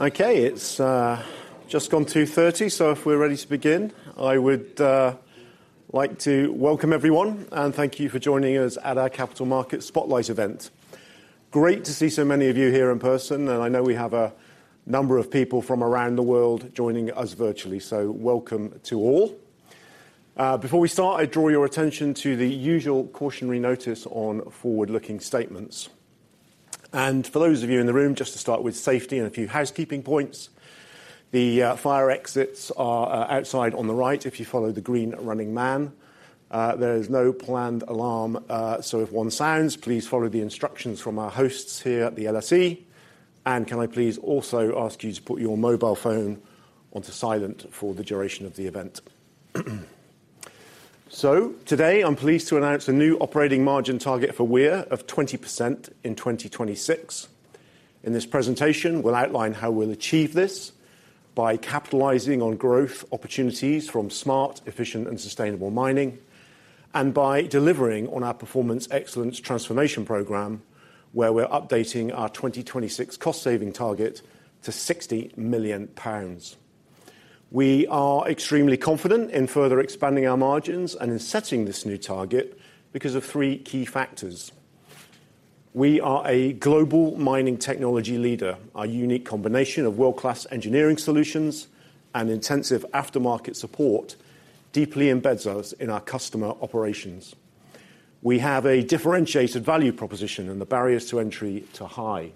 Okay, it's just gone 2:30 P.M., so if we're ready to begin, I would like to welcome everyone and thank you for joining us at our Capital Markets Spotlight event. Great to see so many of you here in person, and I know we have a number of people from around the world joining us virtually, so welcome to all. Before we start, I draw your attention to the usual cautionary notice on forward-looking statements. For those of you in the room, just to start with safety and a few housekeeping points, the fire exits are outside on the right if you follow the green running man. There is no planned alarm, so if one sounds, please follow the instructions from our hosts here at the LSE. Can I please also ask you to put your mobile phone onto silent for the duration of the event? Today, I'm pleased to announce a new operating margin target for Weir of 20% in 2026. In this presentation, we'll outline how we'll achieve this by capitalizing on growth opportunities from smart, efficient, and sustainable mining, and by delivering on our Performance Excellence transformation program, where we're updating our 2026 cost-saving target to 60 million pounds. We are extremely confident in further expanding our margins and in setting this new target because of three key factors. We are a global mining technology leader. Our unique combination of world-class engineering solutions and intensive aftermarket support deeply embeds us in our customer operations. We have a differentiated value proposition, and the barriers to entry are high.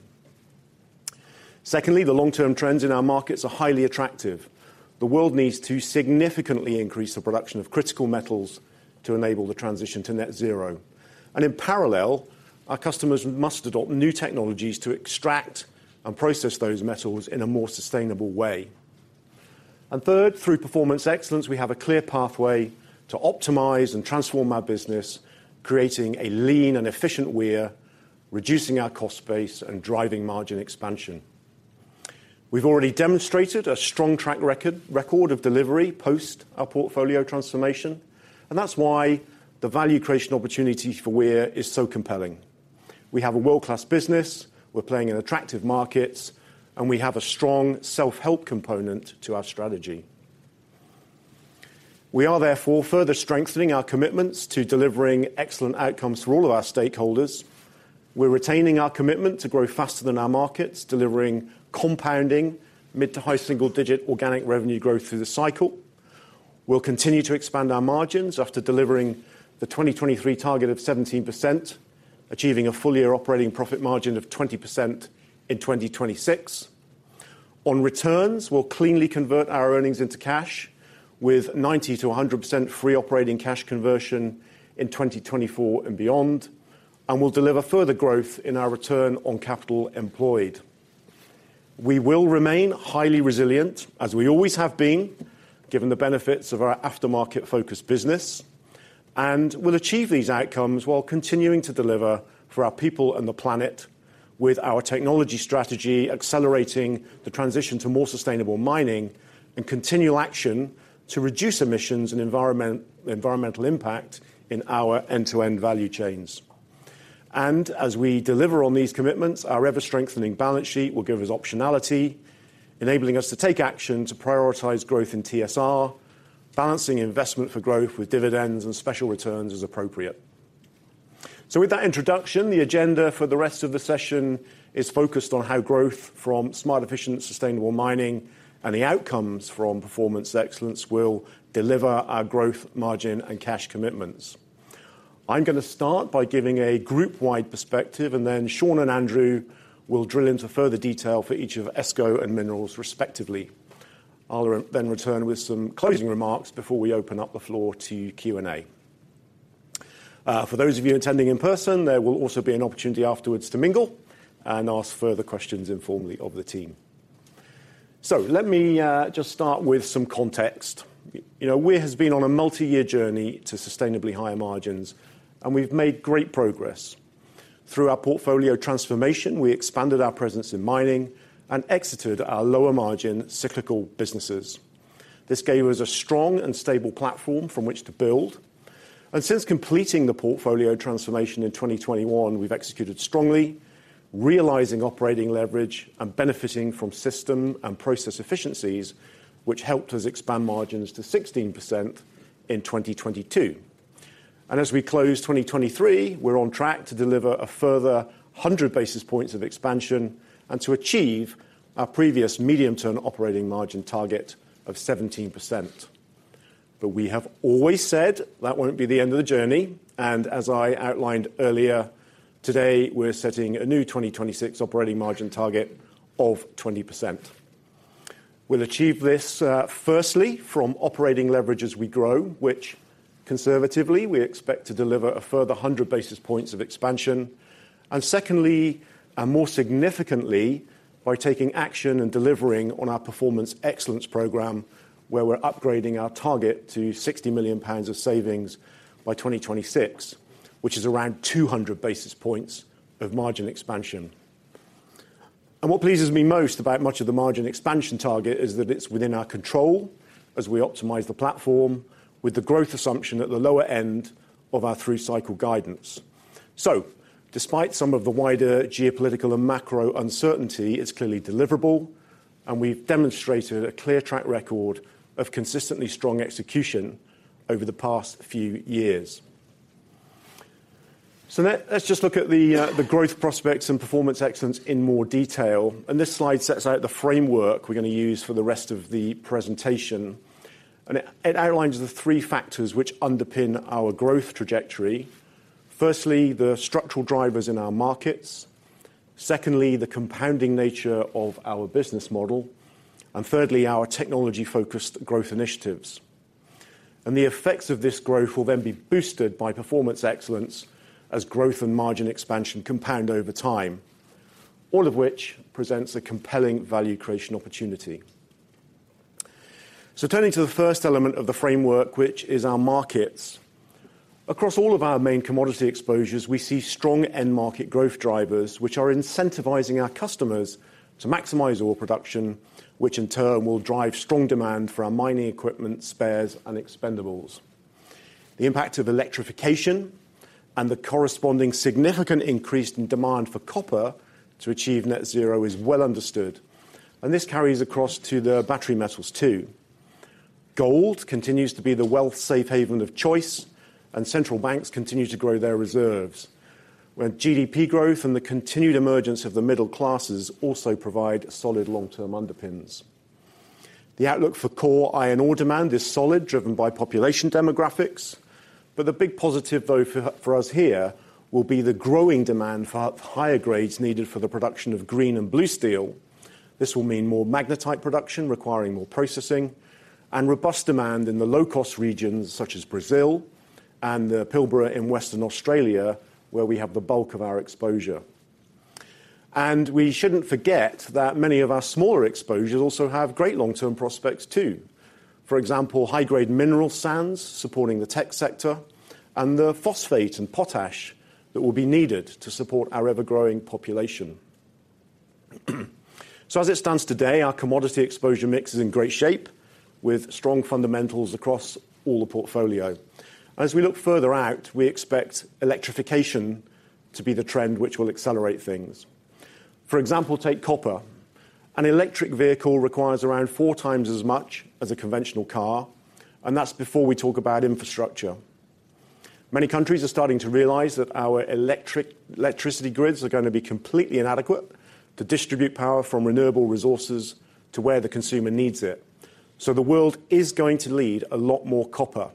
Secondly, the long-term trends in our markets are highly attractive. The world needs to significantly increase the production of critical metals to enable the transition to net zero. And in parallel, our customers must adopt new technologies to extract and process those metals in a more sustainable way. And third, through Performance Excellence, we have a clear pathway to optimize and transform our business, creating a lean and efficient Weir, reducing our cost base, and driving margin expansion. We've already demonstrated a strong track record, record of delivery post our portfolio transformation, and that's why the value creation opportunity for Weir is so compelling. We have a world-class business, we're playing in attractive markets, and we have a strong self-help component to our strategy. We are therefore further strengthening our commitments to delivering excellent outcomes for all of our stakeholders. We're retaining our commitment to grow faster than our markets, delivering compounding mid- to high-single-digit organic revenue growth through the cycle. We'll continue to expand our margins after delivering the 2023 target of 17%, achieving a full year operating profit margin of 20% in 2026. On returns, we'll cleanly convert our earnings into cash, with 90%-100% free operating cash conversion in 2024 and beyond, and we'll deliver further growth in our return on capital employed. We will remain highly resilient, as we always have been, given the benefits of our aftermarket-focused business, and we'll achieve these outcomes while continuing to deliver for our people and the planet with our technology strategy, accelerating the transition to more sustainable mining, and continual action to reduce emissions and environment, environmental impact in our end-to-end value chains. As we deliver on these commitments, our ever-strengthening balance sheet will give us optionality, enabling us to take action to prioritize growth in TSR, balancing investment for growth with dividends and special returns as appropriate. With that introduction, the agenda for the rest of the session is focused on how growth from smart, efficient, sustainable mining and the outcomes from performance excellence will deliver our growth, margin, and cash commitments. I'm gonna start by giving a group-wide perspective, and then Sean and Andrew will drill into further detail for each of ESCO and Minerals respectively. I'll then return with some closing remarks before we open up the floor to Q&A. For those of you attending in person, there will also be an opportunity afterwards to mingle and ask further questions informally of the team. Let me just start with some context. You know, Weir has been on a multi-year journey to sustainably higher margins, and we've made great progress. Through our portfolio transformation, we expanded our presence in mining and exited our lower margin cyclical businesses. This gave us a strong and stable platform from which to build, and since completing the portfolio transformation in 2021, we've executed strongly, realizing operating leverage and benefiting from system and process efficiencies, which helped us expand margins to 16% in 2022. As we close 2023, we're on track to deliver a further 100 basis points of expansion and to achieve our previous medium-term operating margin target of 17%. We have always said that won't be the end of the journey, and as I outlined earlier, today, we're setting a new 2026 operating margin target of 20%. We'll achieve this, firstly, from operating leverage as we grow, which conservatively, we expect to deliver a further 100 basis points of expansion. And secondly, and more significantly, by taking action and delivering on our Performance Excellence program, where we're upgrading our target to 60 million pounds of savings by 2026, which is around 200 basis points of margin expansion. And what pleases me most about much of the margin expansion target is that it's within our control as we optimize the platform with the growth assumption at the lower end of our three-cycle guidance. So despite some of the wider geopolitical and macro uncertainty, it's clearly deliverable, and we've demonstrated a clear track record of consistently strong execution over the past few years. So let's just look at the growth prospects and Performance Excellence in more detail. This slide sets out the framework we're gonna use for the rest of the presentation, and it outlines the three factors which underpin our growth trajectory. Firstly, the structural drivers in our markets. Secondly, the compounding nature of our business model. Thirdly, our technology-focused growth initiatives. The effects of this growth will then be boosted by performance excellence as growth and margin expansion compound over time, all of which presents a compelling value creation opportunity. Turning to the first element of the framework, which is our markets. Across all of our main commodity exposures, we see strong end market growth drivers, which are incentivizing our customers to maximize oil production, which in turn will drive strong demand for our mining equipment, spares, and expendables. The impact of electrification and the corresponding significant increase in demand for copper to achieve net zero is well understood, and this carries across to the battery metals, too. Gold continues to be the wealth safe haven of choice, and central banks continue to grow their reserves, where GDP growth and the continued emergence of the middle classes also provide solid long-term underpins. The outlook for core iron ore demand is solid, driven by population demographics. But the big positive, though, for us here will be the growing demand for higher grades needed for the production of green and blue steel. This will mean more magnetite production, requiring more processing, and robust demand in the low-cost regions such as Brazil and the Pilbara in Western Australia, where we have the bulk of our exposure. And we shouldn't forget that many of our smaller exposures also have great long-term prospects, too. For example, high-grade mineral sands supporting the tech sector and the phosphate and potash that will be needed to support our ever-growing population. So as it stands today, our commodity exposure mix is in great shape, with strong fundamentals across all the portfolio. As we look further out, we expect electrification to be the trend which will accelerate things. For example, take copper. An electric vehicle requires around four times as much as a conventional car, and that's before we talk about infrastructure. Many countries are starting to realize that our electricity grids are gonna be completely inadequate to distribute power from renewable resources to where the consumer needs it. So the world is going to need a lot more copper,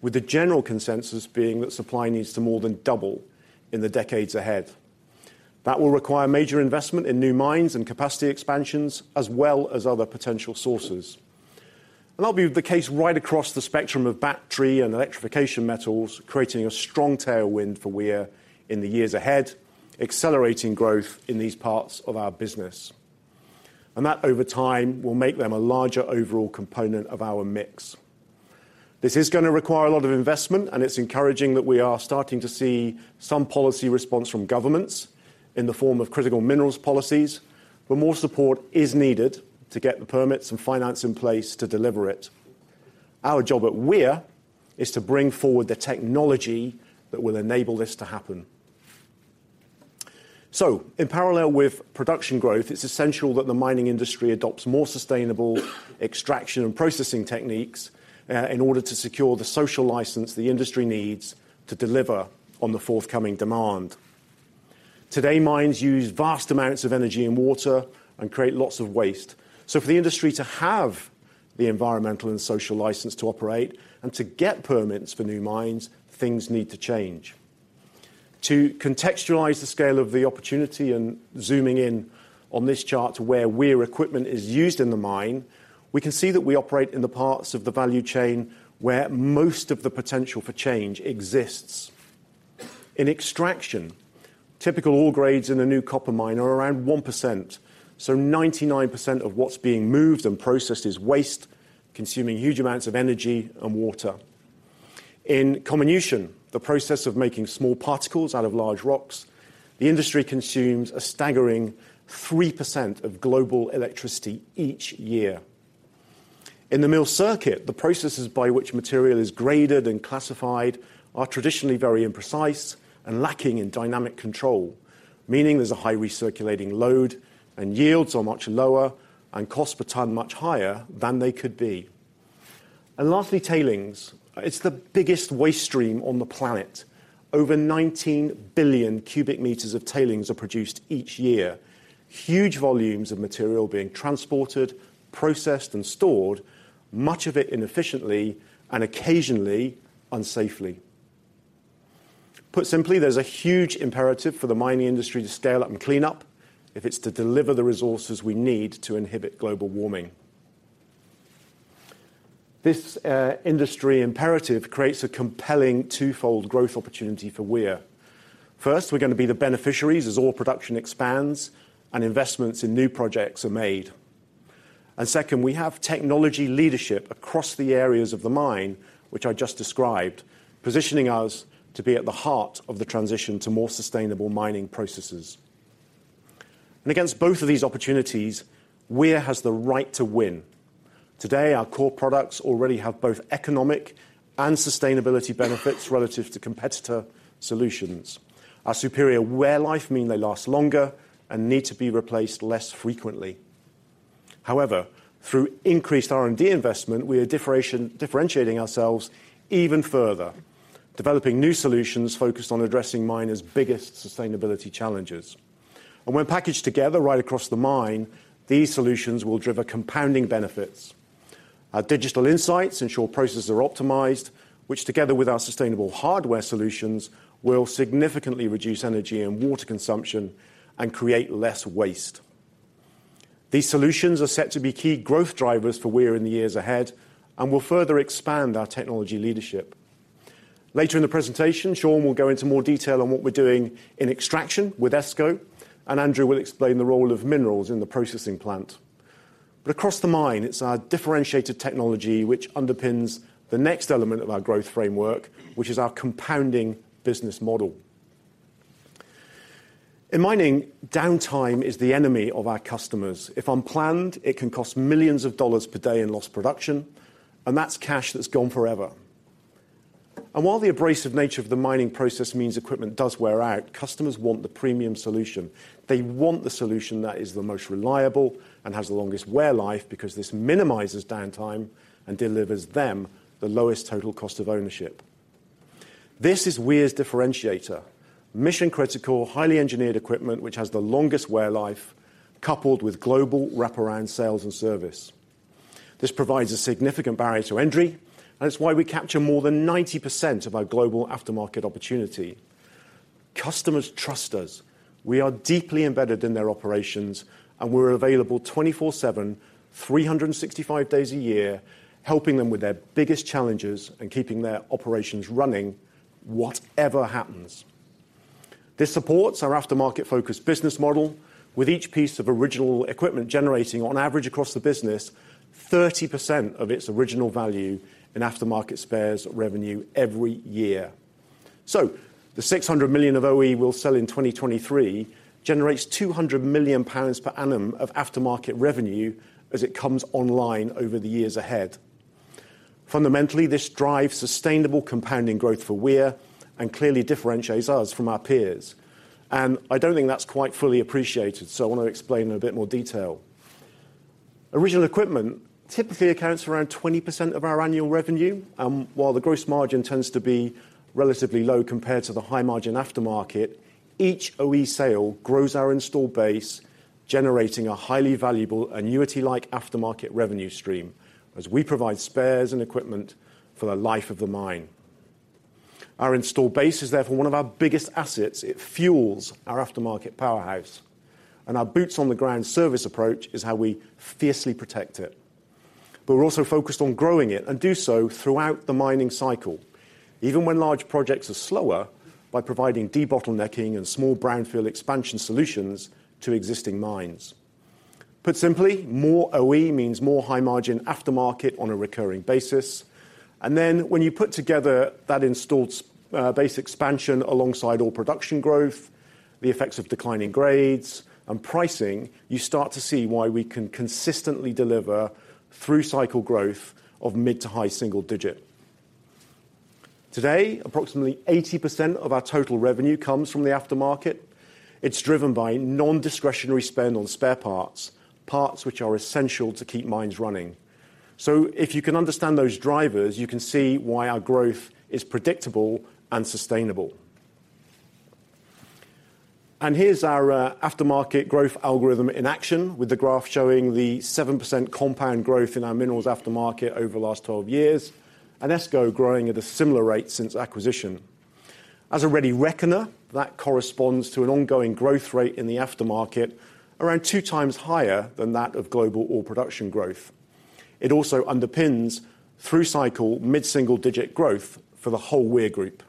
with the general consensus being that supply needs to more than double in the decades ahead. That will require major investment in new mines and capacity expansions, as well as other potential sources. And that'll be the case right across the spectrum of battery and electrification metals, creating a strong tailwind for Weir in the years ahead, accelerating growth in these parts of our business. And that, over time, will make them a larger overall component of our mix. This is gonna require a lot of investment, and it's encouraging that we are starting to see some policy response from governments in the form of critical Minerals policies, but more support is needed to get the permits and finance in place to deliver it. Our job at Weir is to bring forward the technology that will enable this to happen. So in parallel with production growth, it's essential that the mining industry adopts more sustainable extraction and processing techniques, in order to secure the social license the industry needs to deliver on the forthcoming demand. Today, mines use vast amounts of energy and water and create lots of waste. So for the industry to have the environmental and social license to operate and to get permits for new mines, things need to change. To contextualize the scale of the opportunity and zooming in on this chart to where Weir equipment is used in the mine, we can see that we operate in the parts of the value chain where most of the potential for change exists. In extraction, typical ore grades in a new copper mine are around 1%, so 99% of what's being moved and processed is waste, consuming huge amounts of energy and water. In comminution, the process of making small particles out of large rocks, the industry consumes a staggering 3% of global electricity each year. In the mill circuit, the processes by which material is graded and classified are traditionally very imprecise and lacking in dynamic control, meaning there's a high recirculating load, and yields are much lower and cost per ton much higher than they could be. Lastly, tailings. It's the biggest waste stream on the planet. Over 19 billion cubic meters of tailings are produced each year. Huge volumes of material being transported, processed, and stored, much of it inefficiently and occasionally unsafely. Put simply, there's a huge imperative for the mining industry to scale up and clean up if it's to deliver the resources we need to inhibit global warming. This industry imperative creates a compelling twofold growth opportunity for Weir. First, we're gonna be the beneficiaries as oil production expands and investments in new projects are made. And second, we have technology leadership across the areas of the mine, which I just described, positioning us to be at the heart of the transition to more sustainable mining processes.... And against both of these opportunities, Weir has the right to win. Today, our core products already have both economic and sustainability benefits relative to competitor solutions. Our superior wear life mean they last longer and need to be replaced less frequently. However, through increased R&D investment, we are differentiating ourselves even further, developing new solutions focused on addressing miners' biggest sustainability challenges. When packaged together right across the mine, these solutions will drive a compounding benefits. Our digital insights ensure processes are optimized, which together with our sustainable hardware solutions, will significantly reduce energy and water consumption and create less waste. These solutions are set to be key growth drivers for Weir in the years ahead and will further expand our technology leadership. Later in the presentation, Sean will go into more detail on what we're doing in extraction with ESCO, and Andrew will explain the role of Minerals in the processing plant. Across the mine, it's our differentiated technology which underpins the next element of our growth framework, which is our compounding business model. In mining, downtime is the enemy of our customers. If unplanned, it can cost millions of dollars per day in lost production, and that's cash that's gone forever. While the abrasive nature of the mining process means equipment does wear out, customers want the premium solution. They want the solution that is the most reliable and has the longest wear life, because this minimizes downtime and delivers them the lowest total cost of ownership. This is Weir's differentiator: mission-critical, highly engineered equipment, which has the longest wear life, coupled with global wraparound sales and service. This provides a significant barrier to entry, and it's why we capture more than 90% of our global aftermarket opportunity. Customers trust us. We are deeply embedded in their operations, and we're available 24/7, 365 days a year, helping them with their biggest challenges and keeping their operations running whatever happens. This supports our aftermarket-focused business model, with each piece of original equipment generating, on average across the business, 30% of its original value in aftermarket spares revenue every year. So the 600 million of OE we'll sell in 2023 generates 200 million pounds per annum of aftermarket revenue as it comes online over the years ahead. Fundamentally, this drives sustainable compounding growth for Weir and clearly differentiates us from our peers, and I don't think that's quite fully appreciated, so I want to explain in a bit more detail. Original equipment typically accounts for around 20% of our annual revenue, and while the gross margin tends to be relatively low compared to the high-margin aftermarket, each OE sale grows our installed base, generating a highly valuable annuity-like aftermarket revenue stream as we provide spares and equipment for the life of the mine. Our installed base is therefore one of our biggest assets. It fuels our aftermarket powerhouse, and our boots on the ground service approach is how we fiercely protect it. But we're also focused on growing it and do so throughout the mining cycle, even when large projects are slower, by providing debottlenecking and small brownfield expansion solutions to existing mines. Put simply, more OE means more high-margin aftermarket on a recurring basis. And then when you put together that installed base expansion alongside all production growth, the effects of declining grades and pricing, you start to see why we can consistently deliver through-cycle growth of mid- to high-single-digit. Today, approximately 80% of our total revenue comes from the aftermarket. It's driven by non-discretionary spend on spare parts, parts which are essential to keep mines running. So if you can understand those drivers, you can see why our growth is predictable and sustainable. And here's our aftermarket growth algorithm in action, with the graph showing the 7% compound growth in our Minerals aftermarket over the last 12 years, and ESCO growing at a similar rate since acquisition. As a ready reckoner, that corresponds to an ongoing growth rate in the aftermarket, around 2x higher than that of global ore production growth. It also underpins, through cycle, mid-single-digit growth for the whole Weir Group.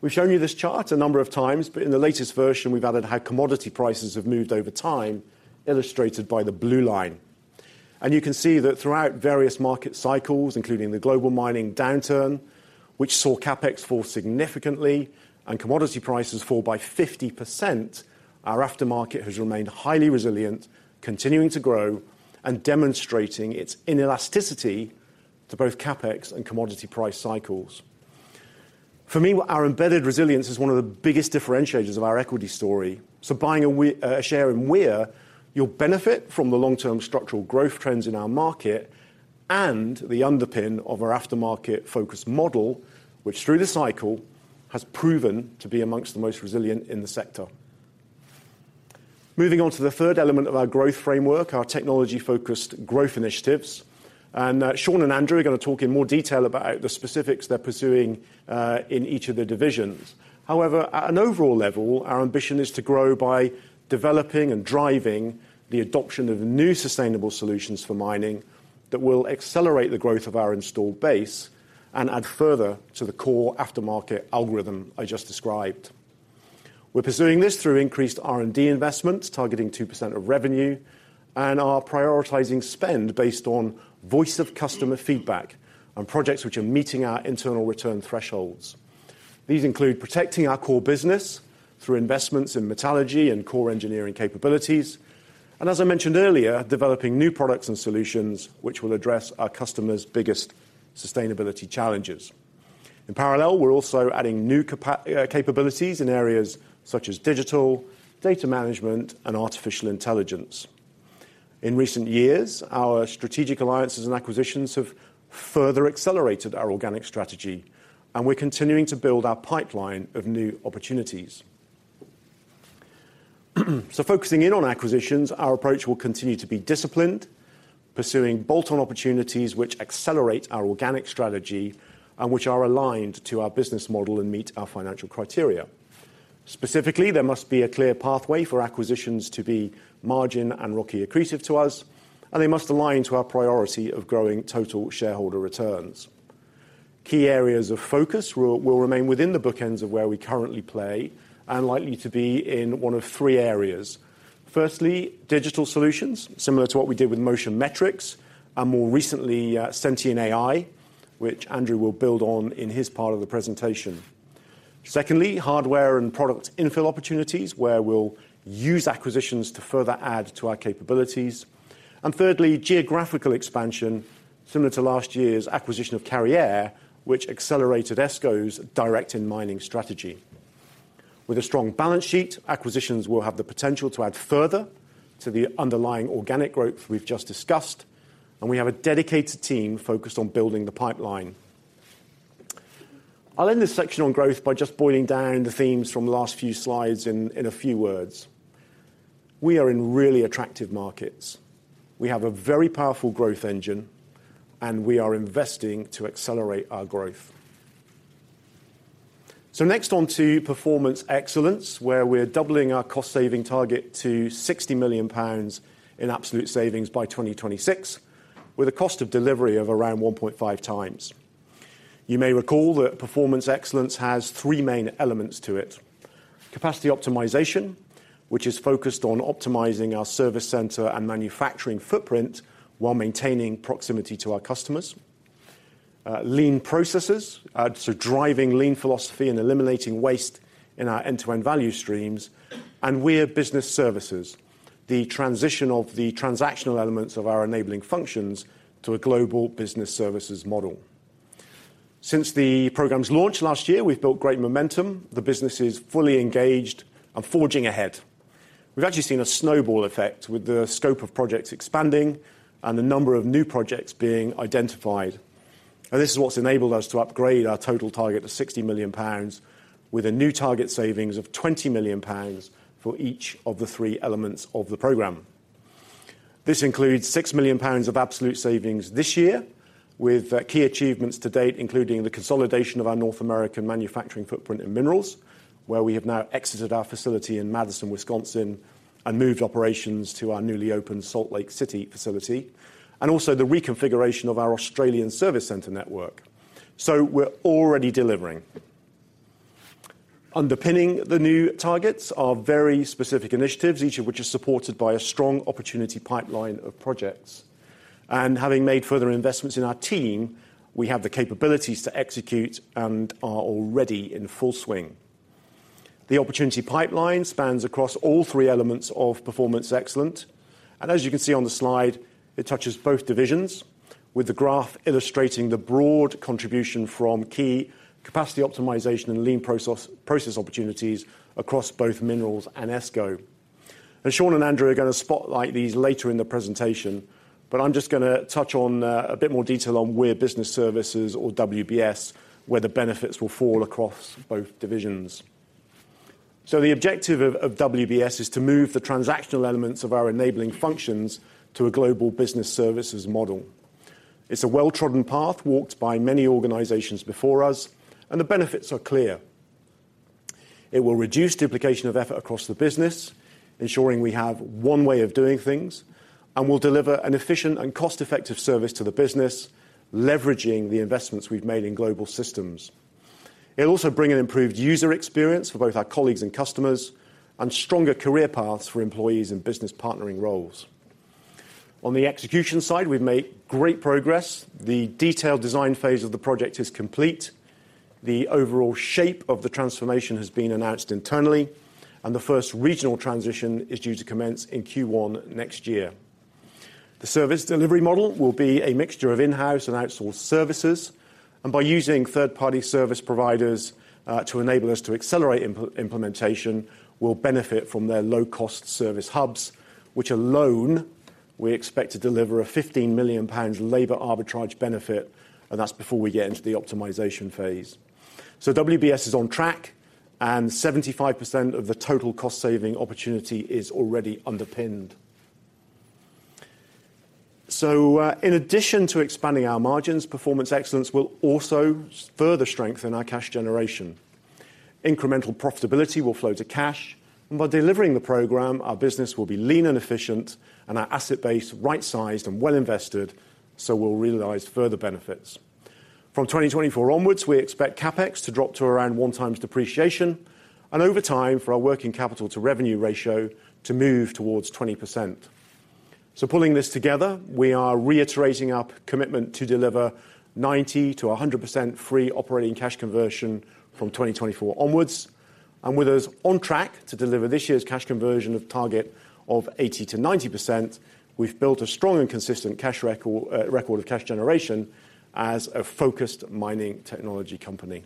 We've shown you this chart a number of times, but in the latest version, we've added how commodity prices have moved over time, illustrated by the blue line. And you can see that throughout various market cycles, including the global mining downturn, which saw CapEx fall significantly and commodity prices fall by 50%, our aftermarket has remained highly resilient, continuing to grow and demonstrating its inelasticity to both CapEx and commodity price cycles. For me, our embedded resilience is one of the biggest differentiators of our equity story. So buying a share in Weir, you'll benefit from the long-term structural growth trends in our market and the underpin of our aftermarket-focused model, which, through the cycle, has proven to be among the most resilient in the sector. Moving on to the third element of our growth framework, our technology-focused growth initiatives. Sean and Andrew are going to talk in more detail about the specifics they're pursuing in each of the divisions. However, at an overall level, our ambition is to grow by developing and driving the adoption of new sustainable solutions for mining that will accelerate the growth of our installed base and add further to the core aftermarket algorithm I just described. We're pursuing this through increased R&D investments, targeting 2% of revenue, and are prioritizing spend based on voice of customer feedback on projects which are meeting our internal return thresholds. These include protecting our core business through investments in metallurgy and core engineering capabilities, and as I mentioned earlier, developing new products and solutions which will address our customers' biggest sustainability challenges. In parallel, we're also adding new capabilities in areas such as digital, data management, and artificial intelligence. In recent years, our strategic alliances and acquisitions have further accelerated our organic strategy, and we're continuing to build our pipeline of new opportunities. Focusing in on acquisitions, our approach will continue to be disciplined, pursuing bolt-on opportunities which accelerate our organic strategy and which are aligned to our business model and meet our financial criteria. Specifically, there must be a clear pathway for acquisitions to be margin and ROCE accretive to us, and they must align to our priority of growing total shareholder returns. Key areas of focus will remain within the bookends of where we currently play and likely to be in one of three areas. Firstly, digital solutions, similar to what we did with Motion Metrics and more recently, SentianAI, which Andrew will build on in his part of the presentation. Secondly, hardware and product infill opportunities, where we'll use acquisitions to further add to our capabilities. And thirdly, geographical expansion, similar to last year's acquisition of Carriere, which accelerated ESCO's direct in mining strategy. With a strong balance sheet, acquisitions will have the potential to add further to the underlying organic growth we've just discussed, and we have a dedicated team focused on building the pipeline. I'll end this section on growth by just boiling down the themes from the last few slides in a few words. We are in really attractive markets. We have a very powerful growth engine, and we are investing to accelerate our growth. So next on to performance excellence, where we're doubling our cost-saving target to 60 million pounds in absolute savings by 2026, with a cost of delivery of around 1.5x. You may recall that Performance Excellence has three main elements to it: capacity optimization, which is focused on optimizing our service center and manufacturing footprint while maintaining proximity to our customers. Lean processes, so driving Lean philosophy and eliminating waste in our end-to-end value streams. And we have business services, the transition of the transactional elements of our enabling functions to a global business services model. Since the program's launch last year, we've built great momentum. The business is fully engaged and forging ahead. We've actually seen a snowball effect with the scope of projects expanding and the number of new projects being identified. And this is what's enabled us to upgrade our total target to 60 million pounds, with a new target savings of 20 million pounds for each of the three elements of the program. This includes 6 million pounds of absolute savings this year, with key achievements to date, including the consolidation of our North American manufacturing footprint in minerals, where we have now exited our facility in Madison, Wisconsin, and moved operations to our newly opened Salt Lake City facility, and also the reconfiguration of our Australian service center network. We're already delivering. Underpinning the new targets are very specific initiatives, each of which is supported by a strong opportunity pipeline of projects. Having made further investments in our team, we have the capabilities to execute and are already in full swing. The opportunity pipeline spans across all three elements of performance excellence, and as you can see on the slide, it touches both divisions, with the graph illustrating the broad contribution from key capacity optimization and Lean process opportunities across both Minerals and ESCO. Sean and Andrew are going to spotlight these later in the presentation, but I'm just gonna touch on a bit more detail on where business services or WBS, where the benefits will fall across both divisions. The objective of WBS is to move the transactional elements of our enabling functions to a global business services model. It's a well-trodden path walked by many organizations before us, and the benefits are clear. It will reduce duplication of effort across the business, ensuring we have one way of doing things, and will deliver an efficient and cost-effective service to the business, leveraging the investments we've made in global systems. It'll also bring an improved user experience for both our colleagues and customers, and stronger career paths for employees in business partnering roles. On the execution side, we've made great progress. The detailed design phase of the project is complete. The overall shape of the transformation has been announced internally, and the first regional transition is due to commence in Q1 next year. The service delivery model will be a mixture of in-house and outsourced services, and by using third-party service providers to enable us to accelerate implementation, we'll benefit from their low-cost service hubs, which alone we expect to deliver a 15 million pounds labor arbitrage benefit, and that's before we get into the optimization phase. So WBS is on track, and 75% of the total cost-saving opportunity is already underpinned. So, in addition to expanding our margins, performance excellence will also further strengthen our cash generation. Incremental profitability will flow to cash, and by delivering the program, our business will be lean and efficient and our asset base right-sized and well-invested, so we'll realize further benefits. From 2024 onwards, we expect CapEx to drop to around 1x depreciation, and over time, for our working capital to revenue ratio to move towards 20%.... So pulling this together, we are reiterating our commitment to deliver 90%-100% free operating cash conversion from 2024 onwards, and with us on track to deliver this year's cash conversion of target of 80%-90%, we've built a strong and consistent cash record, record of cash generation as a focused mining technology company.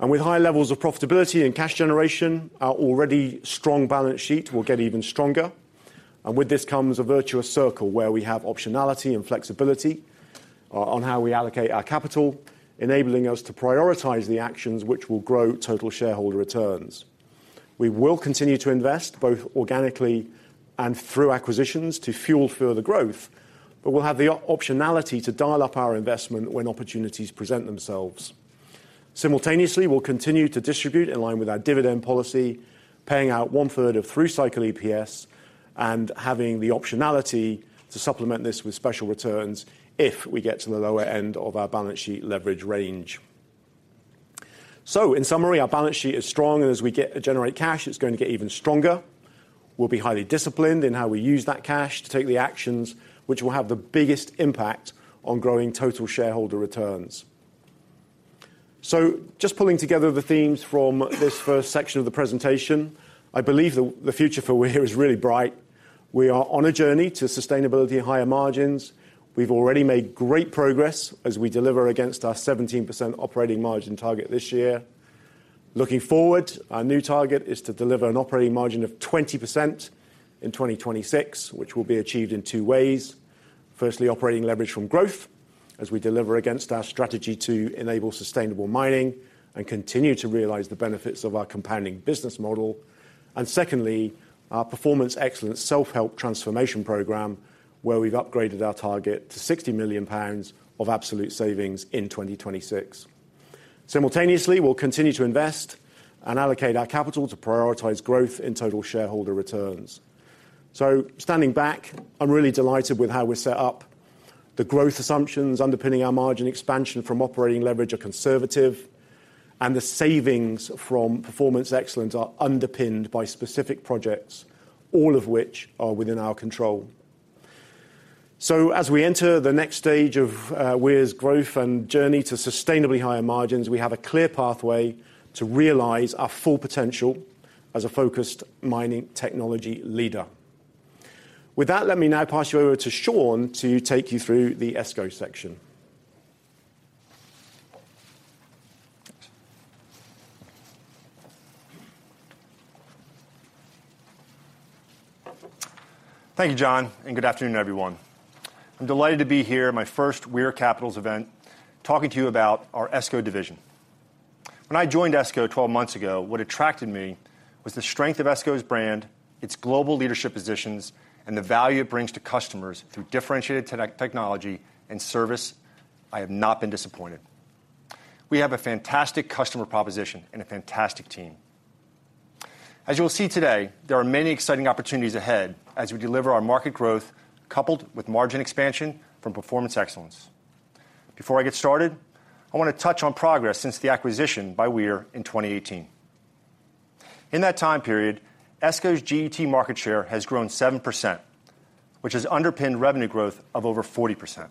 And with high levels of profitability and cash generation, our already strong balance sheet will get even stronger, and with this comes a virtuous circle where we have optionality and flexibility on how we allocate our capital, enabling us to prioritize the actions which will grow total shareholder returns. We will continue to invest, both organically and through acquisitions, to fuel further growth, but we'll have the optionality to dial up our investment when opportunities present themselves. Simultaneously, we'll continue to distribute in line with our dividend policy, paying out one-third of through-cycle EPS and having the optionality to supplement this with special returns if we get to the lower end of our balance sheet leverage range. So in summary, our balance sheet is strong, and as we generate cash, it's going to get even stronger. We'll be highly disciplined in how we use that cash to take the actions which will have the biggest impact on growing total shareholder returns. So just pulling together the themes from this first section of the presentation, I believe the future for Weir is really bright. We are on a journey to sustainability and higher margins. We've already made great progress as we deliver against our 17% operating margin target this year. Looking forward, our new target is to deliver an operating margin of 20% in 2026, which will be achieved in two ways. Firstly, operating leverage from growth as we deliver against our strategy to enable sustainable mining and continue to realize the benefits of our compounding business model. And secondly, our Performance Excellence self-help transformation program, where we've upgraded our target to 60 million pounds of absolute savings in 2026. Simultaneously, we'll continue to invest and allocate our capital to prioritize growth in total shareholder returns. So standing back, I'm really delighted with how we're set up. The growth assumptions underpinning our margin expansion from operating leverage are conservative, and the savings from performance excellence are underpinned by specific projects, all of which are within our control. So as we enter the next stage of Weir's growth and journey to sustainably higher margins, we have a clear pathway to realize our full potential as a focused mining technology leader. With that, let me now pass you over to Sean to take you through the ESCO section. Thank you, John, and good afternoon, everyone. I'm delighted to be here, my first Weir Capital Markets event, talking to you about our ESCO division. When I joined ESCO 12 months ago, what attracted me was the strength of ESCO's brand, its global leadership positions, and the value it brings to customers through differentiated technology and service. I have not been disappointed. We have a fantastic customer proposition and a fantastic team. As you will see today, there are many exciting opportunities ahead as we deliver our market growth, coupled with margin expansion from performance excellence. Before I get started, I want to touch on progress since the acquisition by Weir in 2018. In that time period, ESCO's GET market share has grown 7%, which has underpinned revenue growth of over 40%.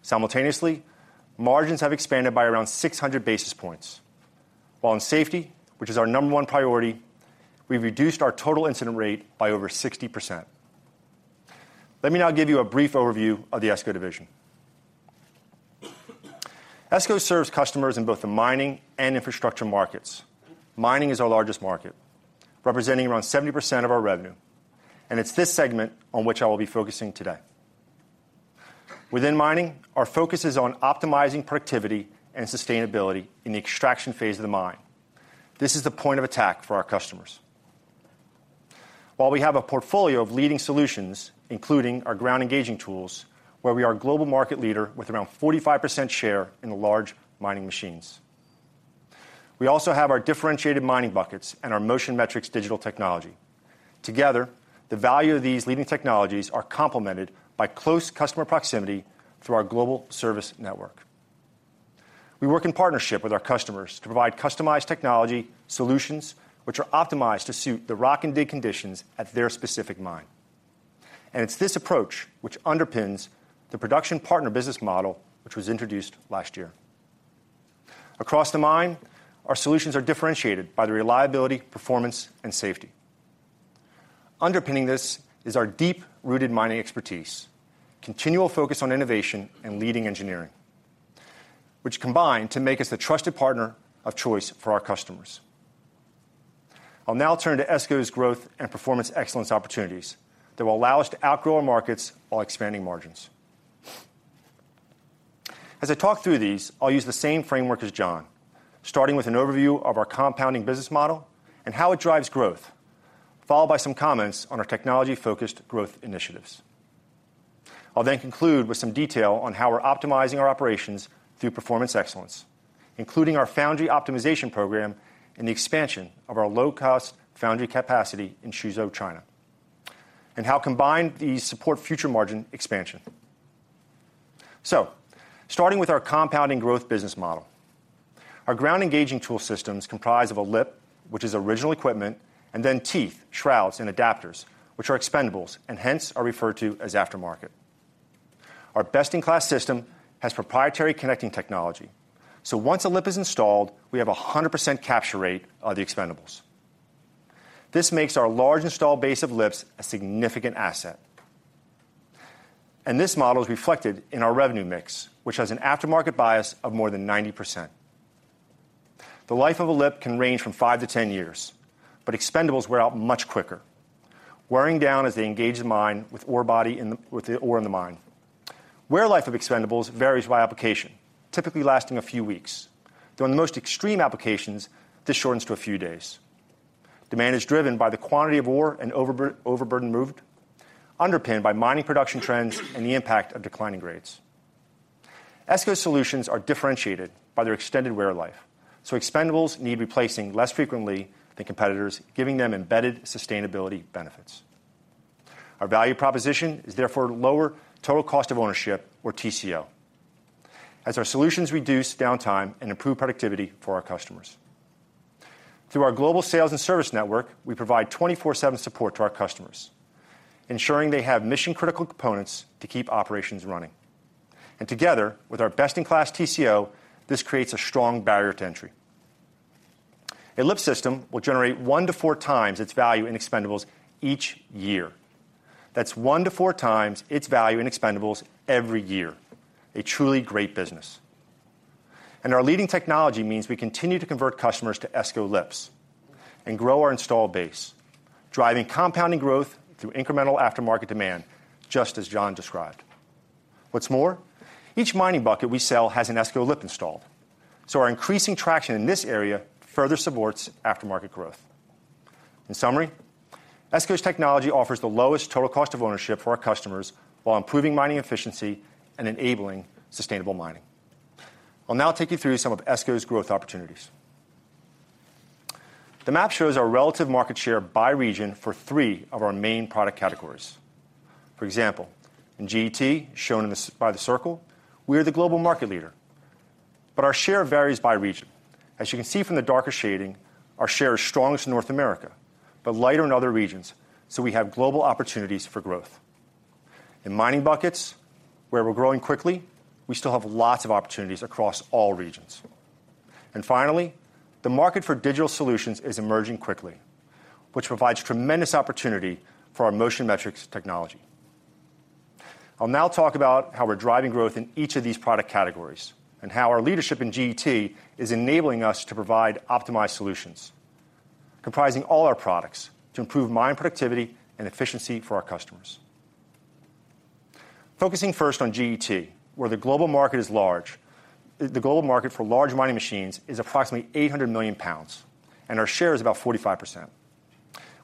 Simultaneously, margins have expanded by around 600 basis points. While in safety, which is our number one priority, we've reduced our total incident rate by over 60%. Let me now give you a brief overview of the ESCO division. ESCO serves customers in both the mining and infrastructure markets. Mining is our largest market, representing around 70% of our revenue, and it's this segment on which I will be focusing today. Within mining, our focus is on optimizing productivity and sustainability in the extraction phase of the mine. This is the point of attack for our customers. While we have a portfolio of leading solutions, including our ground engaging tools, where we are a global market leader with around 45% share in the large mining machines. We also have our differentiated mining buckets and our Motion Metrics digital technology. Together, the value of these leading technologies are complemented by close customer proximity through our global service network. We work in partnership with our customers to provide customized technology solutions, which are optimized to suit the rock and dig conditions at their specific mine. It's this approach which underpins the production partner business model, which was introduced last year. Across the mine, our solutions are differentiated by the reliability, performance, and safety. Underpinning this is our deep-rooted mining expertise, continual focus on innovation and leading engineering, which combine to make us the trusted partner of choice for our customers. I'll now turn to ESCO's growth and performance excellence opportunities that will allow us to outgrow our markets while expanding margins. As I talk through these, I'll use the same framework as John, starting with an overview of our compounding business model and how it drives growth, followed by some comments on our technology-focused growth initiatives. I'll then conclude with some detail on how we're optimizing our operations through performance excellence, including our foundry optimization program and the expansion of our low-cost foundry capacity in Suzhou, China, and how combined these support future margin expansion. So, starting with our compounding growth business model. Our ground engaging tool systems comprise of a lip, which is original equipment, and then teeth, shrouds, and adapters, which are expendables, and hence are referred to as aftermarket. Our best-in-class system has proprietary connecting technology. So once a lip is installed, we have a 100% capture rate of the expendables. This makes our large installed base of lips a significant asset. This model is reflected in our revenue mix, which has an aftermarket bias of more than 90%. The life of a lip can range from five to 10 years, but expendables wear out much quicker, wearing down as they engage the mine with the ore in the mine. Wear life of expendables varies by application, typically lasting a few weeks, though in the most extreme applications, this shortens to a few days. Demand is driven by the quantity of ore and overburden moved, underpinned by mining production trends and the impact of declining grades. ESCO solutions are differentiated by their extended wear life, so expendables need replacing less frequently than competitors, giving them embedded sustainability benefits. Our value proposition is therefore lower total cost of ownership, or TCO, as our solutions reduce downtime and improve productivity for our customers. Through our global sales and service network, we provide 24/7 support to our customers, ensuring they have mission-critical components to keep operations running. Together, with our best-in-class TCO, this creates a strong barrier to entry. A lip system will generate 1x-4x its value in expendables each year. That's 1x-4x its value in expendables every year. A truly great business. Our leading technology means we continue to convert customers to ESCO lips and grow our installed base, driving compounding growth through incremental aftermarket demand, just as John described. What's more, each mining bucket we sell has an ESCO lip installed, so our increasing traction in this area further supports aftermarket growth. In summary, ESCO's technology offers the lowest total cost of ownership for our customers while improving mining efficiency and enabling sustainable mining. I'll now take you through some of ESCO's growth opportunities. The map shows our relative market share by region for three of our main product categories. For example, in GET, shown in the segment by the circle, we are the global market leader, but our share varies by region. As you can see from the darker shading, our share is strongest in North America, but lighter in other regions, so we have global opportunities for growth. In mining buckets, where we're growing quickly, we still have lots of opportunities across all regions. And finally, the market for digital solutions is emerging quickly, which provides tremendous opportunity for our Motion Metrics technology. I'll now talk about how we're driving growth in each of these product categories and how our leadership in GET is enabling us to provide optimized solutions, comprising all our products to improve mine productivity and efficiency for our customers. Focusing first on GET, where the global market is large, the global market for large mining machines is approximately 800 million pounds, and our share is about 45%.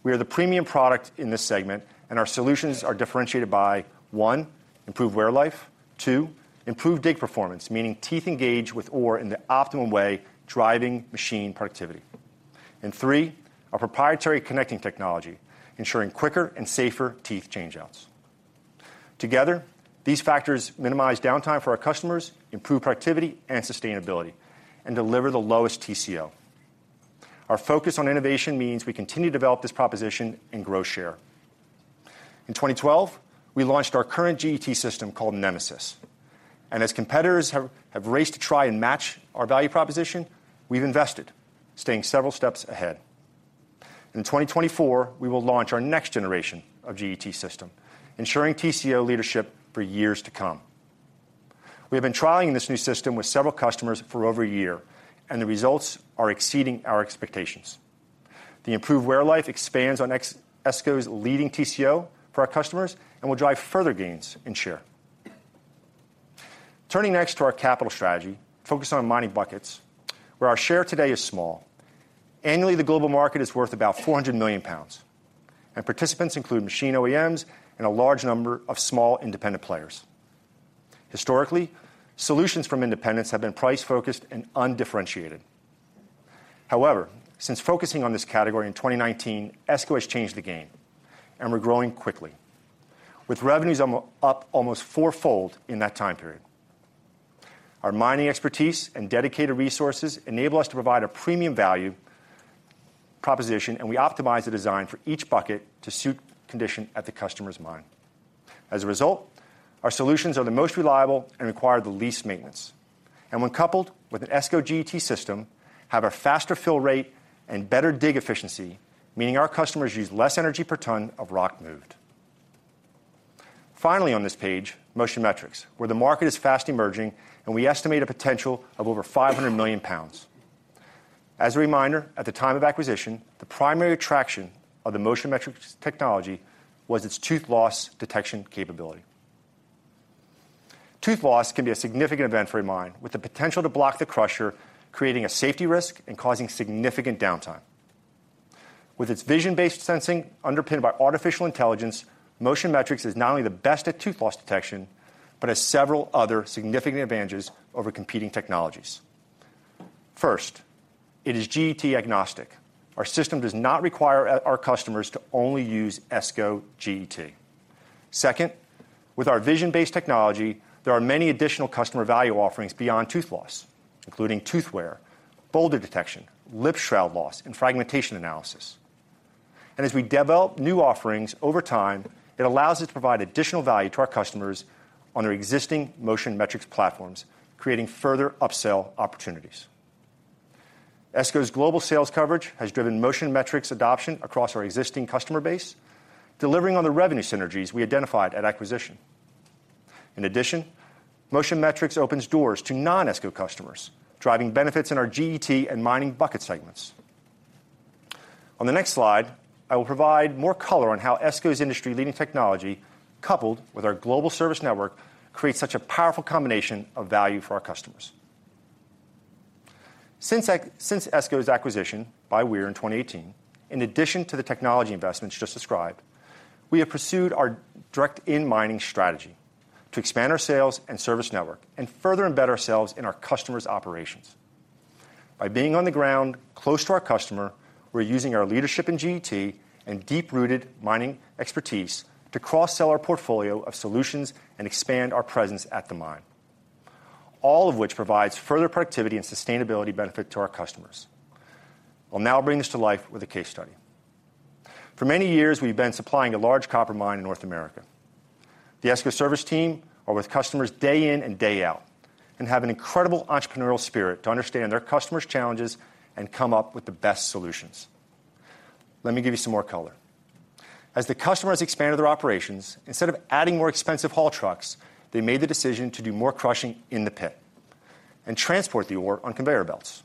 We are the premium product in this segment, and our solutions are differentiated by, one, improved wear life. Two, improved dig performance, meaning teeth engage with ore in the optimum way, driving machine productivity. And three, our proprietary connecting technology, ensuring quicker and safer teeth change-outs. Together, these factors minimize downtime for our customers, improve productivity and sustainability, and deliver the lowest TCO. Our focus on innovation means we continue to develop this proposition and grow share. In 2012, we launched our current GET system called Nemisys, and as competitors have raced to try and match our value proposition, we've invested, staying several steps ahead. In 2024, we will launch our next generation of GET system, ensuring TCO leadership for years to come. We have been trialing this new system with several customers for over a year, and the results are exceeding our expectations. The improved wear life expands on ESCO's leading TCO for our customers and will drive further gains in share. Turning next to our capital strategy, focused on mining buckets, where our share today is small. Annually, the global market is worth about 400 million pounds, and participants include machine OEMs and a large number of small independent players. Historically, solutions from independents have been price-focused and undifferentiated. However, since focusing on this category in 2019, ESCO has changed the game, and we're growing quickly, with revenues up almost fourfold in that time period. Our mining expertise and dedicated resources enable us to provide a premium value proposition, and we optimize the design for each bucket to suit condition at the customer's mine. As a result, our solutions are the most reliable and require the least maintenance, and when coupled with an ESCO GET system, have a faster fill rate and better dig efficiency, meaning our customers use less energy per ton of rock moved. Finally, on this page, Motion Metrics, where the market is fast emerging, and we estimate a potential of over 500 million pounds. As a reminder, at the time of acquisition, the primary attraction of the Motion Metrics technology was its tooth loss detection capability. Tooth loss can be a significant event for a mine, with the potential to block the crusher, creating a safety risk and causing significant downtime. With its vision-based sensing, underpinned by artificial intelligence, Motion Metrics is not only the best at tooth loss detection, but has several other significant advantages over competing technologies. First, it is GET agnostic. Our system does not require our customers to only use ESCO GET. Second, with our vision-based technology, there are many additional customer value offerings beyond tooth loss, including tooth wear, boulder detection, lip shroud loss, and fragmentation analysis. And as we develop new offerings over time, it allows us to provide additional value to our customers on their existing Motion Metrics platforms, creating further upsell opportunities. ESCO's global sales coverage has driven Motion Metrics adoption across our existing customer base, delivering on the revenue synergies we identified at acquisition. In addition, Motion Metrics opens doors to non-ESCO customers, driving benefits in our GET and mining bucket segments. On the next slide, I will provide more color on how ESCO's industry-leading technology, coupled with our global service network, creates such a powerful combination of value for our customers. Since ESCO's acquisition by Weir in 2018, in addition to the technology investments just described, we have pursued our direct in-mining strategy to expand our sales and service network and further embed ourselves in our customers' operations. By being on the ground close to our customer, we're using our leadership in GET and deep-rooted mining expertise to cross-sell our portfolio of solutions and expand our presence at the mine, all of which provides further productivity and sustainability benefit to our customers. I'll now bring this to life with a case study. For many years, we've been supplying a large copper mine in North America. The ESCO service team are with customers day in and day out and have an incredible entrepreneurial spirit to understand their customers' challenges and come up with the best solutions. Let me give you some more color. As the customers expanded their operations, instead of adding more expensive haul trucks, they made the decision to do more crushing in the pit and transport the ore on conveyor belts.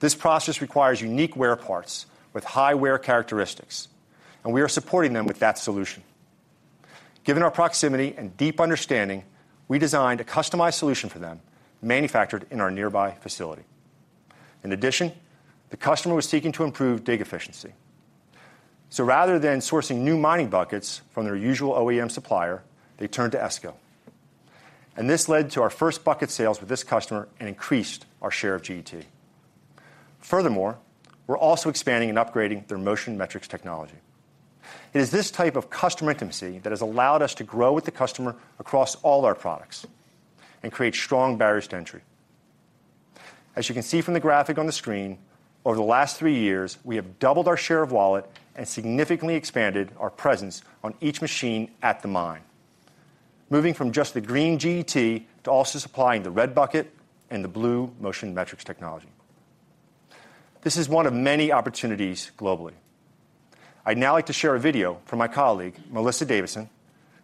This process requires unique wear parts with high wear characteristics, and we are supporting them with that solution. Given our proximity and deep understanding, we designed a customized solution for them, manufactured in our nearby facility. In addition, the customer was seeking to improve dig efficiency. So rather than sourcing new mining buckets from their usual OEM supplier, they turned to ESCO, and this led to our first bucket sales with this customer and increased our share of GET. Furthermore, we're also expanding and upgrading their Motion Metrics technology. It is this type of customer intimacy that has allowed us to grow with the customer across all our products and create strong barriers to entry. As you can see from the graphic on the screen, over the last three years, we have doubled our share of wallet and significantly expanded our presence on each machine at the mine, moving from just the green GET to also supplying the red bucket and the blue Motion Metrics technology. This is one of many opportunities globally. I'd now like to share a video from my colleague, Melissa Davison,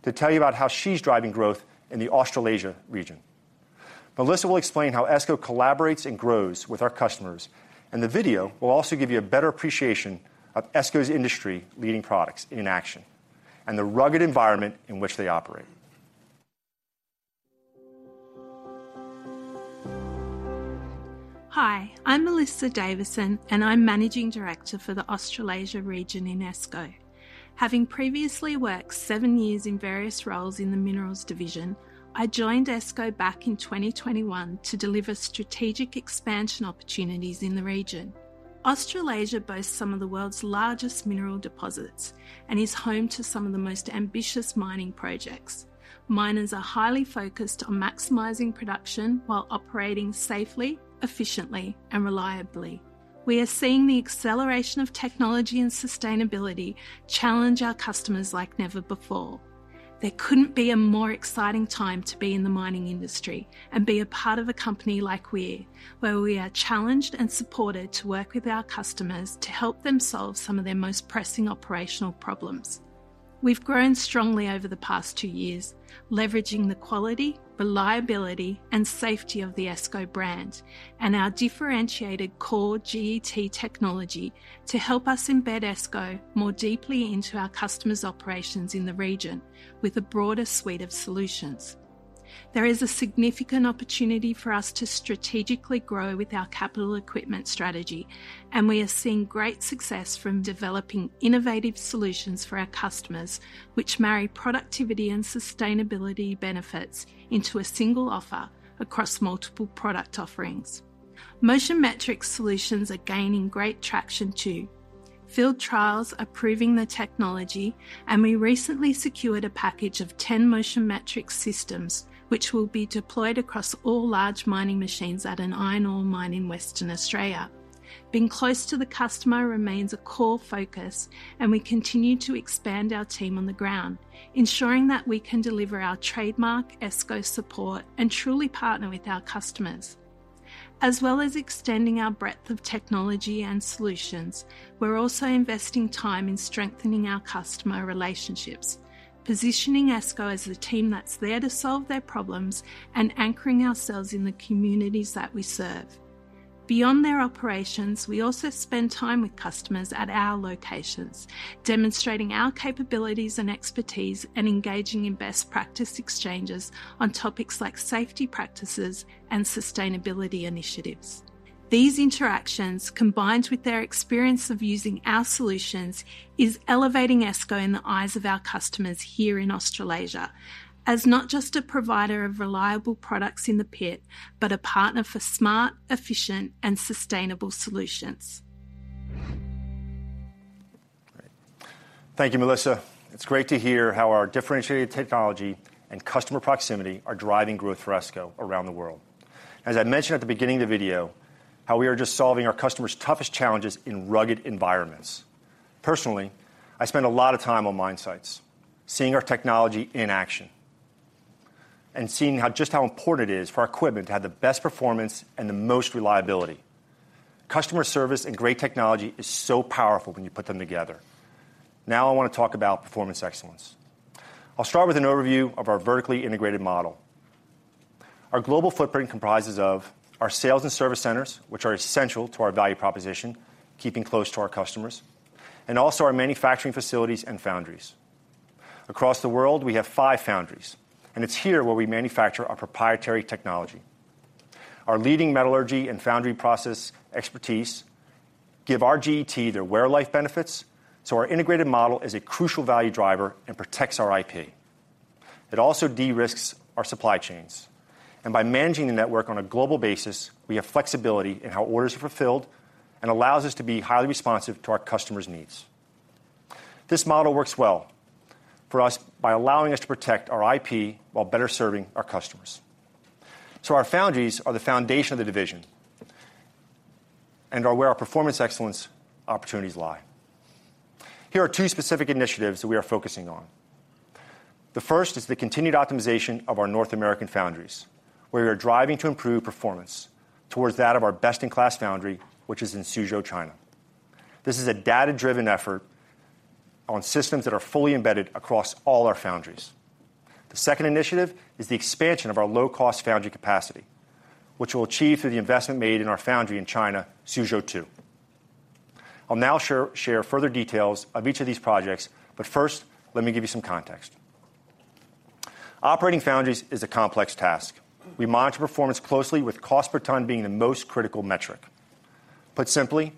to tell you about how she's driving growth in the Australasia region. Melissa will explain how ESCO collaborates and grows with our customers, and the video will also give you a better appreciation of ESCO's industry-leading products in action and the rugged environment in which they operate. Hi, I'm Melissa Davison, and I'm Managing Director for the Australasia region in ESCO. Having previously worked seven years in various roles in the Minerals division, I joined ESCO back in 2021 to deliver strategic expansion opportunities in the region. Australasia boasts some of the world's largest mineral deposits and is home to some of the most ambitious mining projects. Miners are highly focused on maximizing production while operating safely, efficiently, and reliably. We are seeing the acceleration of technology and sustainability challenge our customers like never before. There couldn't be a more exciting time to be in the mining industry and be a part of a company like Weir, where we are challenged and supported to work with our customers to help them solve some of their most pressing operational problems. We've grown strongly over the past two years, leveraging the quality, reliability, and safety of the ESCO brand and our differentiated core GET technology to help us embed ESCO more deeply into our customers' operations in the region with a broader suite of solutions. There is a significant opportunity for us to strategically grow with our capital equipment strategy, and we are seeing great success from developing innovative solutions for our customers, which marry productivity and sustainability benefits into a single offer across multiple product offerings. Motion Metrics solutions are gaining great traction, too. Field trials are proving the technology, and we recently secured a package of 10 Motion Metrics systems, which will be deployed across all large mining machines at an iron ore mine in Western Australia. Being close to the customer remains a core focus, and we continue to expand our team on the ground, ensuring that we can deliver our trademark ESCO support and truly partner with our customers. As well as extending our breadth of technology and solutions, we're also investing time in strengthening our customer relationships, positioning ESCO as the team that's there to solve their problems and anchoring ourselves in the communities that we serve. Beyond their operations, we also spend time with customers at our locations, demonstrating our capabilities and expertise and engaging in best practice exchanges on topics like safety practices and sustainability initiatives. These interactions, combined with their experience of using our solutions, is elevating ESCO in the eyes of our customers here in Australasia as not just a provider of reliable products in the pit, but a partner for smart, efficient, and sustainable solutions.... Thank you, Melissa. It's great to hear how our differentiated technology and customer proximity are driving growth for ESCO around the world. As I mentioned at the beginning of the video, how we are just solving our customers' toughest challenges in rugged environments. Personally, I spend a lot of time on mine sites, seeing our technology in action and seeing how just how important it is for our equipment to have the best performance and the most reliability. Customer service and great technology is so powerful when you put them together. Now, I want to talk about performance excellence. I'll start with an overview of our vertically integrated model. Our global footprint comprises of our sales and service centers, which are essential to our value proposition, keeping close to our customers, and also our manufacturing facilities and foundries. Across the world, we have five foundries, and it's here where we manufacture our proprietary technology. Our leading metallurgy and foundry process expertise give our GET their wear-life benefits, so our integrated model is a crucial value driver and protects our IP. It also de-risks our supply chains, and by managing the network on a global basis, we have flexibility in how orders are fulfilled and allows us to be highly responsive to our customers' needs. This model works well for us by allowing us to protect our IP while better serving our customers. Our foundries are the foundation of the division and are where our performance excellence opportunities lie. Here are two specific initiatives that we are focusing on. The first is the continued optimization of our North American foundries, where we are driving to improve performance towards that of our best-in-class foundry, which is in Suzhou, China. This is a data-driven effort on systems that are fully embedded across all our foundries. The second initiative is the expansion of our low-cost foundry capacity, which we'll achieve through the investment made in our foundry in China, Suzhou II. I'll now share further details of each of these projects, but first, let me give you some context. Operating foundries is a complex task. We monitor performance closely, with cost per ton being the most critical metric. Put simply,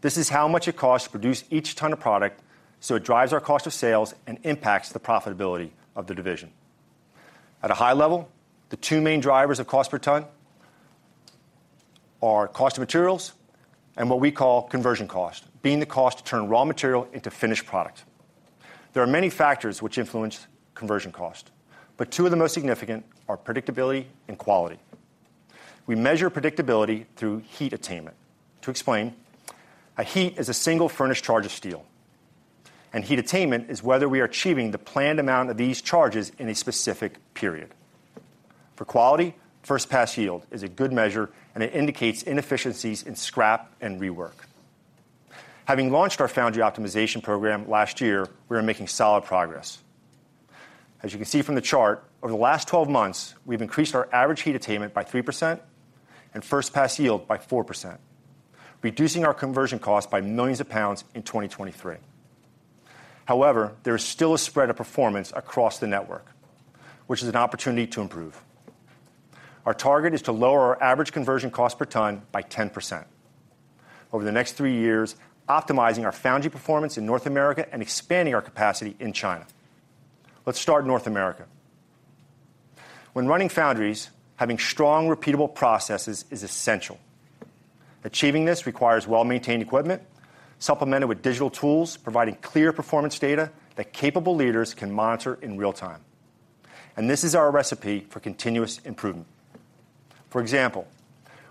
this is how much it costs to produce each ton of product, so it drives our cost of sales and impacts the profitability of the division. At a high level, the two main drivers of cost per ton are cost of materials and what we call conversion cost, being the cost to turn raw material into finished product. There are many factors which influence conversion cost, but two of the most significant are predictability and quality. We measure predictability through heat attainment. To explain, a heat is a single furnace charge of steel, and heat attainment is whether we are achieving the planned amount of these charges in a specific period. For quality, first-pass yield is a good measure, and it indicates inefficiencies in scrap and rework. Having launched our foundry optimization program last year, we are making solid progress. As you can see from the chart, over the last 12 months, we've increased our average heat attainment by 3% and first-pass yield by 4%, reducing our conversion cost by millions of pounds in 2023. However, there is still a spread of performance across the network, which is an opportunity to improve. Our target is to lower our average conversion cost per ton by 10% over the next three years, optimizing our foundry performance in North America and expanding our capacity in China. Let's start North America. When running foundries, having strong, repeatable processes is essential. Achieving this requires well-maintained equipment, supplemented with digital tools, providing clear performance data that capable leaders can monitor in real time. This is our recipe for continuous improvement. For example,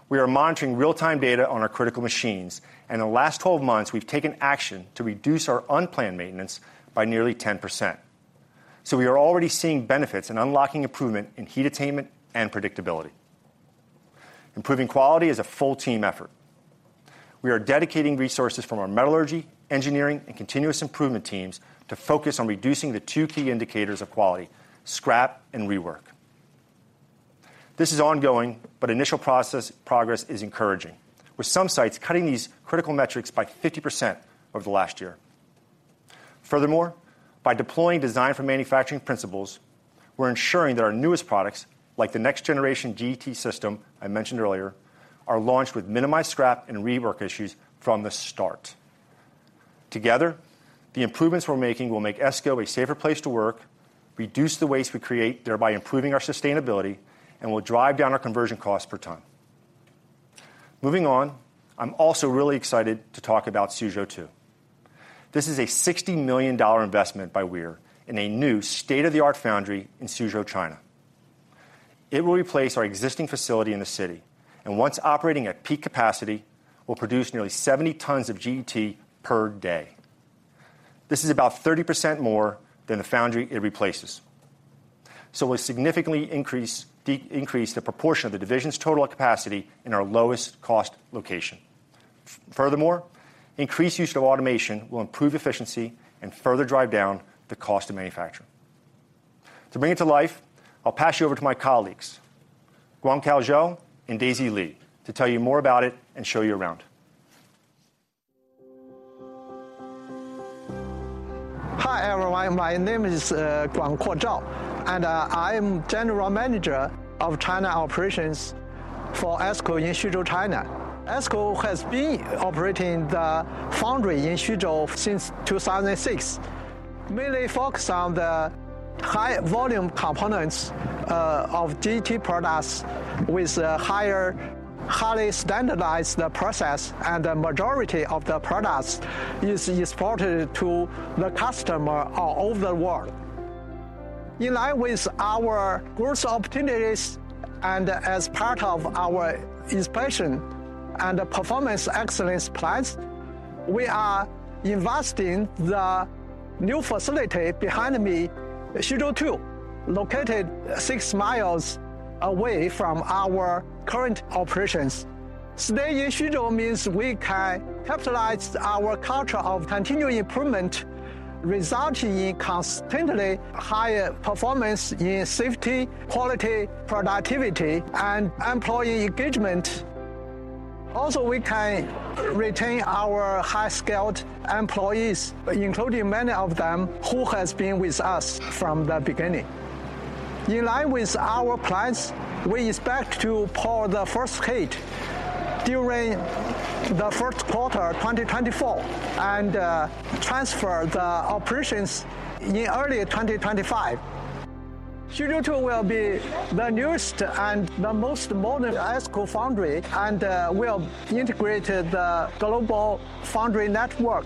we are monitoring real-time data on our critical machines, and in the last 12 months, we've taken action to reduce our unplanned maintenance by nearly 10%. We are already seeing benefits and unlocking improvement in heat attainment and predictability. Improving quality is a full team effort. We are dedicating resources from our metallurgy, engineering, and continuous improvement teams to focus on reducing the two key indicators of quality: scrap and rework. This is ongoing, but initial process progress is encouraging, with some sites cutting these critical metrics by 50% over the last year. Furthermore, by deploying design for manufacturing principles, we're ensuring that our newest products, like the next-generation GET system I mentioned earlier, are launched with minimized scrap and rework issues from the start. Together, the improvements we're making will make ESCO a safer place to work, reduce the waste we create, thereby improving our sustainability, and will drive down our conversion cost per ton. Moving on, I'm also really excited to talk about Suzhou II. This is a $60 million investment by Weir in a new state-of-the-art foundry in Suzhou, China. It will replace our existing facility in the city, and once operating at peak capacity, will produce nearly 70 tons of GET per day. This is about 30% more than the foundry it replaces, so will significantly increase the proportion of the division's total capacity in our lowest cost location. Furthermore, increased use of automation will improve efficiency and further drive down the cost of manufacturing. To bring it to life, I'll pass you over to my colleagues, GuangKuo Zhao and Daisy Li, to tell you more about it and show you around. Hi, everyone. My name is GuangKuo Zhao, and I am General Manager of China Operations for ESCO in Suzhou, China. ESCO has been operating the foundry in Suzhou since 2006, mainly focus on the high volume components of GET products with a highly standardized process, and the majority of the products is exported to the customer all over the world. In line with our growth opportunities and as part of our expansion and Performance Excellence plans, we are investing the new facility behind me, Suzhou II, located 6 mi away from our current operations. Staying in Suzhou means we can capitalize our culture of continual improvement, resulting in constantly higher performance in safety, quality, productivity, and employee engagement. Also, we can retain our high-skilled employees, including many of them who has been with us from the beginning. In line with our plans, we expect to pour the first gate during the first quarter of 2024, and transfer the operations in early 2025. Suzhou II will be the newest and the most modern ESCO foundry, and will integrate the global foundry network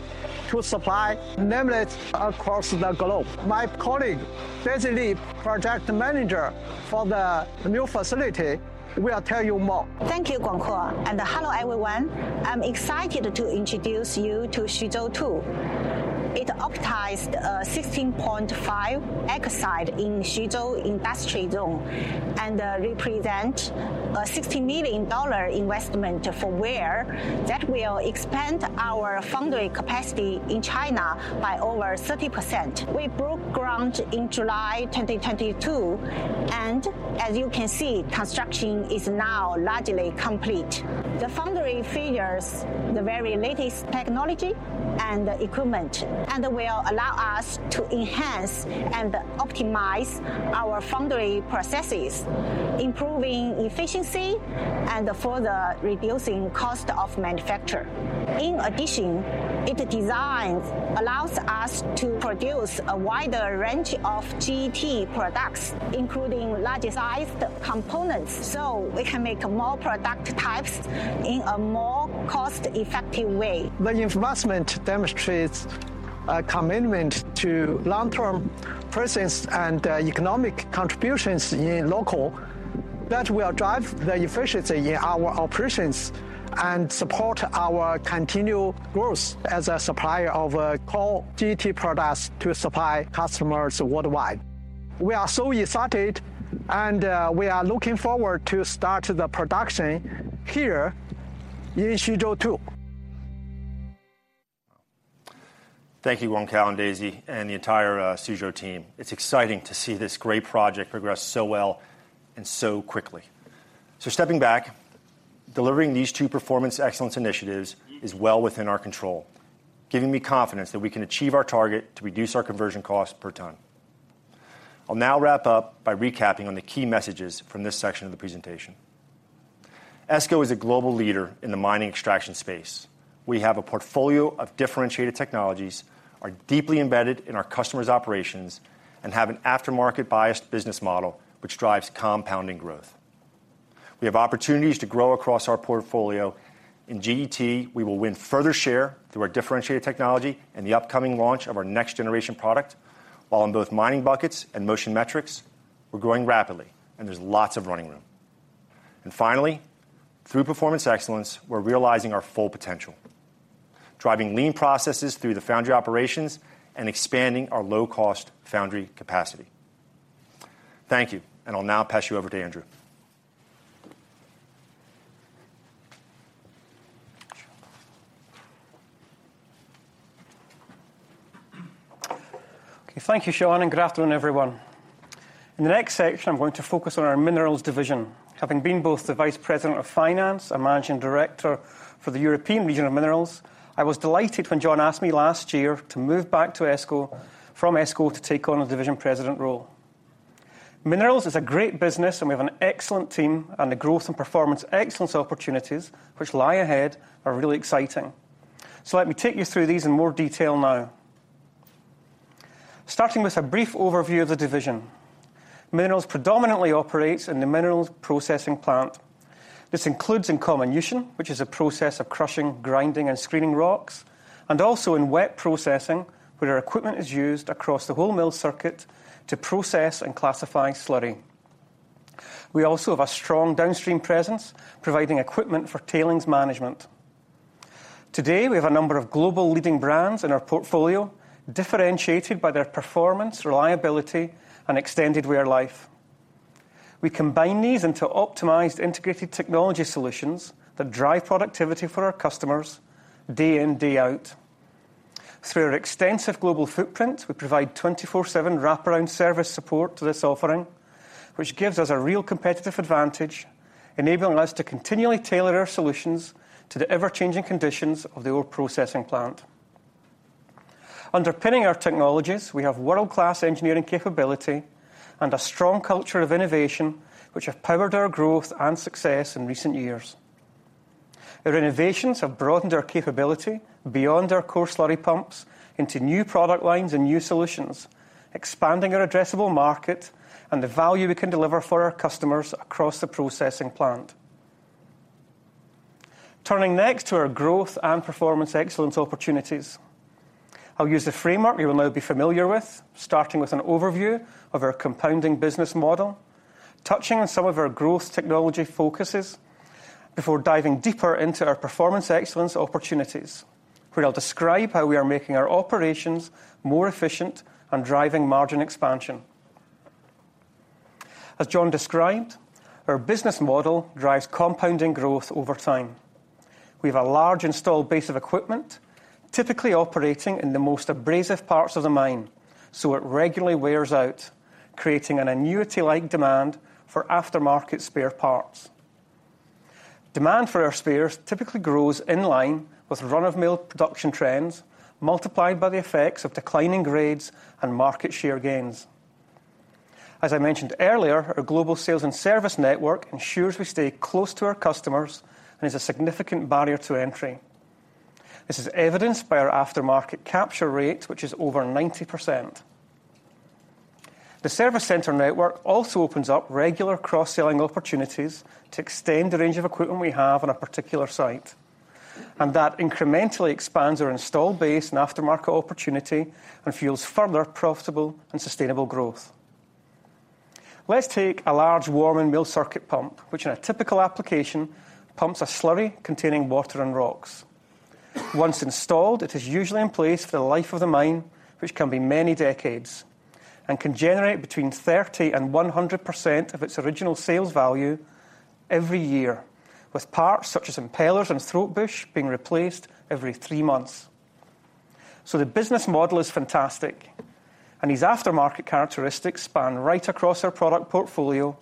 to supply Linatex across the globe. My colleague, Daisy Li, Project Manager for the new facility, will tell you more. Thank you, GuangKuo, and hello, everyone. I'm excited to introduce you to Suzhou II. It optimized 16.5 acre site in Suzhou Industrial Zone, and represent a $60 million investment for Weir that will expand our foundry capacity in China by over 30%. We broke ground in July 2022, and as you can see, construction is now largely complete. The foundry features the very latest technology and equipment, and will allow us to enhance and optimize our foundry processes, improving efficiency and further reducing cost of manufacture. In addition, its design allows us to produce a wider range of GET products, including larger-sized components, so we can make more product types in a more cost-effective way. The investment demonstrates a commitment to long-term presence and economic contributions in local that will drive the efficiency in our operations and support our continued growth as a supplier of core GET products to supply customers worldwide. We are so excited and we are looking forward to start the production here in Suzhou II. Thank you, GuangKuo and Daisy, and the entire Suzhou team. It's exciting to see this great project progress so well and so quickly. Stepping back, delivering these two performance excellence initiatives is well within our control, giving me confidence that we can achieve our target to reduce our conversion cost per ton. I'll now wrap up by recapping on the key messages from this section of the presentation. ESCO is a global leader in the mining extraction space. We have a portfolio of differentiated technologies, are deeply embedded in our customers' operations, and have an aftermarket-biased business model, which drives compounding growth. We have opportunities to grow across our portfolio. In GET, we will win further share through our differentiated technology and the upcoming launch of our next-generation product, while in both mining buckets and Motion Metrics, we're growing rapidly and there's lots of running room. Finally, through performance excellence, we're realizing our full potential, driving Lean processes through the foundry operations and expanding our low-cost foundry capacity. Thank you, and I'll now pass you over to Andrew. Okay, thank you, Sean, and good afternoon, everyone. In the next section, I'm going to focus on our Minerals division. Having been both the Vice President of Finance and Managing Director for the European Region of Minerals, I was delighted when John asked me last year to move back to ESCO from ESCO to take on a Division President role. Minerals is a great business, and we have an excellent team, and the growth and performance excellence opportunities which lie ahead are really exciting. So let me take you through these in more detail now. Starting with a brief overview of the division. Minerals predominantly operates in the Minerals processing plant. This includes in comminution, which is a process of crushing, grinding, and screening rocks, and also in wet processing, where our equipment is used across the whole mill circuit to process and classify slurry. We also have a strong downstream presence, providing equipment for tailings management. Today, we have a number of global leading brands in our portfolio, differentiated by their performance, reliability, and extended wear life. We combine these into optimized, integrated technology solutions that drive productivity for our customers day in, day out. Through our extensive global footprint, we provide 24/7 wraparound service support to this offering, which gives us a real competitive advantage, enabling us to continually tailor our solutions to the ever-changing conditions of the ore processing plant. Underpinning our technologies, we have world-class engineering capability and a strong culture of innovation, which have powered our growth and success in recent years.... Our innovations have broadened our capability beyond our core slurry pumps into new product lines and new solutions, expanding our addressable market and the value we can deliver for our customers across the processing plant. Turning next to our growth and performance excellence opportunities. I'll use the framework you will now be familiar with, starting with an overview of our compounding business model, touching on some of our growth technology focuses before diving deeper into our performance excellence opportunities, where I'll describe how we are making our operations more efficient and driving margin expansion. As John described, our business model drives compounding growth over time. We have a large installed base of equipment, typically operating in the most abrasive parts of the mine, so it regularly wears out, creating an annuity-like demand for aftermarket spare parts. Demand for our spares typically grows in line with run-of-mine production trends, multiplied by the effects of declining grades and market share gains. As I mentioned earlier, our global sales and service network ensures we stay close to our customers and is a significant barrier to entry. This is evidenced by our aftermarket capture rate, which is over 90%. The service center network also opens up regular cross-selling opportunities to extend the range of equipment we have on a particular site, and that incrementally expands our installed base and aftermarket opportunity and fuels further profitable and sustainable growth. Let's take a large Warman mill circuit pump, which in a typical application, pumps a slurry containing water and rocks. Once installed, it is usually in place for the life of the mine, which can be many decades, and can generate between 30% and 100% of its original sales value every year, with parts such as impellers and throatbush being replaced every three months. The business model is fantastic, and these aftermarket characteristics span right across our product portfolio,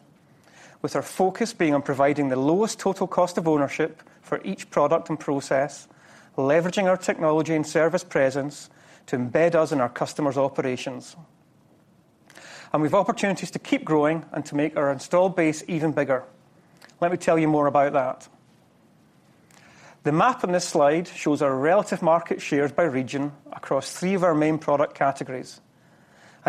with our focus being on providing the lowest total cost of ownership for each product and process, leveraging our technology and service presence to embed us in our customers' operations. We've opportunities to keep growing and to make our installed base even bigger. Let me tell you more about that. The map on this slide shows our relative market shares by region across three of our main product categories.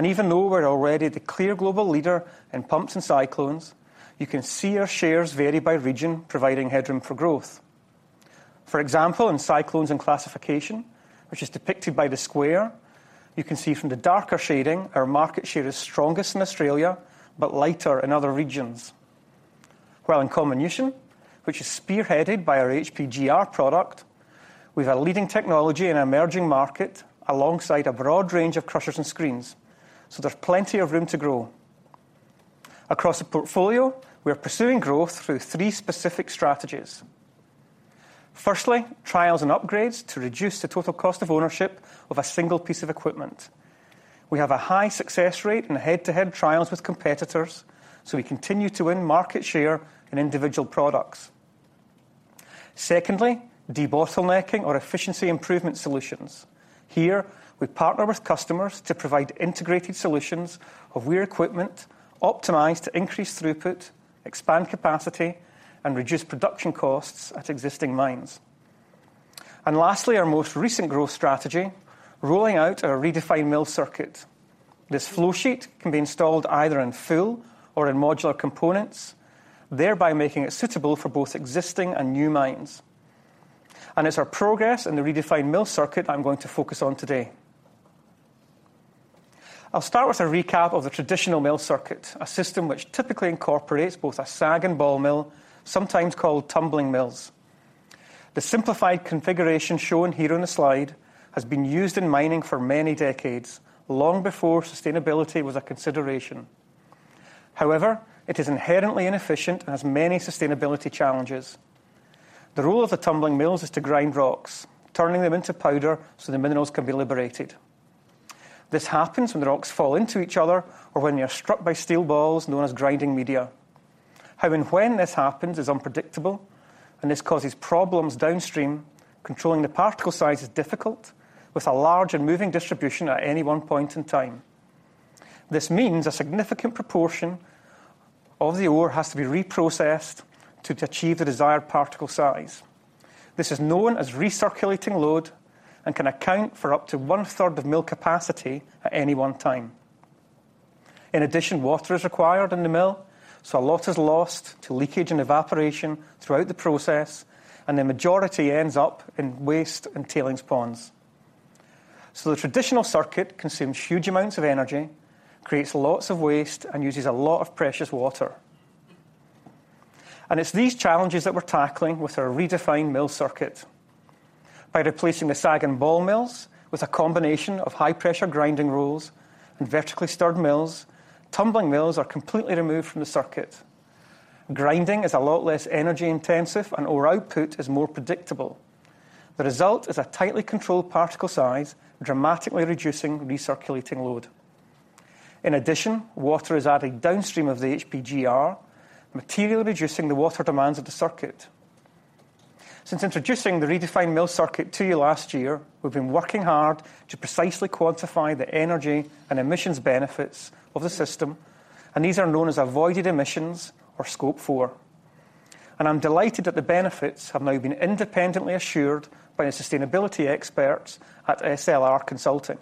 Even though we're already the clear global leader in pumps and cyclones, you can see our shares vary by region, providing headroom for growth. For example, in cyclones and classification, which is depicted by the square, you can see from the darker shading, our market share is strongest in Australia, but lighter in other regions. While in combination, which is spearheaded by our HPGR product, we've a leading technology in an emerging market alongside a broad range of crushers and screens, so there's plenty of room to grow. Across the portfolio, we are pursuing growth through three specific strategies. Firstly, trials and upgrades to reduce the total cost of ownership of a single piece of equipment. We have a high success rate in head-to-head trials with competitors, so we continue to win market share in individual products. Secondly, debottlenecking or efficiency improvement solutions. Here, we partner with customers to provide integrated solutions of wear equipment, optimized to increase throughput, expand capacity, and reduce production costs at existing mines. And lastly, our most recent growth strategy, rolling out our redefined mill circuit. This flow sheet can be installed either in full or in modular components, thereby making it suitable for both existing and new mines. It's our progress in the redefined mill circuit I'm going to focus on today. I'll start with a recap of the traditional mill circuit, a system which typically incorporates both a SAG and Ball mill, sometimes called tumbling mills. The simplified configuration shown here on the slide has been used in mining for many decades, long before sustainability was a consideration. However, it is inherently inefficient and has many sustainability challenges. The role of the tumbling mills is to grind rocks, turning them into powder, so the minerals can be liberated. This happens when the rocks fall into each other or when they are struck by steel balls, known as grinding media. How and when this happens is unpredictable, and this causes problems downstream. Controlling the particle size is difficult, with a large and moving distribution at any one point in time. This means a significant proportion of the ore has to be reprocessed to achieve the desired particle size. This is known as recirculating load and can account for up to 1/3 of mill capacity at any one time. In addition, water is required in the mill, so a lot is lost to leakage and evaporation throughout the process, and the majority ends up in waste and tailings ponds. So the traditional circuit consumes huge amounts of energy, creates lots of waste, and uses a lot of precious water. And it's these challenges that we're tackling with our redefined mill circuit. By replacing the sag and ball mills with a combination of high-pressure grinding rolls and vertically stirred mills, tumbling mills are completely removed from the circuit. Grinding is a lot less energy-intensive, and ore output is more predictable. The result is a tightly controlled particle size, dramatically reducing recirculating load. In addition, water is added downstream of the HPGR, materially reducing the water demands of the circuit. Since introducing the redefined mill circuit to you last year, we've been working hard to precisely quantify the energy and emissions benefits of the system and these are known as avoided emissions or Scope 4. And I'm delighted that the benefits have now been independently assured by the sustainability experts at SLR Consulting.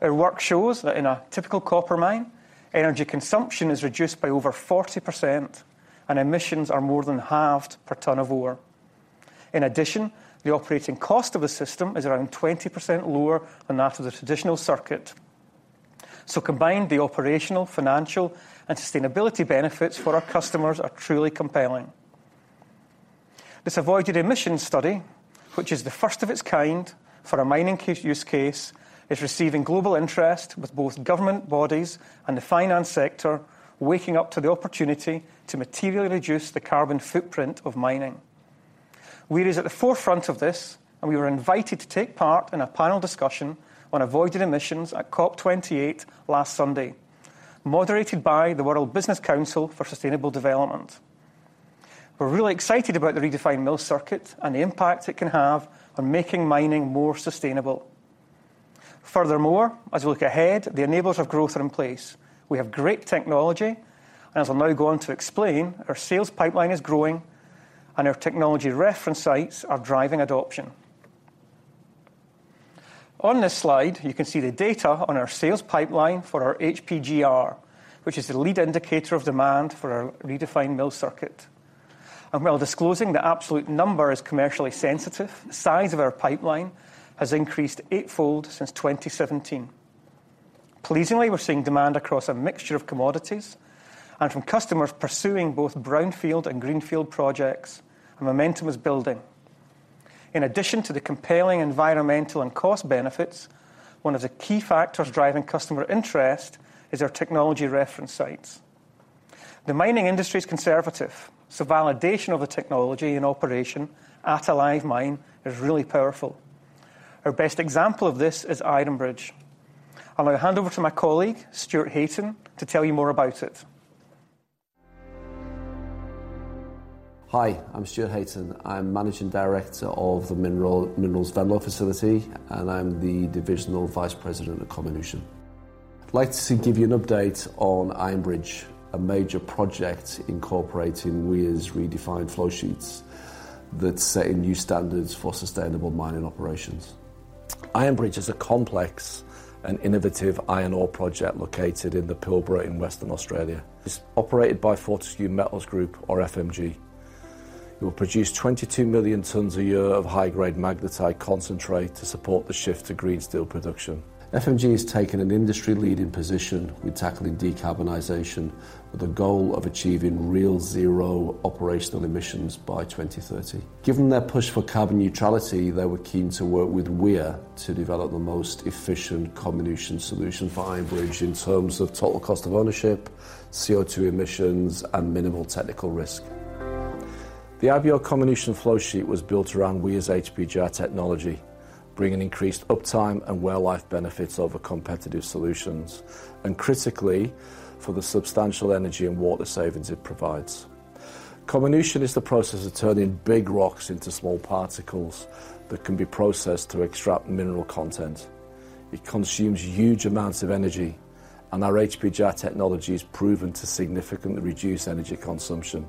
Our work shows that in a typical copper mine, energy consumption is reduced by over 40% and emissions are more than halved per ton of ore. In addition, the operating cost of the system is around 20% lower than that of the traditional circuit. So combined, the operational, financial, and sustainability benefits for our customers are truly compelling. This avoided emissions study, which is the first of its kind for a mining use case, is receiving global interest with both government bodies and the finance sector waking up to the opportunity to materially reduce the carbon footprint of mining. Weir is at the forefront of this, and we were invited to take part in a panel discussion on avoided emissions at COP 28 last Sunday, moderated by the World Business Council for Sustainable Development. We're really excited about the redefined mill circuit and the impact it can have on making mining more sustainable. Furthermore, as we look ahead, the enablers of growth are in place. We have great technology, and as I'll now go on to explain, our sales pipeline is growing and our technology reference sites are driving adoption. On this slide, you can see the data on our sales pipeline for our HPGR, which is the lead indicator of demand for our redefined mill circuit. While disclosing the absolute number is commercially sensitive, the size of our pipeline has increased eightfold since 2017. Pleasingly, we're seeing demand across a mixture of commodities and from customers pursuing both brownfield and greenfield projects, and momentum is building. In addition to the compelling environmental and cost benefits, one of the key factors driving customer interest is our technology reference sites. The mining industry is conservative, so validation of the technology in operation at a live mine is really powerful. Our best example of this is Iron Bridge. I'm going to hand over to my colleague, Stuart Hayton, to tell you more about it. Hi, I'm Stuart Hayton. I'm Managing Director of the Minerals Venlo Facility, and I'm the Divisional Vice President of Comminution. I'd like to give you an update on Iron Bridge, a major project incorporating Weir's redefined flow sheets that's setting new standards for sustainable mining operations. Iron Bridge is a complex and innovative iron ore project located in the Pilbara in Western Australia. It's operated by Fortescue Metals Group, or FMG. It will produce 22 million tons a year of high-grade magnetite concentrate to support the shift to green steel production. FMG has taken an industry-leading position with tackling decarbonization, with the goal of achieving real zero operational emissions by 2030. Given their push for carbon neutrality, they were keen to work with Weir to develop the most efficient comminution solution for Iron Bridge in terms of total cost of ownership, CO2 emissions, and minimal technical risk. The IBO comminution flow sheet was built around Weir's HPGR technology, bringing increased uptime and wear life benefits over competitive solutions, and critically, for the substantial energy and water savings it provides. Comminution is the process of turning big rocks into small particles that can be processed to extract mineral content. It consumes huge amounts of energy, and our HPGR technology is proven to significantly reduce energy consumption.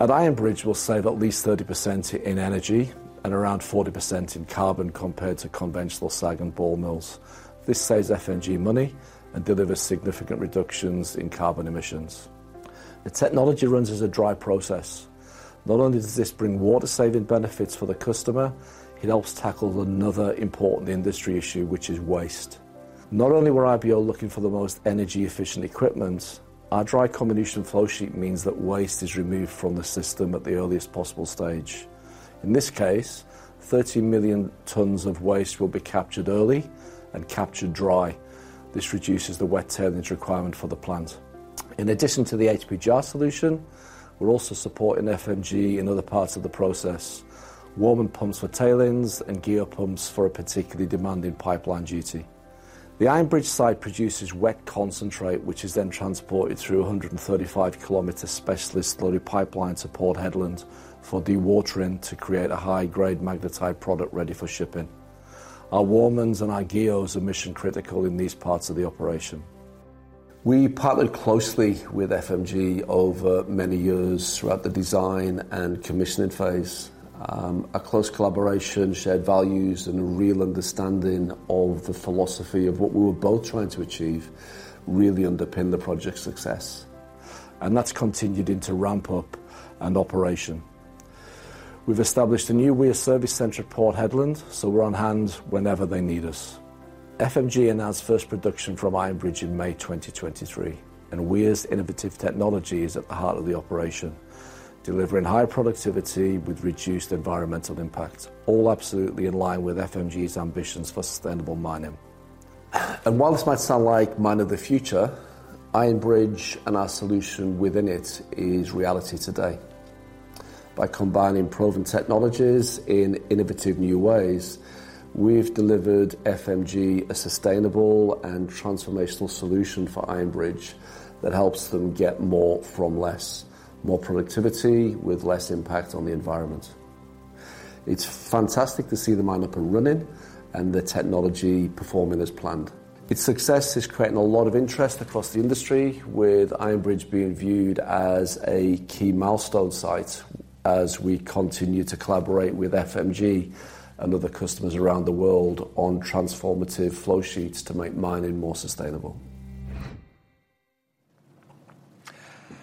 At Iron Bridge, we'll save at least 30% in energy and around 40% in carbon, compared to conventional SAG and Ball mills. This saves FMG money and delivers significant reductions in carbon emissions. The technology runs as a dry process. Not only does this bring water-saving benefits for the customer, it helps tackle another important industry issue, which is waste. Not only were IBO looking for the most energy-efficient equipment, our dry comminution flow sheet means that waste is removed from the system at the earliest possible stage. In this case, 13 million tons of waste will be captured early and captured dry. This reduces the wet tailings requirement for the plant. In addition to the HPGR solution, we're also supporting FMG in other parts of the process, Warman pumps for tailings and GEHO pumps for a particularly demanding pipeline duty. The Iron Bridge site produces wet concentrate, which is then transported through a 135 km specialist slurry pipeline to Port Hedland for dewatering to create a high-grade magnetite product ready for shipping. Our Warman pumps and our GEHOs are mission critical in these parts of the operation. We partnered closely with FMG over many years throughout the design and commissioning phase. A close collaboration, shared values, and a real understanding of the philosophy of what we were both trying to achieve, really underpinned the project's success, and that's continued into ramp up and operation. We've established a new Weir service center at Port Hedland, so we're on hand whenever they need us. FMG announced first production from Iron Bridge in May 2023, and Weir's innovative technology is at the heart of the operation, delivering high productivity with reduced environmental impact, all absolutely in line with FMG's ambitions for sustainable mining. And while this might sound like mine of the future, Iron Bridge and our solution within it is reality today. By combining proven technologies in innovative new ways, we've delivered FMG a sustainable and transformational solution for Iron Bridge that helps them get more from less, more productivity with less impact on the environment.... It's fantastic to see the mine up and running and the technology performing as planned. Its success is creating a lot of interest across the industry, with Iron Bridge being viewed as a key milestone site as we continue to collaborate with FMG and other customers around the world on transformative flow sheets to make mining more sustainable.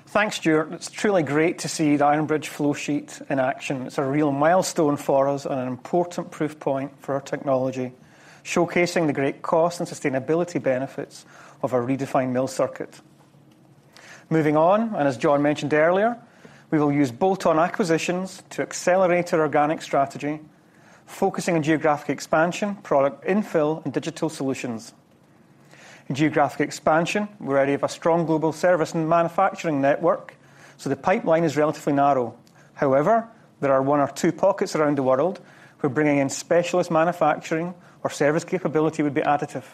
Thanks, Stuart. It's truly great to see the Iron Bridge flow sheet in action. It's a real milestone for us and an important proof point for our technology, showcasing the great cost and sustainability benefits of our redefined mill circuit. Moving on, and as John mentioned earlier, we will use bolt-on acquisitions to accelerate our organic strategy, focusing on geographic expansion, product infill, and digital solutions. In geographic expansion, we already have a strong global service and manufacturing network, so the pipeline is relatively narrow. However, there are one or two pockets around the world where bringing in specialist manufacturing or service capability would be additive,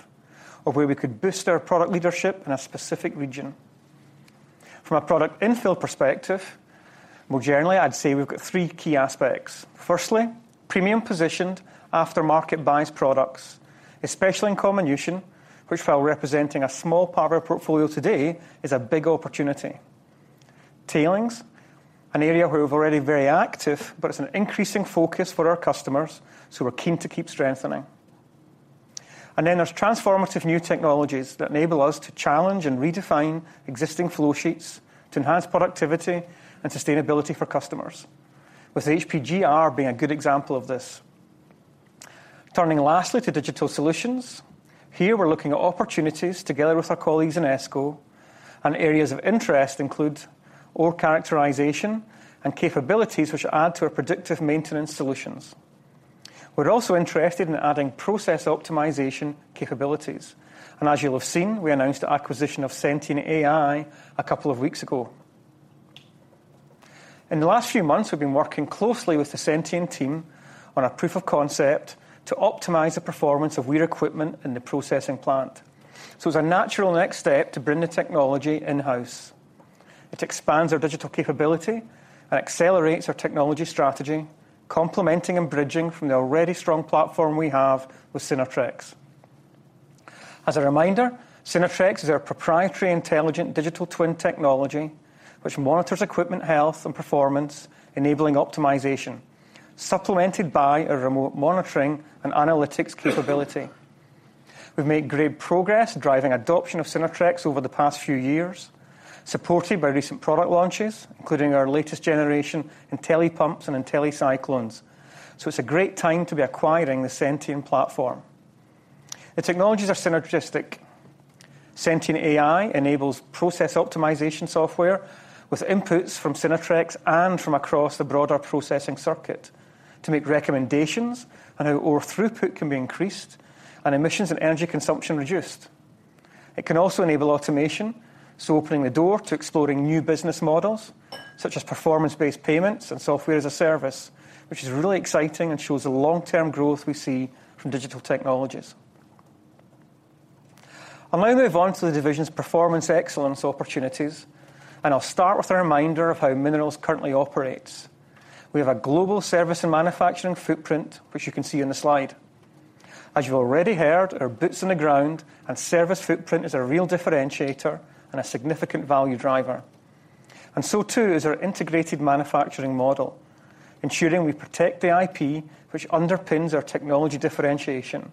or where we could boost our product leadership in a specific region. From a product infill perspective, more generally, I'd say we've got three key aspects: firstly, premium-positioned aftermarket buys products, especially in comminution, which, while representing a small part of our portfolio today, is a big opportunity. Tailings, an area where we're already very active, but it's an increasing focus for our customers, so we're keen to keep strengthening. And then there's transformative new technologies that enable us to challenge and redefine existing flow sheets to enhance productivity and sustainability for customers, with HPGR being a good example of this. Turning lastly to digital solutions, here we're looking at opportunities together with our colleagues in ESCO, and areas of interest include ore characterization and capabilities which add to our predictive maintenance solutions. We're also interested in adding process optimization capabilities, and as you'll have seen, we announced the acquisition of SentianAI a couple of weeks ago. In the last few months, we've been working closely with the Sentian team on a proof of concept to optimize the performance of Weir equipment in the processing plant. So it's a natural next step to bring the technology in-house. It expands our digital capability and accelerates our technology strategy, complementing and bridging from the already strong platform we have with Synertrex. As a reminder, Synertrex is our proprietary intelligent digital twin technology, which monitors equipment, health, and performance, enabling optimization, supplemented by a remote monitoring and analytics capability. We've made great progress driving adoption of Synertrex over the past few years, supported by recent product launches, including our latest generation, IntelliPumps and IntelliCyclones. So it's a great time to be acquiring the Sentian platform. The technologies are synergistic. SentianAI enables process optimization software with inputs from Synertrex and from across the broader processing circuit to make recommendations on how ore throughput can be increased and emissions and energy consumption reduced. It can also enable automation, so opening the door to exploring new business models such as performance-based payments and software as a service, which is really exciting and shows the long-term growth we see from digital technologies. I'll now move on to the division's Performance Excellence opportunities, and I'll start with a reminder of how Minerals currently operates. We have a global service and manufacturing footprint, which you can see on the slide. As you already heard, our boots on the ground and service footprint is a real differentiator and a significant value driver. And so, too, is our integrated manufacturing model, ensuring we protect the IP, which underpins our technology differentiation,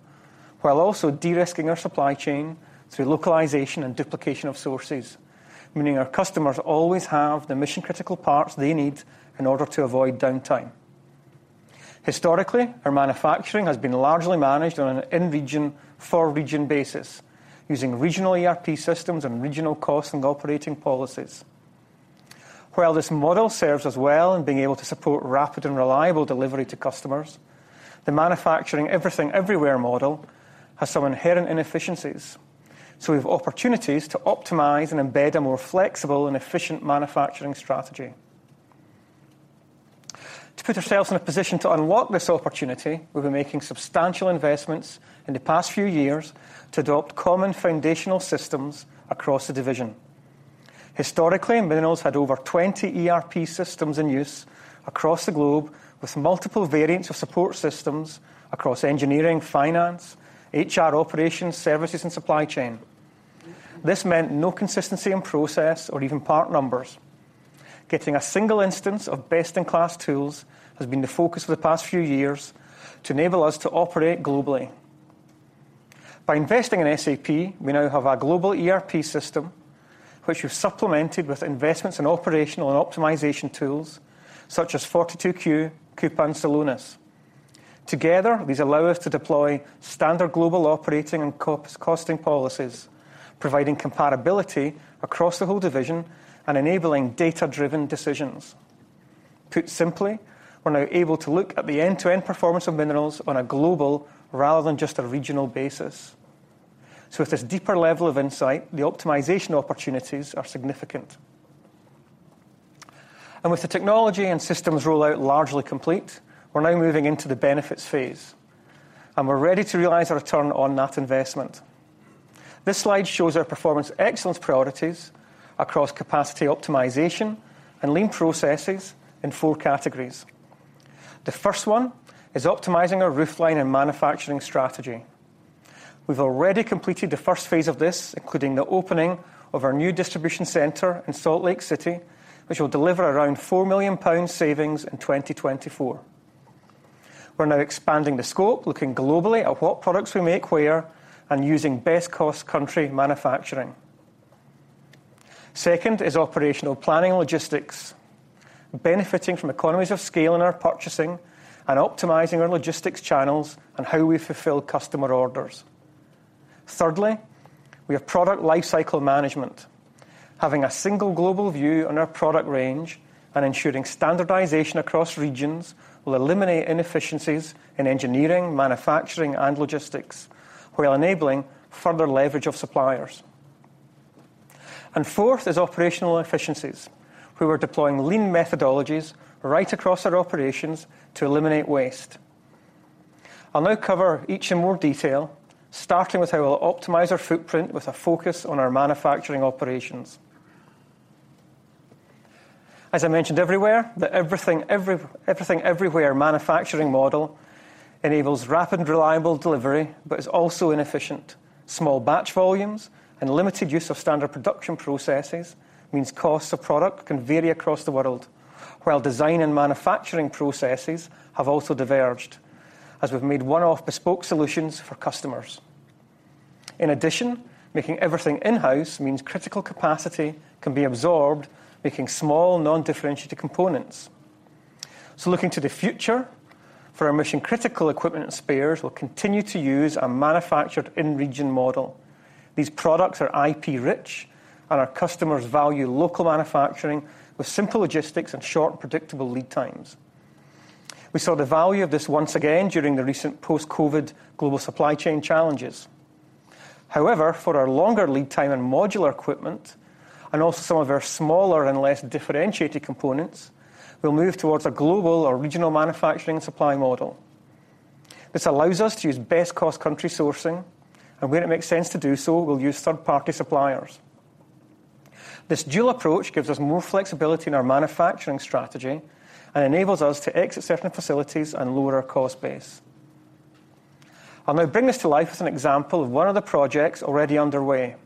while also de-risking our supply chain through localization and duplication of sources, meaning our customers always have the mission-critical parts they need in order to avoid downtime. Historically, our manufacturing has been largely managed on an in-region, for-region basis, using regional ERP systems and regional cost and operating policies. While this model serves us well in being able to support rapid and reliable delivery to customers, the manufacturing everything everywhere model has some inherent inefficiencies, so we have opportunities to optimize and embed a more flexible and efficient manufacturing strategy. To put ourselves in a position to unlock this opportunity, we've been making substantial investments in the past few years to adopt common foundational systems across the division. Historically, Minerals had over 20 ERP systems in use across the globe, with multiple variants of support systems across engineering, finance, HR operations, services, and supply chain. This meant no consistency in process or even part numbers. Getting a single instance of best-in-class tools has been the focus for the past few years to enable us to operate globally. By investing in SAP, we now have a global ERP system, which we've supplemented with investments in operational and optimization tools such as 42Q, Coupa, and Celonis. Together, these allow us to deploy standard global operating and cost, costing policies, providing compatibility across the whole division and enabling data-driven decisions. Put simply, we're now able to look at the end-to-end performance of Minerals on a global rather than just a regional basis. So with this deeper level of insight, the optimization opportunities are significant. With the technology and systems rollout largely complete, we're now moving into the benefits phase, and we're ready to realize a return on that investment. This slide shows our Performance Excellence priorities across capacity optimization and Lean processes in four categories. The first one is optimizing our roofline and manufacturing strategy. We've already completed the first phase of this, including the opening of our new distribution center in Salt Lake City, which will deliver around 4 million pounds savings in 2024. We're now expanding the scope, looking globally at what products we make where, and using best-cost country manufacturing. Second is operational planning and logistics, benefiting from economies of scale in our purchasing and optimizing our logistics channels and how we fulfill customer orders. Thirdly, we have product lifecycle management. Having a single global view on our product range and ensuring standardization across regions will eliminate inefficiencies in engineering, manufacturing, and logistics, while enabling further leverage of suppliers. Fourth is operational efficiencies. We are deploying Lean methodologies right across our operations to eliminate waste. I'll now cover each in more detail, starting with how we'll optimize our footprint with a focus on our manufacturing operations. As I mentioned earlier, the everything-everywhere manufacturing model enables rapid, reliable delivery but is also inefficient. Small batch volumes and limited use of standard production processes means costs of product can vary across the world, while design and manufacturing processes have also diverged, as we've made one-off bespoke solutions for customers. In addition, making everything in-house means critical capacity can be absorbed, making small, non-differentiated components. Looking to the future, for our mission-critical equipment and spares, we'll continue to use a manufactured in-region model. These products are IP rich, and our customers value local manufacturing with simple logistics and short, predictable lead times. We saw the value of this once again during the recent post-COVID global supply chain challenges. However, for our longer lead time and modular equipment, and also some of our smaller and less differentiated components, we'll move towards a global or regional manufacturing and supply model. This allows us to use best-cost country sourcing, and where it makes sense to do so, we'll use third-party suppliers. This dual approach gives us more flexibility in our manufacturing strategy and enables us to exit certain facilities and lower our cost base. I'll now bring this to life with an example of one of the projects already underway.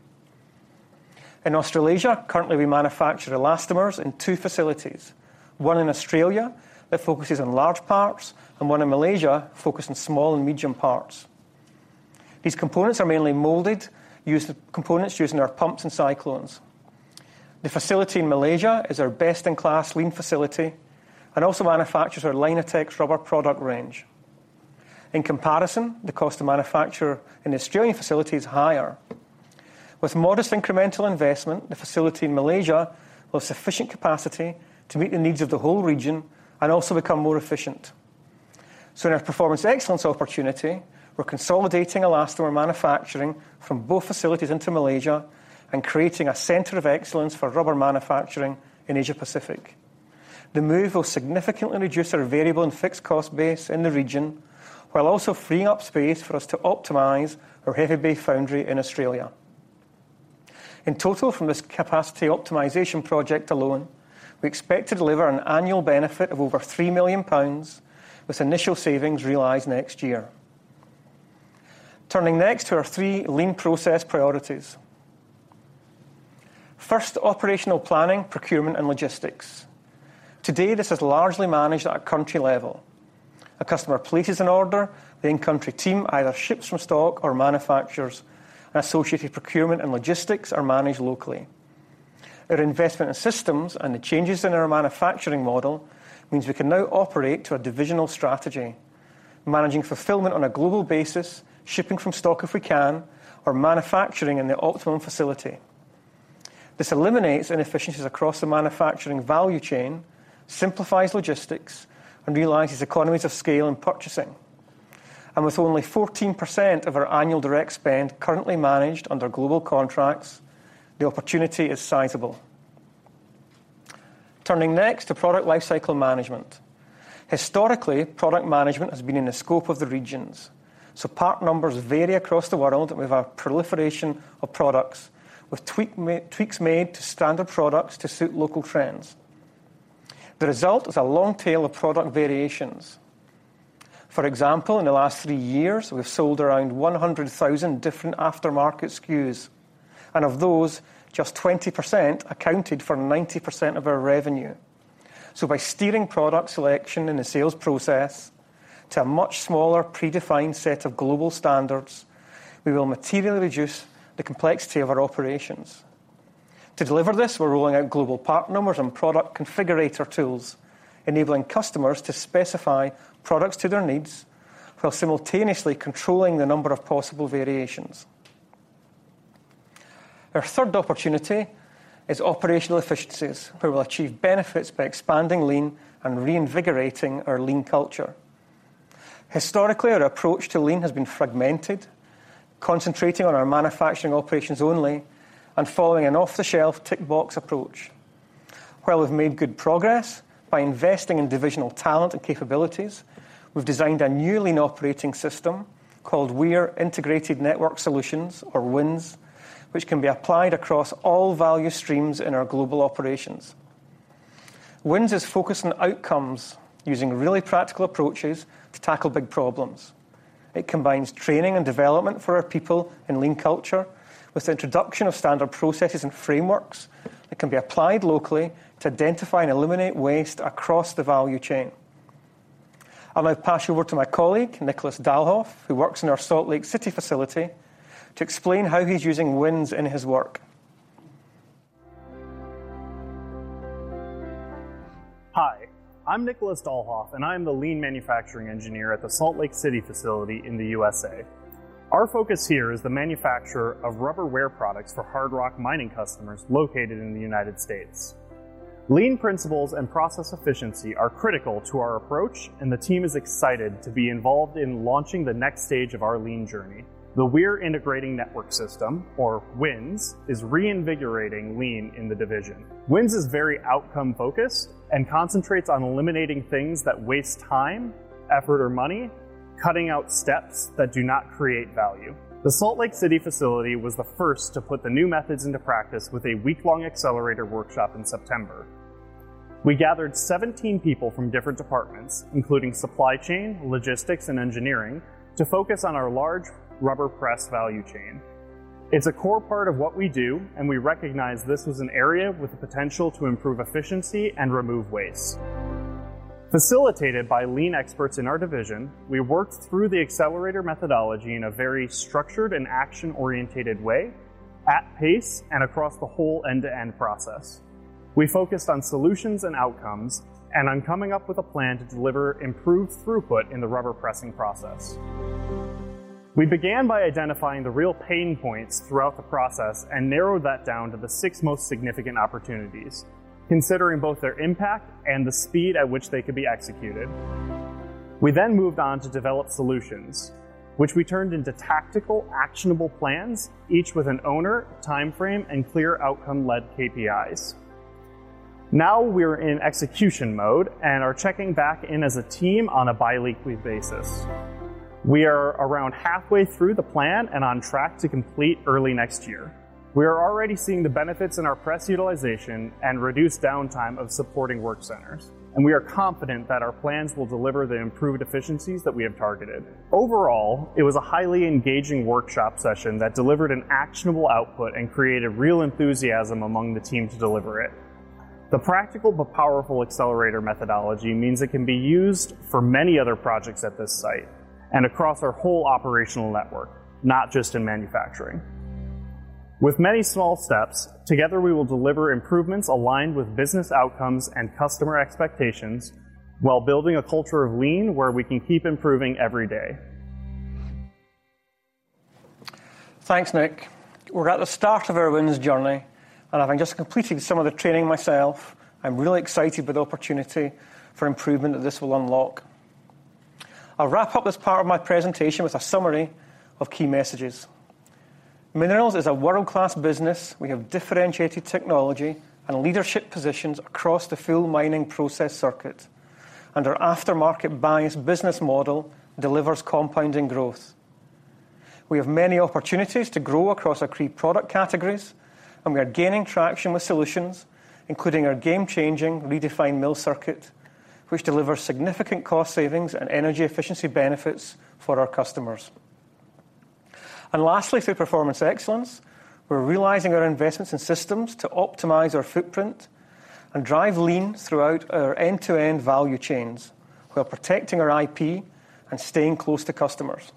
In Australasia, currently, we manufacture elastomers in two facilities: one in Australia that focuses on large parts and one in Malaysia focused on small and medium parts. These components are mainly molded, used in our pumps and cyclones. The facility in Malaysia is our best-in-class Lean facility and also manufactures our Linatex rubber product range. In comparison, the cost to manufacture in the Australian facility is higher. With modest incremental investment, the facility in Malaysia has sufficient capacity to meet the needs of the whole region and also become more efficient. So in our Performance Excellence opportunity, we're consolidating elastomer manufacturing from both facilities into Malaysia and creating a center of excellence for rubber manufacturing in Asia Pacific. The move will significantly reduce our variable and fixed cost base in the region, while also freeing up space for us to optimize our Heavy Bay foundry in Australia. In total, from this capacity optimization project alone, we expect to deliver an annual benefit of over 3 million pounds, with initial savings realized next year. Turning next to our three Lean process priorities. First, operational planning, procurement, and logistics. Today, this is largely managed at a country level. A customer places an order, the in-country team either ships from stock or manufactures, and associated procurement and logistics are managed locally. Our investment in systems and the changes in our manufacturing model means we can now operate to a divisional strategy, managing fulfillment on a global basis, shipping from stock if we can, or manufacturing in the optimum facility. This eliminates inefficiencies across the manufacturing value chain, simplifies logistics, and realizes economies of scale in purchasing. With only 14% of our annual direct spend currently managed under global contracts, the opportunity is sizable. Turning next to product lifecycle management. Historically, product management has been in the scope of the regions, so part numbers vary across the world with a proliferation of products, with tweaks made to standard products to suit local trends. The result is a long tail of product variations. For example, in the last three years, we've sold around 100,000 different aftermarket SKUs, and of those, just 20% accounted for 90% of our revenue. So by steering product selection in the sales process to a much smaller, predefined set of global standards, we will materially reduce the complexity of our operations. To deliver this, we're rolling out global part numbers and product configurator tools, enabling customers to specify products to their needs while simultaneously controlling the number of possible variations. Our third opportunity is operational efficiencies, where we'll achieve benefits by expanding Lean and reinvigorating our Lean culture. Historically, our approach to Lean has been fragmented, concentrating on our manufacturing operations only and following an off-the-shelf tick box approach. While we've made good progress by investing in divisional talent and capabilities, we've designed a new Lean operating system called Weir Integrated Network Solutions, or WINS, which can be applied across all value streams in our global operations. WINS is focused on outcomes, using really practical approaches to tackle big problems. It combines training and development for our people in Lean culture, with the introduction of standard processes and frameworks that can be applied locally to identify and eliminate waste across the value chain. I'll now pass you over to my colleague, Nicholas Dalhoff, who works in our Salt Lake City facility, to explain how he's using WINS in his work. Hi, I'm Nicholas Dalhoff, and I'm the Lean Manufacturing Engineer at the Salt Lake City facility in the U.S.A. Our focus here is the manufacture of rubber wear products for hard rock mining customers located in the United States. Lean principles and process efficiency are critical to our approach, and the team is excited to be involved in launching the next stage of our Lean journey. The Weir Integrated Network System, or WINS, is reinvigorating Lean in the division. WINS is very outcome-focused and concentrates on eliminating things that waste time, effort, or money, cutting out steps that do not create value. The Salt Lake City facility was the first to put the new methods into practice with a week-long accelerator workshop in September. We gathered 17 people from different departments, including supply chain, logistics, and engineering, to focus on our large rubber press value chain. It's a core part of what we do, and we recognize this was an area with the potential to improve efficiency and remove waste. Facilitated by Lean experts in our division, we worked through the accelerator methodology in a very structured and action-oriented way, at pace, and across the whole end-to-end process. We focused on solutions and outcomes, and on coming up with a plan to deliver improved throughput in the rubber pressing process. We began by identifying the real pain points throughout the process and narrowed that down to the six most significant opportunities, considering both their impact and the speed at which they could be executed. We then moved on to develop solutions, which we turned into tactical, actionable plans, each with an owner, timeframe, and clear outcome-led KPIs. Now, we're in execution mode and are checking back in as a team on a biweekly basis. We are around halfway through the plan and on track to complete early next year. We are already seeing the benefits in our press utilization and reduced downtime of supporting work centers, and we are confident that our plans will deliver the improved efficiencies that we have targeted. Overall, it was a highly engaging workshop session that delivered an actionable output and created real enthusiasm among the team to deliver it. The practical but powerful accelerator methodology means it can be used for many other projects at this site and across our whole operational network, not just in manufacturing. With many small steps, together, we will deliver improvements aligned with business outcomes and customer expectations while building a culture of Lean, where we can keep improving every day. Thanks, Nick. We're at the start of our WINS journey, and having just completed some of the training myself, I'm really excited by the opportunity for improvement that this will unlock. I'll wrap up this part of my presentation with a summary of key messages. Minerals is a world-class business. We have differentiated technology and leadership positions across the full mining process circuit, and our aftermarket business model delivers compounding growth. We have many opportunities to grow across our key product categories, and we are gaining traction with solutions, including our game-changing Redefined Mill Circuit, which delivers significant cost savings and energy efficiency benefits for our customers. Lastly, through Performance Excellence, we're realizing our investments in systems to optimize our footprint and drive Lean throughout our end-to-end value chains, while protecting our IP and staying close to customers.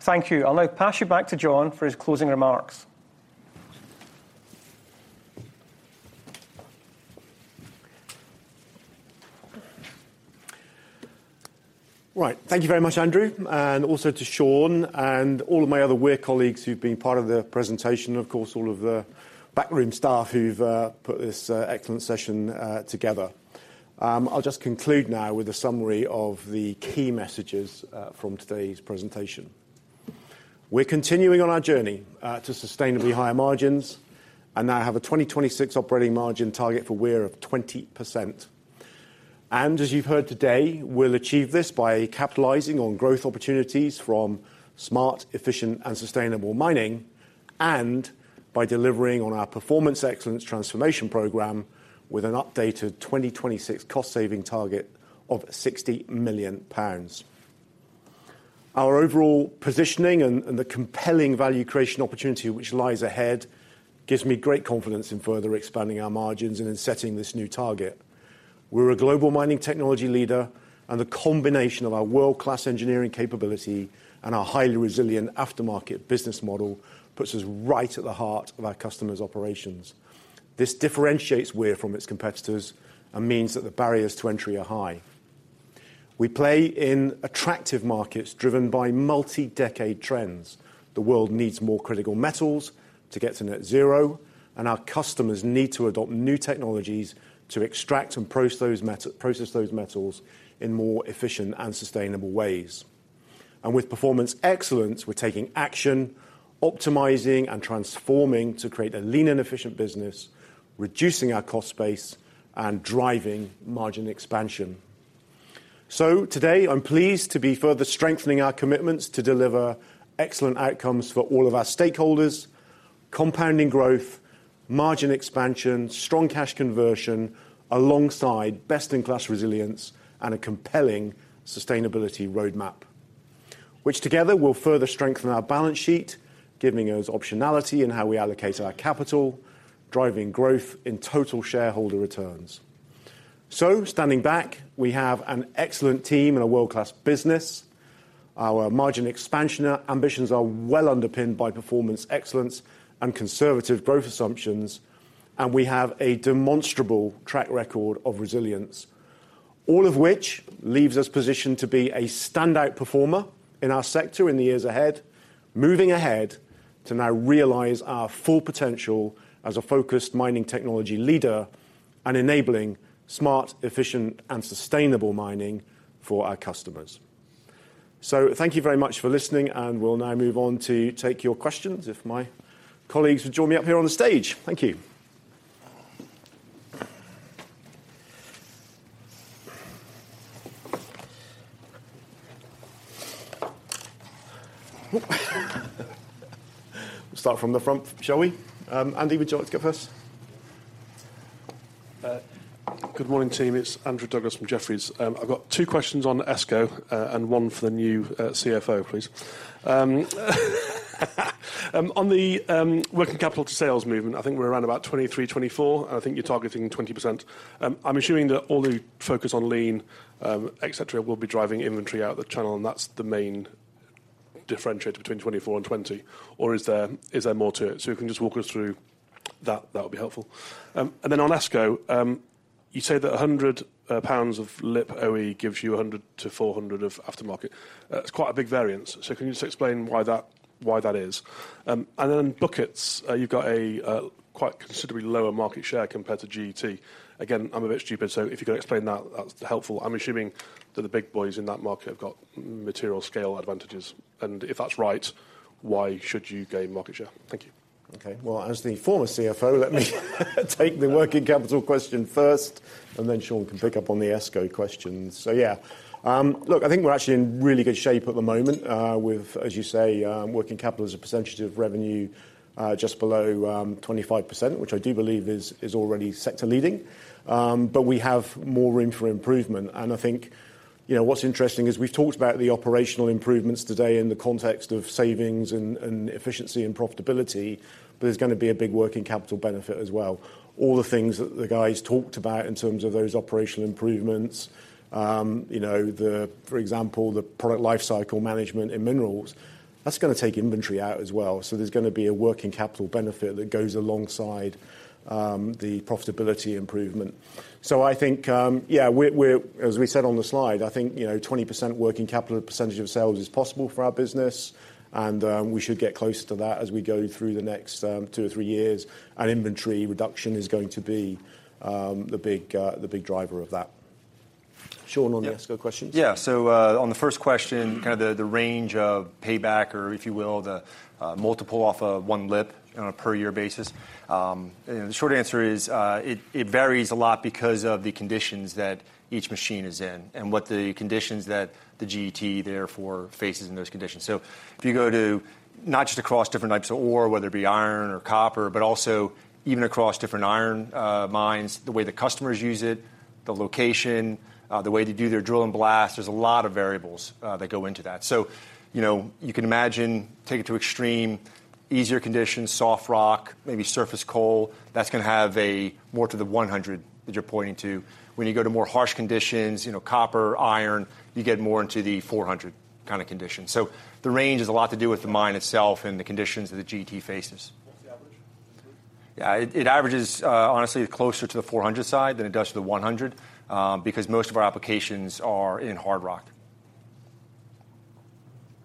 Thank you. I'll now pass you back to John for his closing remarks. Right. Thank you very much, Andrew, and also to Sean and all of my other Weir colleagues who've been part of the presentation, and, of course, all of the backroom staff who've put this excellent session together. I'll just conclude now with a summary of the key messages from today's presentation. We're continuing on our journey to sustainably higher margins and now have a 2026 operating margin target for Weir of 20%. And as you've heard today, we'll achieve this by capitalizing on growth opportunities from smart, efficient, and sustainable mining, and by delivering on our Performance Excellence transformation program with an updated 2026 cost-saving target of 60 million pounds. Our overall positioning and the compelling value creation opportunity which lies ahead gives me great confidence in further expanding our margins and in setting this new target. We're a global mining technology leader, and the combination of our world-class engineering capability and our highly resilient aftermarket business model puts us right at the heart of our customers' operations. This differentiates Weir from its competitors and means that the barriers to entry are high. We play in attractive markets driven by multi-decade trends. The world needs more critical metals to get to net zero, and our customers need to adopt new technologies to extract and process those metals in more efficient and sustainable ways… and with performance excellence, we're taking action, optimizing and transforming to create a lean and efficient business, reducing our cost base and driving margin expansion. So today, I'm pleased to be further strengthening our commitments to deliver excellent outcomes for all of our stakeholders, compounding growth, margin expansion, strong cash conversion, alongside best-in-class resilience and a compelling sustainability roadmap, which together will further strengthen our balance sheet, giving us optionality in how we allocate our capital, driving growth in total shareholder returns. So standing back, we have an excellent team and a world-class business. Our margin expansion ambitions are well underpinned by performance, excellence, and conservative growth assumptions, and we have a demonstrable track record of resilience, all of which leaves us positioned to be a standout performer in our sector in the years ahead, moving ahead to now realize our full potential as a focused mining technology leader and enabling smart, efficient, and sustainable mining for our customers. So thank you very much for listening, and we'll now move on to take your questions. If my colleagues would join me up here on the stage. Thank you. We'll start from the front, shall we? Andy, would you like to go first? Good morning, team. It's Andrew Douglas from Jefferies. I've got two questions on ESCO, and one for the new CFO, please. On the working capital to sales movement, I think we're around about 23%, 24%, and I think you're targeting 20%. I'm assuming that all the focus on Lean, et cetera, will be driving inventory out the channel, and that's the main differentiator between 24% and 20%, or is there more to it? So if you can just walk us through that, that would be helpful. And then on ESCO, you say that 100 million pounds of lip OE gives you 100 million-400 million of aftermarket. It's quite a big variance. So can you just explain why that is? And then buckets, you've got a quite considerably lower market share compared to GET. Again, I'm a bit stupid, so if you could explain that, that's helpful. I'm assuming that the big boys in that market have got material scale advantages, and if that's right, why should you gain market share? Thank you. Okay. Well, as the former CFO, let me take the working capital question first, and then Sean can pick up on the ESCO questions. So, yeah. Look, I think we're actually in really good shape at the moment, with, as you say, working capital as a percentage of revenue, just below 25%, which I do believe is already sector leading. But we have more room for improvement. And I think, you know, what's interesting is we've talked about the operational improvements today in the context of savings and efficiency and profitability, but there's gonna be a big working capital benefit as well. All the things that the guys talked about in terms of those operational improvements, you know, the... for example, the product lifecycle management in Minerals, that's gonna take inventory out as well. So there's gonna be a working capital benefit that goes alongside the profitability improvement. So I think, yeah, we're, as we said on the slide, I think, you know, 20% working capital percentage of sales is possible for our business, and we should get closer to that as we go through the next two or three years. And inventory reduction is going to be the big, the big driver of that. Sean, on the ESCO questions. Yeah. So, on the first question, kinda the range of payback or, if you will, the multiple off of one lip on a per year basis. And the short answer is, it varies a lot because of the conditions that each machine is in and what the conditions that the GET therefore faces in those conditions. So if you go to not just across different types of ore, whether it be iron or copper, but also even across different iron mines, the way the customers use it, the location, the way they do their drill and blast, there's a lot of variables that go into that. So, you know, you can imagine, take it to extreme, easier conditions, soft rock, maybe surface coal, that's gonna have a more to the 100 million that you're pointing to. When you go to more harsh conditions, you know, copper, iron, you get more into the 400 million kinda conditions. So the range is a lot to do with the mine itself and the conditions that the GET faces. What's the average? It averages, honestly, closer to the 400 million side than it does to the 100 million, because most of our applications are in hard rock.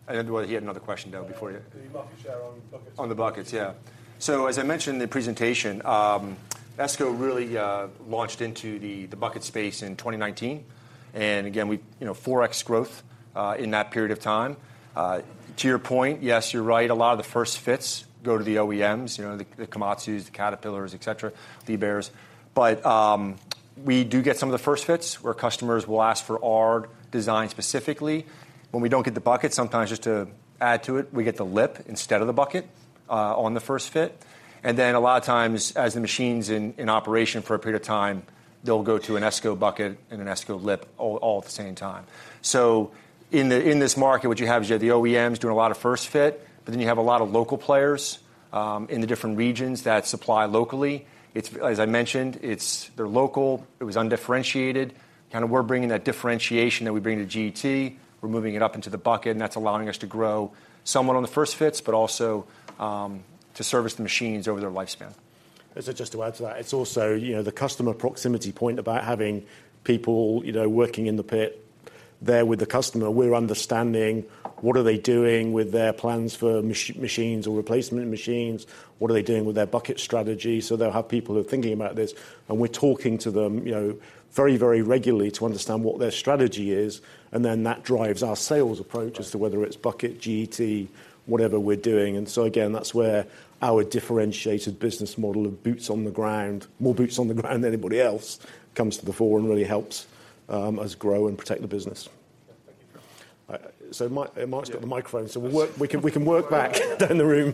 And well, he had another question, though, before you. The market share on the buckets. On the buckets, yeah. So as I mentioned in the presentation, ESCO really launched into the bucket space in 2019, and again, we, you know, 4x growth in that period of time. To your point, yes, you're right, a lot of the first fits go to the OEMs, you know, the Komatsu, the Caterpillars, et cetera, Liebherr. But we do get some of the first fits where customers will ask for our design specifically. When we don't get the bucket, sometimes just to add to it, we get the lip instead of the bucket on the first fit. And then a lot of times, as the machine's in operation for a period of time, they'll go to an ESCO bucket and an ESCO lip all at the same time. So in this market, what you have is you have the OEMs doing a lot of first fit, but then you have a lot of local players in the different regions that supply locally. It's as I mentioned, it's, they're local, it was undifferentiated. Kinda we're bringing that differentiation that we bring to GET, we're moving it up into the bucket, and that's allowing us to grow somewhat on the first fits, but also to service the machines over their lifespan. So just to add to that, it's also, you know, the customer proximity point about having people, you know, working in the pit there with the customer, we're understanding what are they doing with their plans for machines or replacement machines? What are they doing with their bucket strategy? So they'll have people who are thinking about this, and we're talking to them, you know, very, very regularly to understand what their strategy is, and then that drives our sales approach as to whether it's bucket, GET, whatever we're doing. And so again, that's where our differentiated business model of boots on the ground, more boots on the ground than anybody else, comes to the fore and really helps us grow and protect the business. Thank you. So Mike, Mike's got the microphone, so we'll work—we can, we can work back down the room.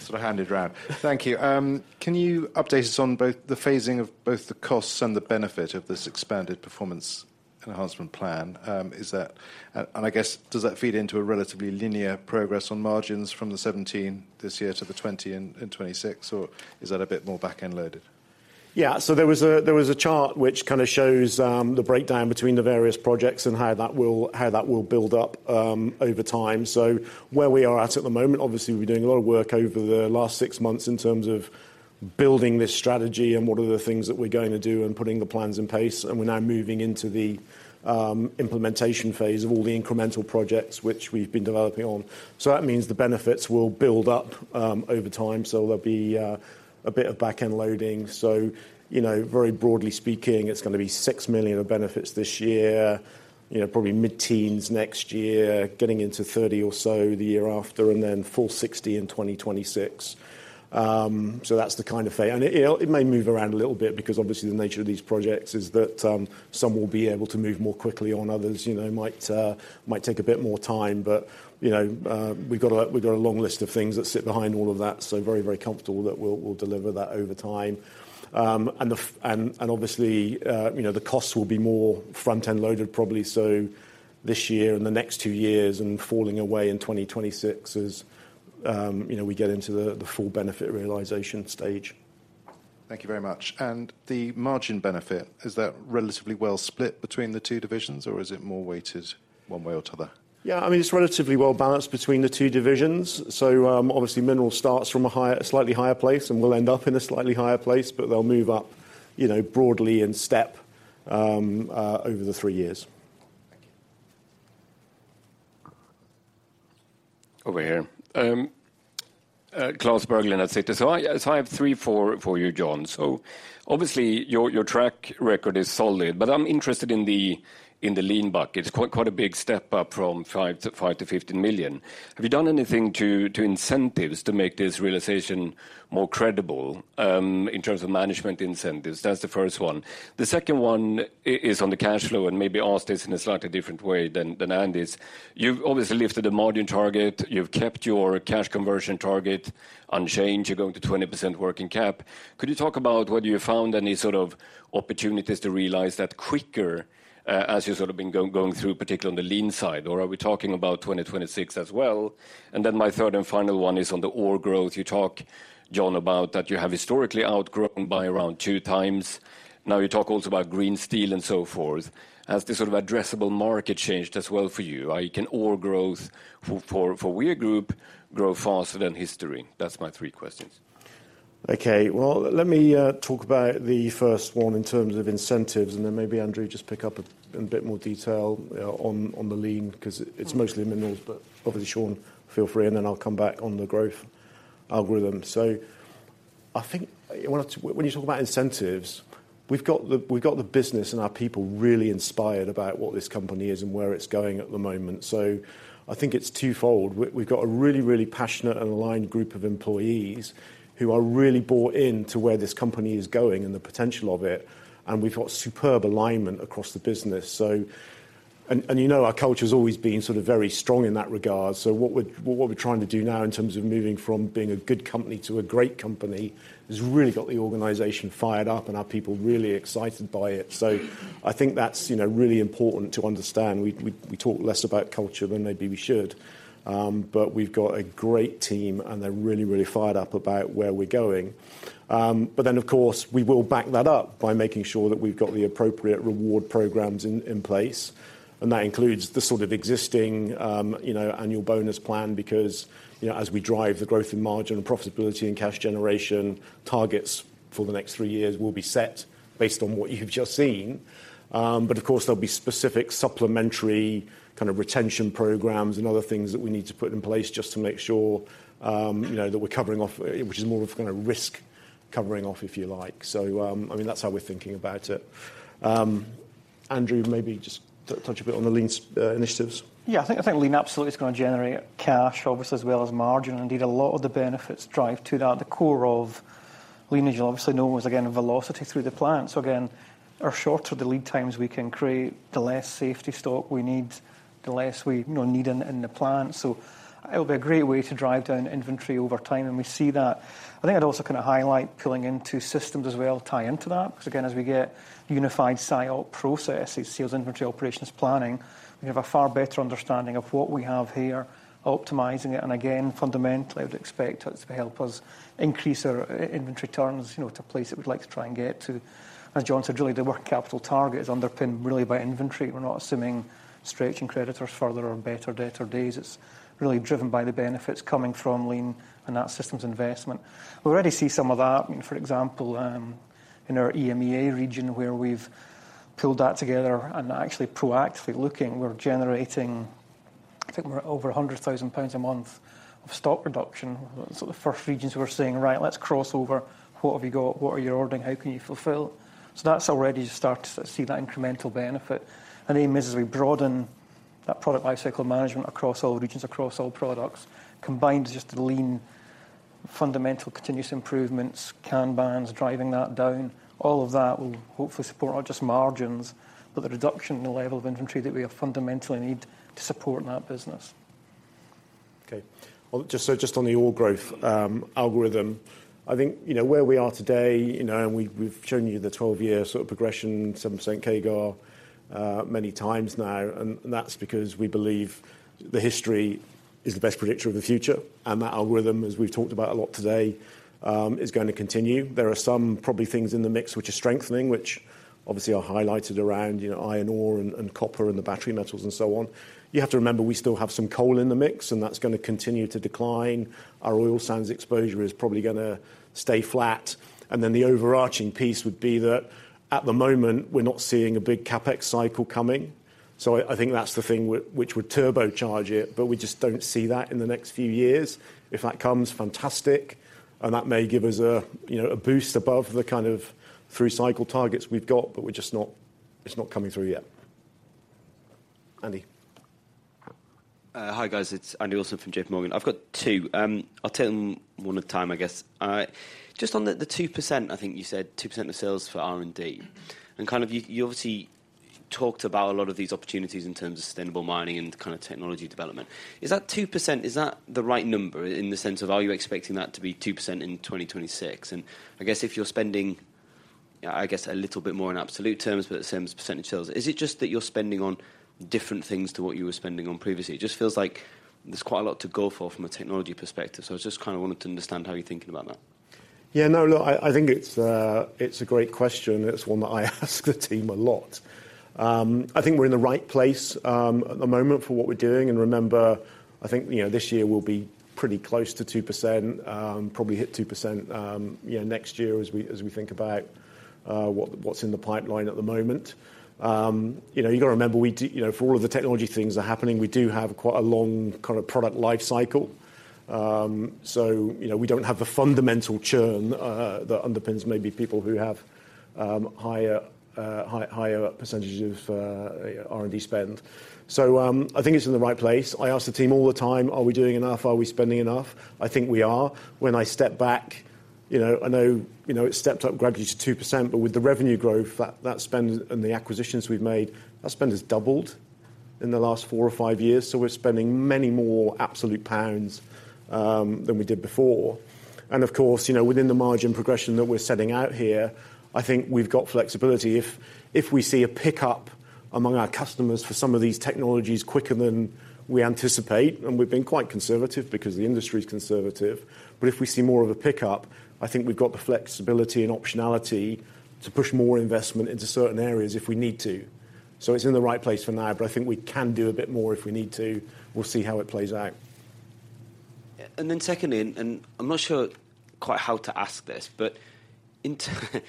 Sort of hand it round. Thank you. Can you update us on both, the phasing of both the costs and the benefit of this expanded performance enhancement plan? Is that, and, and I guess, does that feed into a relatively linear progress on margins from 17% this year to 20% in 2026, or is that a bit more back-end loaded? Yeah. So there was a chart which kind of shows the breakdown between the various projects and how that will build up over time. So where we are at the moment, obviously, we're doing a lot of work over the last six months in terms of building this strategy and what are the things that we're going to do and putting the plans in place, and we're now moving into the implementation phase of all the incremental projects which we've been developing on. So that means the benefits will build up over time, so there'll be a bit of back-end loading. So, you know, very broadly speaking, it's gonna be 6 million of benefits this year, you know, probably mid-teens next year, getting into 30 million or so the year after, and then full 60 million in 2026. So that's the kind of phase and it may move around a little bit because obviously the nature of these projects is that some will be able to move more quickly on others, you know, might take a bit more time. But you know we've got a long list of things that sit behind all of that, so very very comfortable that we'll deliver that over time. And the front-end and obviously you know the costs will be more front-end loaded, probably so this year and the next two years, and falling away in 2026 as you know we get into the full benefit realization stage. Thank you very much. And the margin benefit, is that relatively well split between the two divisions, or is it more weighted one way or the other? Yeah, I mean, it's relatively well balanced between the two divisions. So, obviously, Minerals starts from a slightly higher place and will end up in a slightly higher place, but they'll move up, you know, broadly in step, over the three years. Thank you. Over here. Klas Bergelind at Citi. So I have three, four for you, John. So obviously, your track record is solid, but I'm interested in the Lean bucket. It's quite a big step up from 5 million-15 million. Have you done anything to incentives to make this realization more credible in terms of management incentives? That's the first one. The second one is on the cash flow, and maybe ask this in a slightly different way than Andy's. You've obviously lifted the margin target, you've kept your cash conversion target unchanged. You're going to 20% working cap. Could you talk about whether you found any sort of opportunities to realize that quicker, as you've sort of been going through, particularly on the Lean side, or are we talking about 2026 as well? And then my third and final one is on the OEM growth. You talk, John, about that you have historically outgrown by around 2x. Now, you talk also about green steel and so forth. Has the sort of addressable market changed as well for you? Can OEM growth for Weir Group grow faster than history? That's my three questions. Okay. Well, let me talk about the first one in terms of incentives, and then maybe Andrew, just pick up in a bit more detail on the Lean, 'cause it's mostly minerals, but obviously, Sean, feel free, and then I'll come back on the growth algorithm. So I think when you talk about incentives, we've got the business and our people really inspired about what this company is and where it's going at the moment. So I think it's twofold. We've got a really, really passionate and aligned group of employees who are really bought in to where this company is going and the potential of it, and we've got superb alignment across the business. So, and you know our culture's always been sort of very strong in that regard. So what we're trying to do now in terms of moving from being a good company to a great company has really got the organization fired up and our people really excited by it. So I think that's, you know, really important to understand. We talk less about culture than maybe we should, but we've got a great team, and they're really, really fired up about where we're going. But then, of course, we will back that up by making sure that we've got the appropriate reward programs in place, and that includes the sort of existing, you know, annual bonus plan, because, you know, as we drive the growth in margin and profitability and cash generation, targets for the next three years will be set based on what you've just seen. But of course, there'll be specific supplementary kind of retention programs and other things that we need to put in place just to make sure, you know, that we're covering off, which is more of kind of risk covering off, if you like. So, I mean, that's how we're thinking about it. Andrew, maybe just touch a bit on the Lean initiatives. Yeah, I think, I think Lean absolutely is gonna generate cash, obviously, as well as margin. Indeed, a lot of the benefits drive to that. The core of Lean, as you obviously know, is again, velocity through the plant. So again, the shorter the lead times we can create, the less safety stock we need, the less we, you know, need in the plant. So it'll be a great way to drive down inventory over time, and we see that. I think I'd also kind of highlight pulling into systems as well, tie into that, because, again, as we get unified SIOP processes, sales, inventory, operations, planning, we have a far better understanding of what we have here, optimizing it, and again, fundamentally, I would expect it to help us increase our inventory turns, you know, to a place that we'd like to try and get to. As John said, really, the working capital target is underpinned really by inventory. We're not assuming stretching creditors further or better debt or days. It's really driven by the benefits coming from Lean and that systems investment. We already see some of that, I mean, for example, in our EMEA region, where we've pulled that together and actually proactively looking, we're generating. I think we're at over 100,000 pounds a month of stock reduction. So the first regions were saying, "Right, let's cross over. What have you got? What are you ordering? How can you fulfill?" So that's already start to see that incremental benefit. The aim is, as we broaden that product lifecycle management across all regions, across all products, combined just to Lean fundamental continuous improvements, Kanbans, driving that down, all of that will hopefully support not just margins, but the reduction in the level of inventory that we fundamentally need to support in that business. Okay. Well, just on the org growth algorithm, I think, you know, where we are today, you know, and we've shown you the 12-year sort of progression, 7% CAGR, many times now, and that's because we believe the history is the best predictor of the future, and that algorithm, as we've talked about a lot today, is gonna continue. There are some probably things in the mix which are strengthening, which obviously are highlighted around, you know, iron ore and copper and the battery metals and so on. You have to remember, we still have some coal in the mix, and that's gonna continue to decline. Our oil sands exposure is probably gonna stay flat. And then the overarching piece would be that at the moment, we're not seeing a big CapEx cycle coming. So I think that's the thing which would turbocharge it, but we just don't see that in the next few years. If that comes, fantastic, and that may give us a, you know, a boost above the kind of through cycle targets we've got, but we're just not. It's not coming through yet. Andy? Hi, guys, it's Andy Wilson from JPMorgan. I've got two, I'll take them one at a time, I guess. Just on the two percent, I think you said 2% of sales for R&D, and kind of you obviously talked about a lot of these opportunities in terms of sustainable mining and kind of technology development. Is that 2%, is that the right number in the sense of, are you expecting that to be 2% in 2026? And I guess if you're spending, I guess, a little bit more in absolute terms, but the same as percentage sales, is it just that you're spending on different things to what you were spending on previously? It just feels like there's quite a lot to go for from a technology perspective. I just kind of wanted to understand how you're thinking about that. Yeah, no, look, I think it's a great question. It's one that I ask the team a lot. I think we're in the right place at the moment for what we're doing. And remember, I think, you know, this year will be pretty close to 2%, probably hit 2%, you know, next year as we think about what's in the pipeline at the moment. You know, you got to remember, you know, for all of the technology things are happening, we do have quite a long kind of product life cycle. So, you know, we don't have the fundamental churn that underpins maybe people who have higher percentages of R&D spend. So, I think it's in the right place. I ask the team all the time: Are we doing enough? Are we spending enough? I think we are. When I step back, you know, I know, you know, it stepped up gradually to 2%, but with the revenue growth, that spend and the acquisitions we've made, our spend has doubled in the last four or five years, so we're spending many more absolute pounds, than we did before. Of course, you know, within the margin progression that we're setting out here, I think we've got flexibility. If we see a pickup among our customers for some of these technologies quicker than we anticipate, and we've been quite conservative because the industry is conservative, but if we see more of a pickup, I think we've got the flexibility and optionality to push more investment into certain areas if we need to. So it's in the right place for now, but I think we can do a bit more if we need to. We'll see how it plays out. And then secondly, and I'm not sure quite how to ask this, but if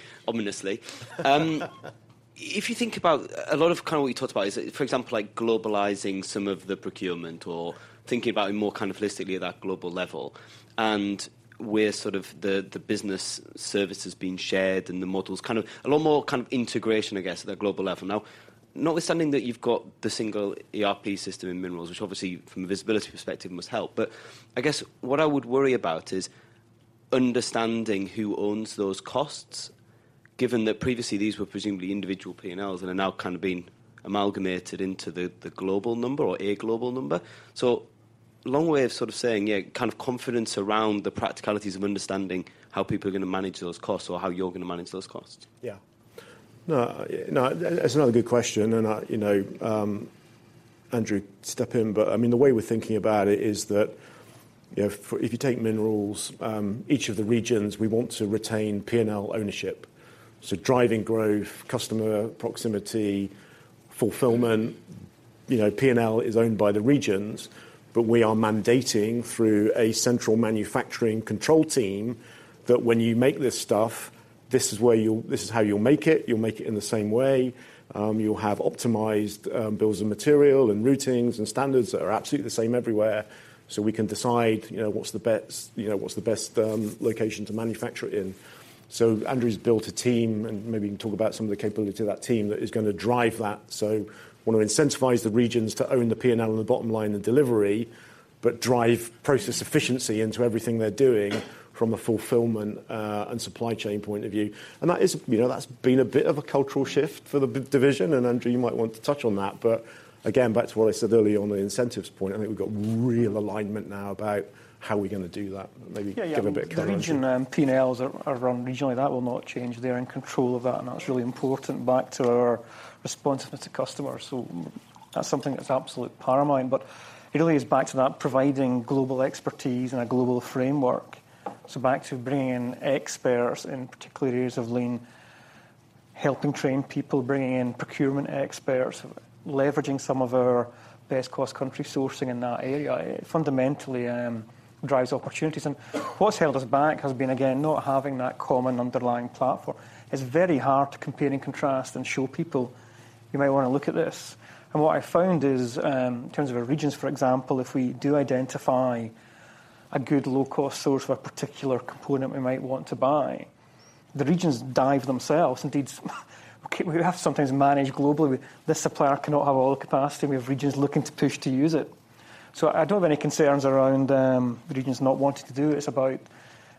you think about a lot of kind of what you talked about is, for example, like globalizing some of the procurement or thinking about it more kind of holistically at that global level and where sort of the, the business service is being shared and the models kind of a lot more kind of integration, I guess, at a global level. Now, notwithstanding that you've got the single ERP system in Minerals, which obviously, from a visibility perspective, must help. But I guess what I would worry about is understanding who owns those costs, given that previously these were presumably individual P&Ls and are now kind of being amalgamated into the, the global number or a global number. Long way of sort of saying, yeah, kind of confidence around the practicalities of understanding how people are gonna manage those costs or how you're gonna manage those costs. Yeah. No, no, that's another good question, and I, you know, Andrew, step in, but, I mean, the way we're thinking about it is that, you know, for-- if you take Minerals, each of the regions, we want to retain P&L ownership. So driving growth, customer proximity, fulfillment, you know, P&L is owned by the regions, but we are mandating through a central manufacturing control team that when you make this stuff, this is where you'll-- this is how you'll make it. You'll make it in the same way. You'll have optimized, bills and material and routings and standards that are absolutely the same everywhere, so we can decide, you know, what's the best, you know, what's the best, location to manufacture it in. So Andrew's built a team, and maybe you can talk about some of the capability of that team that is gonna drive that. So wanna incentivize the regions to own the P&L on the bottom line, the delivery, but drive process efficiency into everything they're doing from a fulfillment, and supply chain point of view. And that is, you know, that's been a bit of a cultural shift for the business division, and, Andrew, you might want to touch on that. But again, back to what I said earlier on the incentives point, I think we've got real alignment now about how we're gonna do that. Maybe give a bit of detail. Yeah, yeah. The region P&Ls are run regionally. That will not change. They're in control of that, and that's really important back to our responsiveness to customers. So that's something that's absolute paramount, but it really is back to that providing global expertise and a global framework. So back to bringing in experts in particular areas of Lean, helping train people, bringing in procurement experts, leveraging some of our best cross-country sourcing in that area. It fundamentally drives opportunities. And what's held us back has been, again, not having that common underlying platform. It's very hard to compare and contrast and show people. You might wanna look at this. And what I found is, in terms of our regions, for example, if we do identify a good low-cost source for a particular component we might want to buy, the regions do it themselves. Indeed, okay, we have to sometimes manage globally with this supplier cannot have all the capacity, we have regions looking to push to use it. So I don't have any concerns around, the regions not wanting to do it. It's about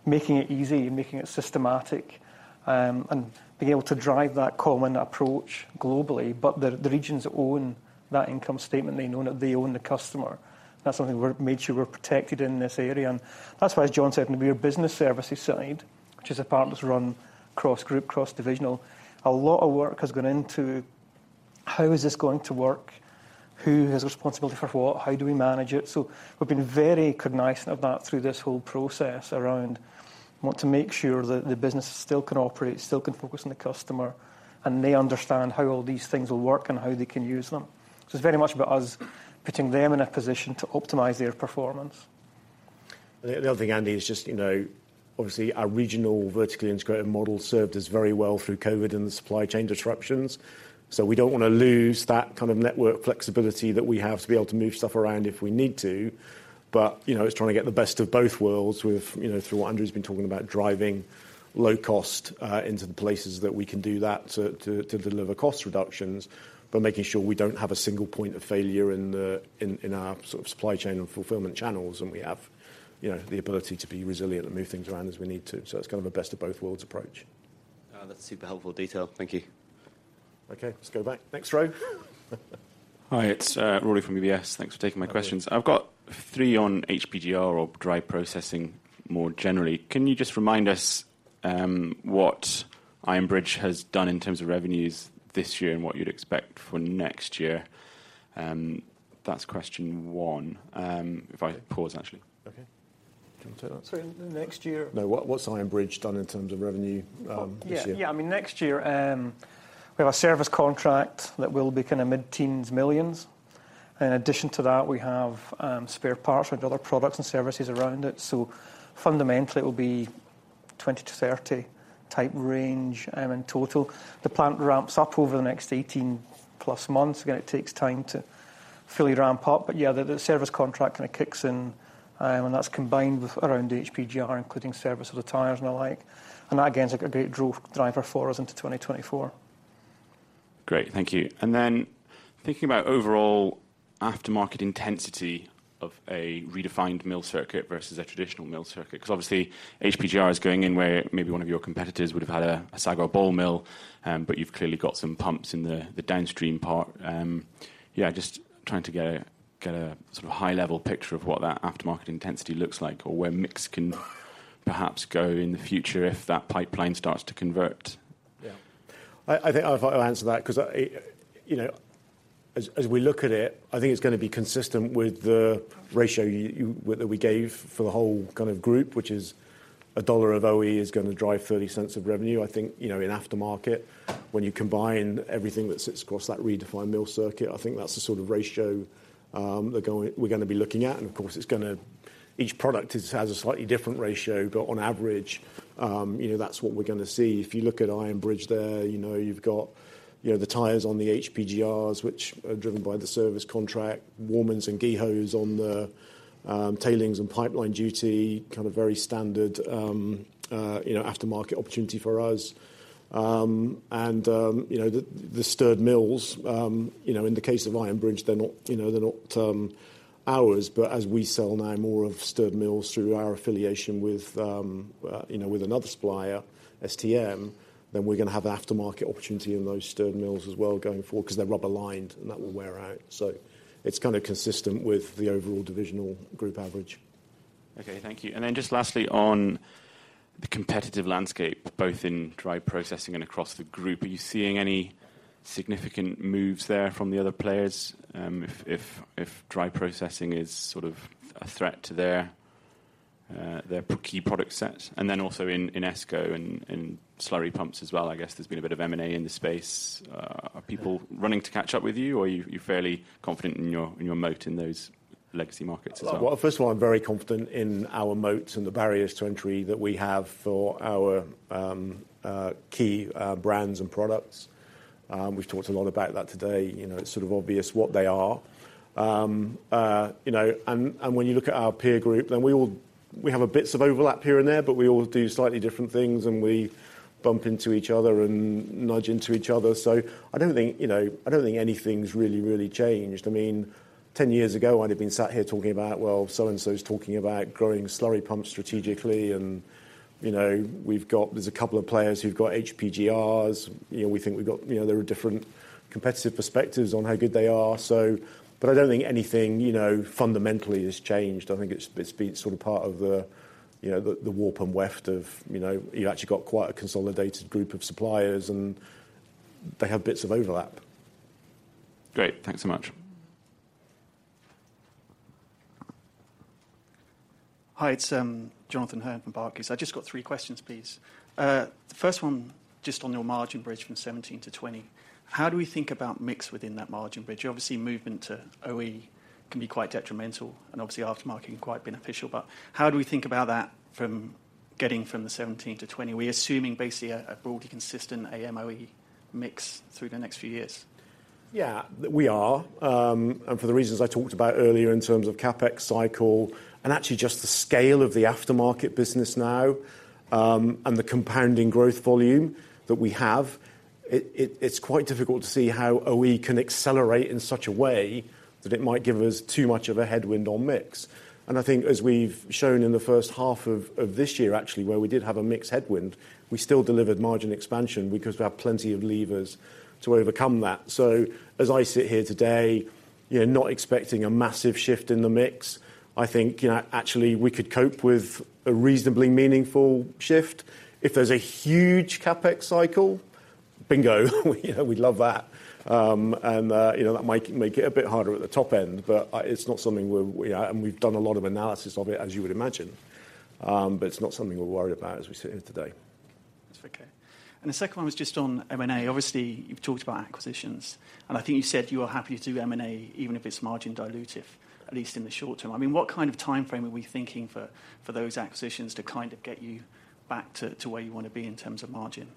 making it easy and making it systematic, and being able to drive that common approach globally. But the, the regions own that income statement, they own it, they own the customer. That's something we're made sure we're protected in this area, and that's why, as John said, in Weir Business Services side, which is a partners run cross-group, cross-divisional. A lot of work has gone into how is this going to work? Who has responsibility for what? How do we manage it? We've been very cognizant of that through this whole process around, we want to make sure that the business still can operate, still can focus on the customer, and they understand how all these things will work and how they can use them. So it's very much about us putting them in a position to optimize their performance. The other thing, Andy, is just, you know, obviously, our regional vertically integrated model served us very well through COVID and the supply chain disruptions. So we don't wanna lose that kind of network flexibility that we have to be able to move stuff around if we need to. But, you know, it's trying to get the best of both worlds with, you know, through what Andrew has been talking about, driving low cost into the places that we can do that to deliver cost reductions, but making sure we don't have a single point of failure in our sort of supply chain and fulfillment channels, and we have, you know, the ability to be resilient and move things around as we need to. So it's kind of a best of both worlds approach. That's super helpful detail. Thank you. Okay, let's go back. Next row. Hi, it's Rory from UBS. Thanks for taking my questions. Okay. I've got three on HPGR or dry processing more generally. Can you just remind us what Iron Bridge has done in terms of revenues this year and what you'd expect for next year? That's question one. If I pause, actually. Okay. Do you want to take that? Sorry, next year- No, what, what's Iron Bridge done in terms of revenue this year? Yeah. Yeah, I mean, next year, we have a service contract that will be kind of mid-teens millions. In addition to that, we have spare parts with other products and services around it. So fundamentally, it will be 20 million-30 million type range in total. The plant ramps up over the next 18+ months. Again, it takes time to fully ramp up, but yeah, the service contract kind of kicks in, and that's combined with around HPGR, including service of the tires and the like. And that, again, is a great driver for us into 2024. Great, thank you. And then thinking about overall aftermarket intensity of a redefined mill circuit versus a traditional mill circuit, because obviously, HPGR is going in where maybe one of your competitors would have had a SAG or Ball mill, but you've clearly got some pumps in the downstream part. Yeah, just trying to get a sort of high-level picture of what that aftermarket intensity looks like or where mix can perhaps go in the future if that pipeline starts to convert? Yeah. I think I'll answer that because, you know, as we look at it, I think it's gonna be consistent with the ratio you that we gave for the whole kind of group, which is $1 of OE is gonna drive $0.30 of revenue. I think, you know, in aftermarket, when you combine everything that sits across that redefined mill circuit, I think that's the sort of ratio that we're gonna be looking at, and of course, it's gonna. Each product has a slightly different ratio, but on average, you know, that's what we're gonna see. If you look at Iron Bridge there, you know, you've got, you know, the tires on the HPGRs, which are driven by the service contract, Warman’s and Geho’s on the, tailings and pipeline duty, kind of very standard, you know, aftermarket opportunity for us. And, you know, the, the stirred mills, you know, in the case of Iron Bridge, they're not, you know, they're not, ours, but as we sell now more of stirred mills through our affiliation with, you know, with another supplier, STM, then we're gonna have aftermarket opportunity in those stirred mills as well going forward because they're rubber-lined, and that will wear out. So it's kind of consistent with the overall divisional group average. Okay, thank you. And then just lastly, on the competitive landscape, both in dry processing and across the group, are you seeing any significant moves there from the other players? If dry processing is sort of a threat to their key product set, and then also in ESCO and in slurry pumps as well, I guess there's been a bit of M&A in the space. Are people running to catch up with you, or you're fairly confident in your moat in those legacy markets as well? Well, first of all, I'm very confident in our moats and the barriers to entry that we have for our key brands and products. We've talked a lot about that today, you know, it's sort of obvious what they are. You know, and, and when you look at our peer group, then we all- we have bits of overlap here and there, but we all do slightly different things, and we bump into each other and nudge into each other. So I don't think, you know, I don't think anything's really, really changed. I mean, 10 years ago, I'd have been sat here talking about, well, so-and-so is talking about growing slurry pumps strategically, and, you know, we've got- there's a couple of players who've got HPGRs. You know, we think we've got... You know, there are different competitive perspectives on how good they are, so, but I don't think anything, you know, fundamentally has changed. I think it's, it's been sort of part of the, you know, the, the warp and weft of, you know, you actually got quite a consolidated group of suppliers, and they have bits of overlap. Great. Thanks so much. Hi, it's Jonathan Hurn from Barclays. I just got three questions, please. The first one, just on your margin bridge from 17%-20%. How do we think about mix within that margin bridge? Obviously, movement to OE can be quite detrimental and obviously, aftermarket can be quite beneficial, but how do we think about that from getting from the 17%-20%, we're assuming basically a broadly consistent AMOE mix through the next few years? Yeah, we are, and for the reasons I talked about earlier in terms of CapEx cycle and actually just the scale of the aftermarket business now, and the compounding growth volume that we have. It's quite difficult to see how OE can accelerate in such a way that it might give us too much of a headwind on mix. And I think as we've shown in the first half of this year, actually, where we did have a mix headwind, we still delivered margin expansion because we have plenty of levers to overcome that. So as I sit here today, you know, not expecting a massive shift in the mix, I think, you know, actually, we could cope with a reasonably meaningful shift. If there's a huge CapEx cycle, bingo! We, you know, we'd love that. You know, that might make it a bit harder at the top end, but it's not something we're, and we've done a lot of analysis of it, as you would imagine. But it's not something we're worried about as we sit here today. That's okay. The second one was just on M&A. Obviously, you've talked about acquisitions, and I think you said you are happy to do M&A, even if it's margin dilutive, at least in the short term. I mean, what kind of timeframe are we thinking for, for those acquisitions to kind of get you back to, to where you want to be in terms of margin?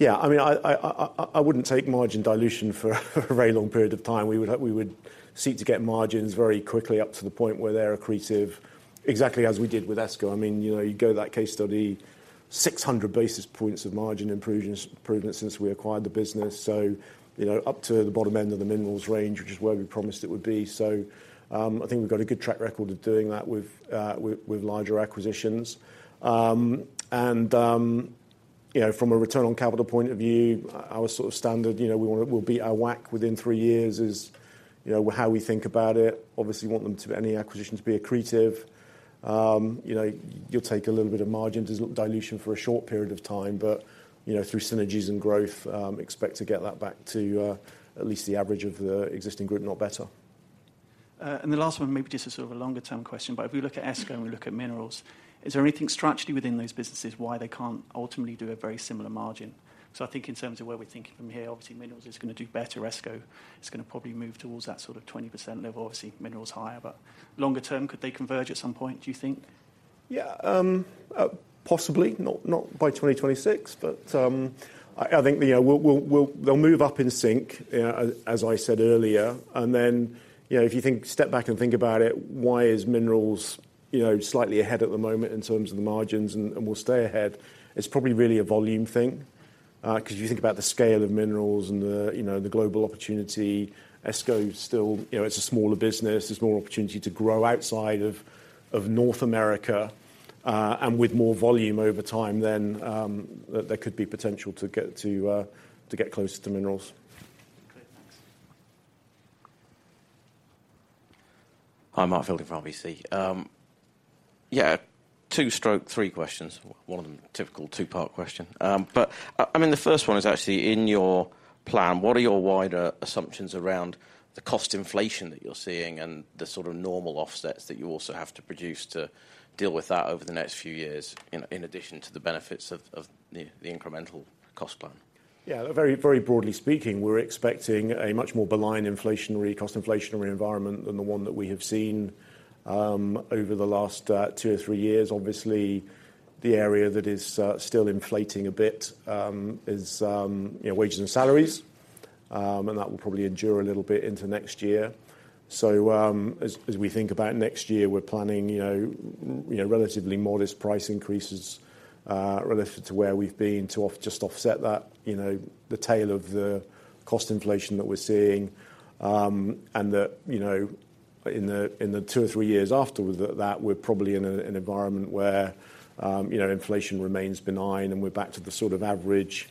Yeah, I mean, I wouldn't take margin dilution for a very long period of time. We would seek to get margins very quickly up to the point where they're accretive, exactly as we did with ESCO. I mean, you know, you go to that case study, 600 basis points of margin improvements since we acquired the business. So, you know, up to the bottom end of the Minerals range, which is where we promised it would be. So, I think we've got a good track record of doing that with larger acquisitions. And, you know, from a return on capital point of view, our sort of standard, you know, we wanna—we'll beat our WACC within three years, is, you know, how we think about it. Obviously, we want them to be any acquisition to be accretive. You know, you'll take a little bit of margin dilution for a short period of time, but, you know, through synergies and growth, expect to get that back to, at least the average of the existing group, not better. And the last one, maybe just a sort of a longer-term question, but if we look at ESCO and we look at Minerals, is there anything structurally within those businesses why they can't ultimately do a very similar margin? So I think in terms of where we're thinking from here, obviously, Minerals is going to do better. ESCO is going to probably move towards that sort of 20% level. Obviously, Minerals is higher, but longer term, could they converge at some point, do you think? Yeah, possibly, not by 2026, but I think, yeah, we'll, they'll move up in sync, as I said earlier, and then, you know, if you think, step back and think about it, why is Minerals, you know, slightly ahead at the moment in terms of the margins, and will stay ahead? It's probably really a volume thing, because you think about the scale of Minerals and the, you know, the global opportunity. ESCO is still... You know, it's a smaller business. There's more opportunity to grow outside of North America, and with more volume over time, then there could be potential to get to, to get closer to Minerals. Okay, thanks. Hi, Mark Fielding from RBC. Yeah, two, three questions. One of them, typical two-part question. But, I mean, the first one is actually, in your plan, what are your wider assumptions around the cost inflation that you're seeing and the sort of normal offsets that you also have to produce to deal with that over the next few years, in addition to the benefits of the incremental cost plan? Yeah, very, very broadly speaking, we're expecting a much more benign inflationary, cost inflationary environment than the one that we have seen over the last two or three years. Obviously, the area that is still inflating a bit is, you know, wages and salaries, and that will probably endure a little bit into next year. So, as we think about next year, we're planning, you know, you know, relatively modest price increases relative to where we've been to just offset that, you know, the tail of the cost inflation that we're seeing. And the, you know, in the, in the two or three years afterwards, that we're probably in a, an environment where, you know, inflation remains benign and we're back to the sort of average,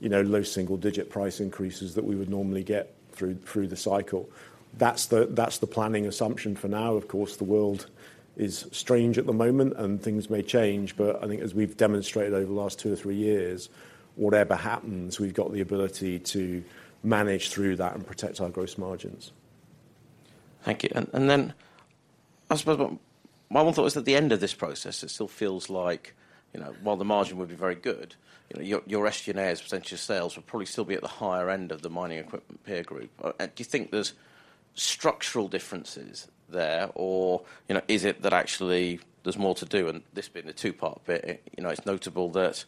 you know, low single-digit price increases that we would normally get through, through the cycle. That's the, that's the planning assumption for now. Of course, the world is strange at the moment, and things may change. But I think as we've demonstrated over the last two or three years, whatever happens, we've got the ability to manage through that and protect our gross margins. Thank you. And then, I suppose, my one thought is at the end of this process, it still feels like, you know, while the margin would be very good, you know, your SG&A as a percentage of sales, will probably still be at the higher end of the mining equipment peer group. Do you think there's structural differences there, or, you know, is it that actually there's more to do? And this being the two-part bit, you know, it's notable that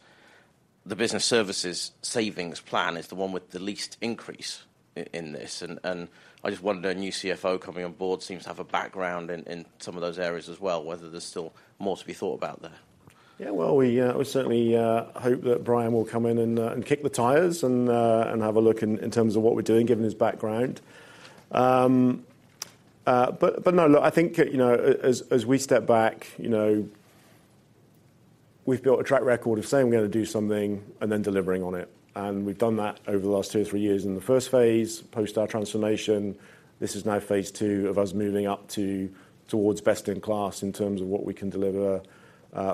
the business services savings plan is the one with the least increase in this. And I just wondered, a new CFO coming on board seems to have a background in, in some of those areas as well, whether there's still more to be thought about there. Yeah, well, we certainly hope that Brian will come in and kick the tires and have a look in terms of what we're doing, given his background. But no, look, I think, you know, as we step back, you know, we've built a track record of saying we're going to do something and then delivering on it, and we've done that over the last two or three years. In the first phase, post our transformation, this is now phase two of us moving up towards best in class in terms of what we can deliver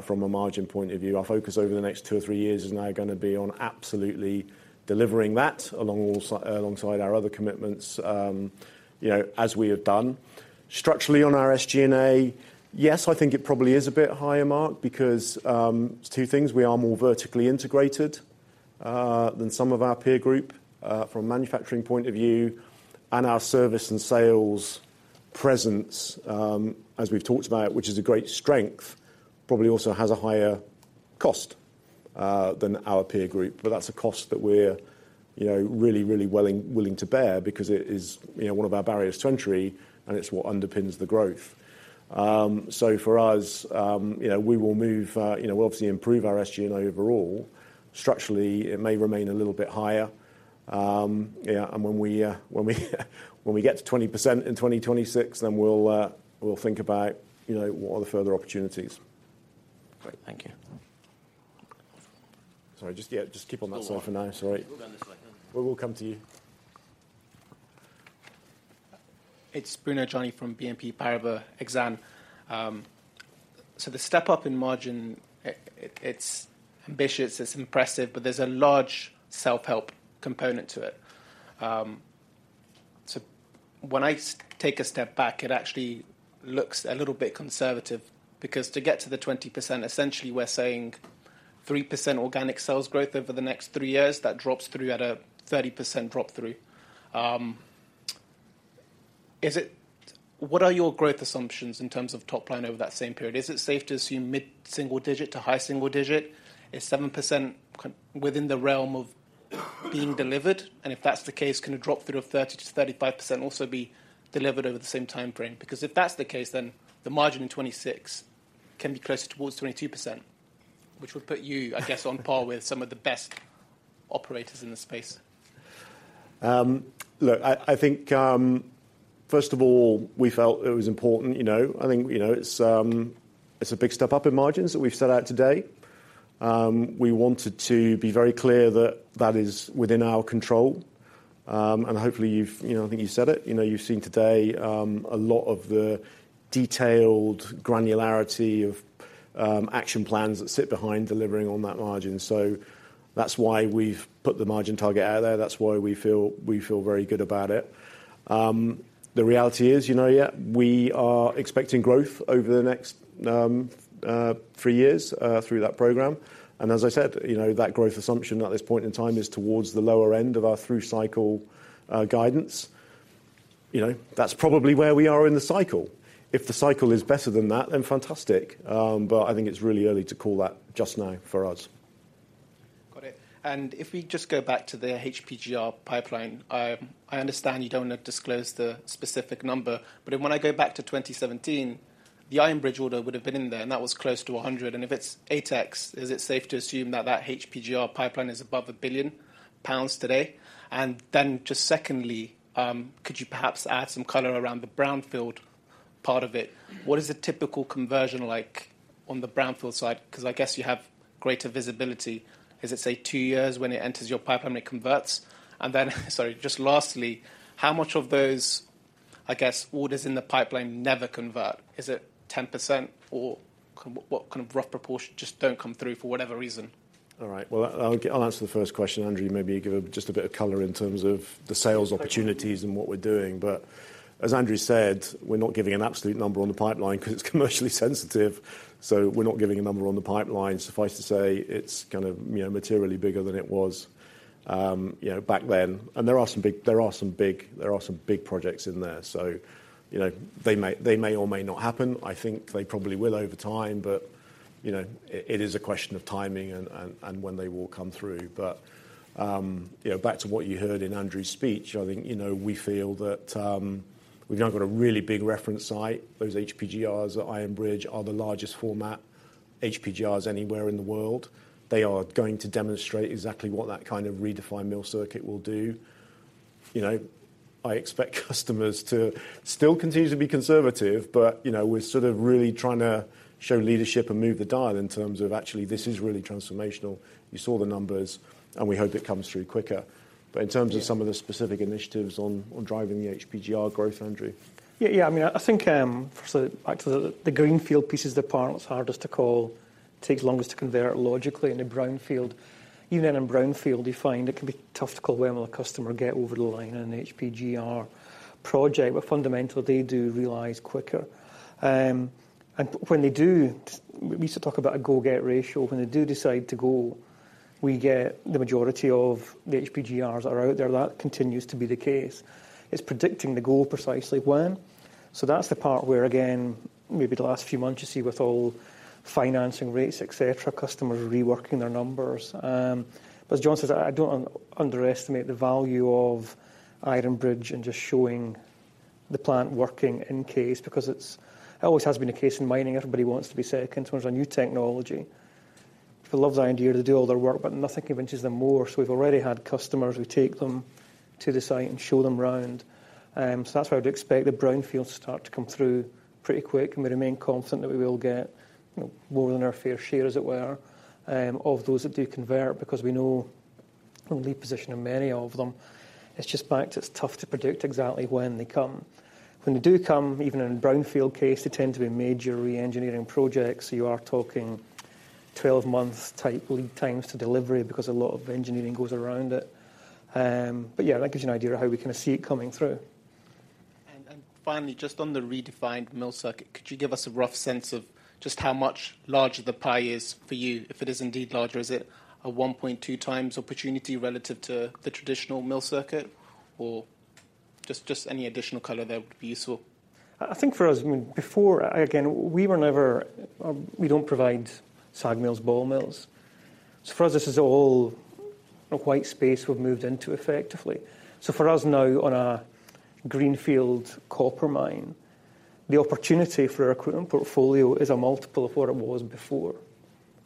from a margin point of view. Our focus over the next two or three years is now gonna be on absolutely delivering that, alongside our other commitments, you know, as we have done. Structurally, on our SG&A, yes, I think it probably is a bit higher, Mark, because, there's two things: We are more vertically integrated than some of our peer group from a manufacturing point of view, and our service and sales presence, as we've talked about, which is a great strength, probably also has a higher cost than our peer group. But that's a cost that we're, you know, really willing to bear because it is, you know, one of our barriers to entry, and it's what underpins the growth. So for us, you know, we will move, you know, we'll obviously improve our SG&A overall. Structurally, it may remain a little bit higher. Yeah, and when we get to 20% in 2026, then we'll think about, you know, what are the further opportunities. Great. Thank you. Sorry, just, yeah, just keep on that side for now. Sorry. We'll go down this way. We will come to you. It's Bruno Gjani from BNP Paribas Exane. So the step up in margin, it, it's ambitious, it's impressive, but there's a large self-help component to it. So when I take a step back, it actually looks a little bit conservative, because to get to the 20%, essentially, we're saying 3% organic sales growth over the next three years, that drops through at a 30% drop-through. What are your growth assumptions in terms of top line over that same period? Is it safe to assume mid-single digit to high single digit? Is 7% within the realm of being delivered? And if that's the case, can a drop through of 30%-35% also be delivered over the same time frame? Because if that's the case, then the margin in 2026 can be closer towards 22%, which would put you, I guess, on par with some of the best operators in the space. Look, I think, first of all, we felt it was important, you know. I think, you know, it's, it's a big step up in margins that we've set out today. We wanted to be very clear that that is within our control, and hopefully, you've, you know, I think you said it, you know, you've seen today, a lot of the detailed granularity of, action plans that sit behind delivering on that margin. So that's why we've put the margin target out there. That's why we feel, we feel very good about it. The reality is, you know, yeah, we are expecting growth over the next, three years, through that program. And as I said, you know, that growth assumption at this point in time is towards the lower end of our through cycle, guidance. You know, that's probably where we are in the cycle. If the cycle is better than that, then fantastic. But I think it's really early to call that just now for us. Got it. And if we just go back to the HPGR pipeline, I understand you don't want to disclose the specific number, but then when I go back to 2017, the Iron Bridge order would have been in there, and that was close to 100 million. And if it's 8x, is it safe to assume that that HPGR pipeline is above 1 billion pounds today? And then just secondly, could you perhaps add some color around the brownfield part of it? What is the typical conversion like on the brownfield side? Because I guess you have greater visibility. Is it, say, two years when it enters your pipeline, it converts? And then, sorry, just lastly, how much of those, I guess, orders in the pipeline never convert? Is it 10%, or what kind of rough proportion just don't come through for whatever reason? All right. Well, I'll answer the first question. Andrew, maybe give us just a bit of color in terms of the sales opportunities- Okay. and what we're doing. But as Andrew said, we're not giving an absolute number on the pipeline because it's commercially sensitive, so we're not giving a number on the pipeline. Suffice to say, it's kind of, you know, materially bigger than it was, you know, back then. And there are some big projects in there. So, you know, they may or may not happen. I think they probably will over time, but, you know, it is a question of timing and when they will come through. But, you know, back to what you heard in Andrew's speech, I think, you know, we feel that we've now got a really big reference site. Those HPGRs at Iron Bridge are the largest format HPGRs anywhere in the world. They are going to demonstrate exactly what that kind of Redefined mill circuit will do. You know, I expect customers to still continue to be conservative, but, you know, we're sort of really trying to show leadership and move the dial in terms of actually this is really transformational. You saw the numbers, and we hope it comes through quicker. Yeah. In terms of some of the specific initiatives on driving the HPGR growth, Andrew? Yeah, yeah. I mean, I think, so back to the, the greenfield piece is the part that's hardest to call, takes longest to convert logically. In a brownfield, even in a brownfield, you find it can be tough to call when will a customer get over the line in an HPGR project, but fundamentally, they do realize quicker. And when they do, we used to talk about a go-get ratio. When they do decide to go, we get the majority of the HPGRs that are out there. That continues to be the case. It's predicting the goal precisely when. So that's the part where, again, maybe the last few months, you see with all financing rates, et cetera, customers reworking their numbers. But as John says, I don't underestimate the value of Iron Bridge and just showing the plant working in case, because it's... It always has been a case in mining. Everybody wants to be second in terms of new technology. People love the idea to do all their work, but nothing convinces them more. So we've already had customers who take them to the site and show them around. So that's why I would expect the brownfield to start to come through pretty quick, and we remain confident that we will get, you know, more than our fair share, as it were, of those that do convert, because we know our lead position in many of them. It's just back to, it's tough to predict exactly when they come. When they do come, even in a brownfield case, they tend to be major reengineering projects, so you are talking 12-month-type lead times to delivery because a lot of engineering goes around it. But yeah, that gives you an idea of how we kinda see it coming through.... finally, just on the redefined mill circuit, could you give us a rough sense of just how much larger the pie is for you, if it is indeed larger? Is it a 1.2x opportunity relative to the traditional mill circuit, or just, just any additional color there would be useful. I think for us, I mean, before, again, we were never, we don't provide SAG mills, Ball mills. So for us, this is all a white space we've moved into effectively. So for us now, on a Greenfield copper mine, the opportunity for our equipment portfolio is a multiple of what it was before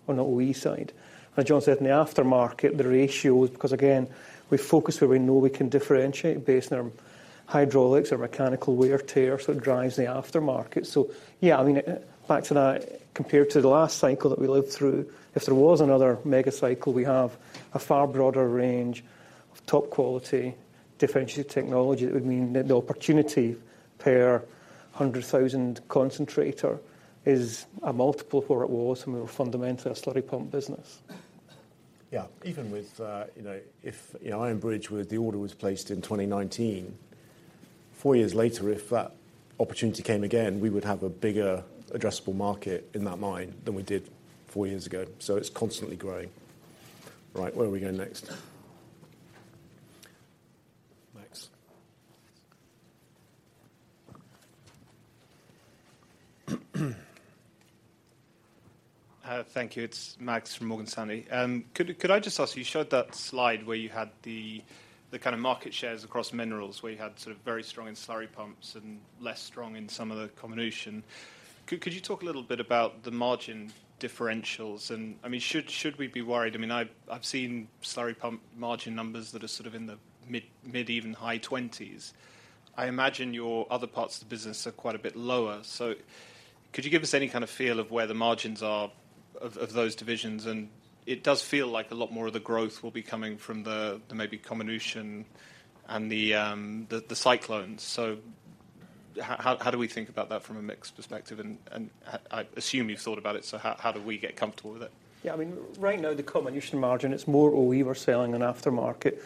on the OE side. As John said, in the aftermarket, the ratio, because again, we focus where we know we can differentiate based on our hydraulics or mechanical wear tear, so it drives the aftermarket. So yeah, I mean, back to that, compared to the last cycle that we lived through, if there was another mega cycle, we have a far broader range of top quality differentiated technology. That would mean that the opportunity per 100,000 concentrator is a multiple of what it was when we were fundamentally a slurry pump business. Yeah. Even with, you know, if, you know, Iron Bridge, where the order was placed in 2019, four years later, if that opportunity came again, we would have a bigger addressable market in that mine than we did four years ago. So it's constantly growing. Right, where are we going next? Max. Thank you. It's Max from Morgan Stanley. Could I just ask you, you showed that slide where you had the kind of market shares across Minerals, where you had sort of very strong in slurry pumps and less strong in some of the comminution. Could you talk a little bit about the margin differentials? And, I mean, should we be worried? I mean, I've seen slurry pump margin numbers that are sort of in the mid-20s%, even high 20s%. I imagine your other parts of the business are quite a bit lower. So could you give us any kind of feel of where the margins are of those divisions? And it does feel like a lot more of the growth will be coming from the maybe comminution and the cyclones. So how do we think about that from a mix perspective? And I assume you've thought about it, so how do we get comfortable with it? Yeah, I mean, right now, the combination margin, it's more OE we're selling than aftermarket,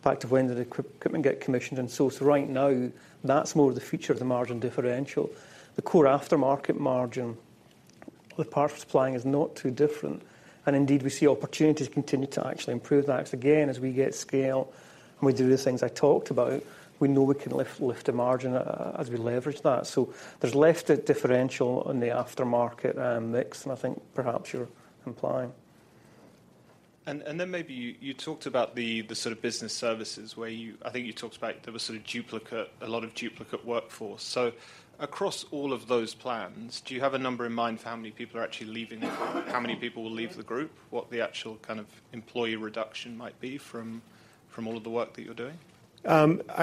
back to when did the equipment get commissioned, and so right now, that's more the future of the margin differential. The core aftermarket margin, the part supplying is not too different, and indeed, we see opportunities continue to actually improve that. Again, as we get scale and we do the things I talked about, we know we can lift the margin as we leverage that. So there's left a differential on the aftermarket mix, and I think perhaps you're implying. Then maybe you talked about the sort of business services where you... I think you talked about there was sort of duplicate, a lot of duplicate workforce. So across all of those plans, do you have a number in mind for how many people are actually leaving, how many people will leave the group? What the actual kind of employee reduction might be from all of the work that you're doing?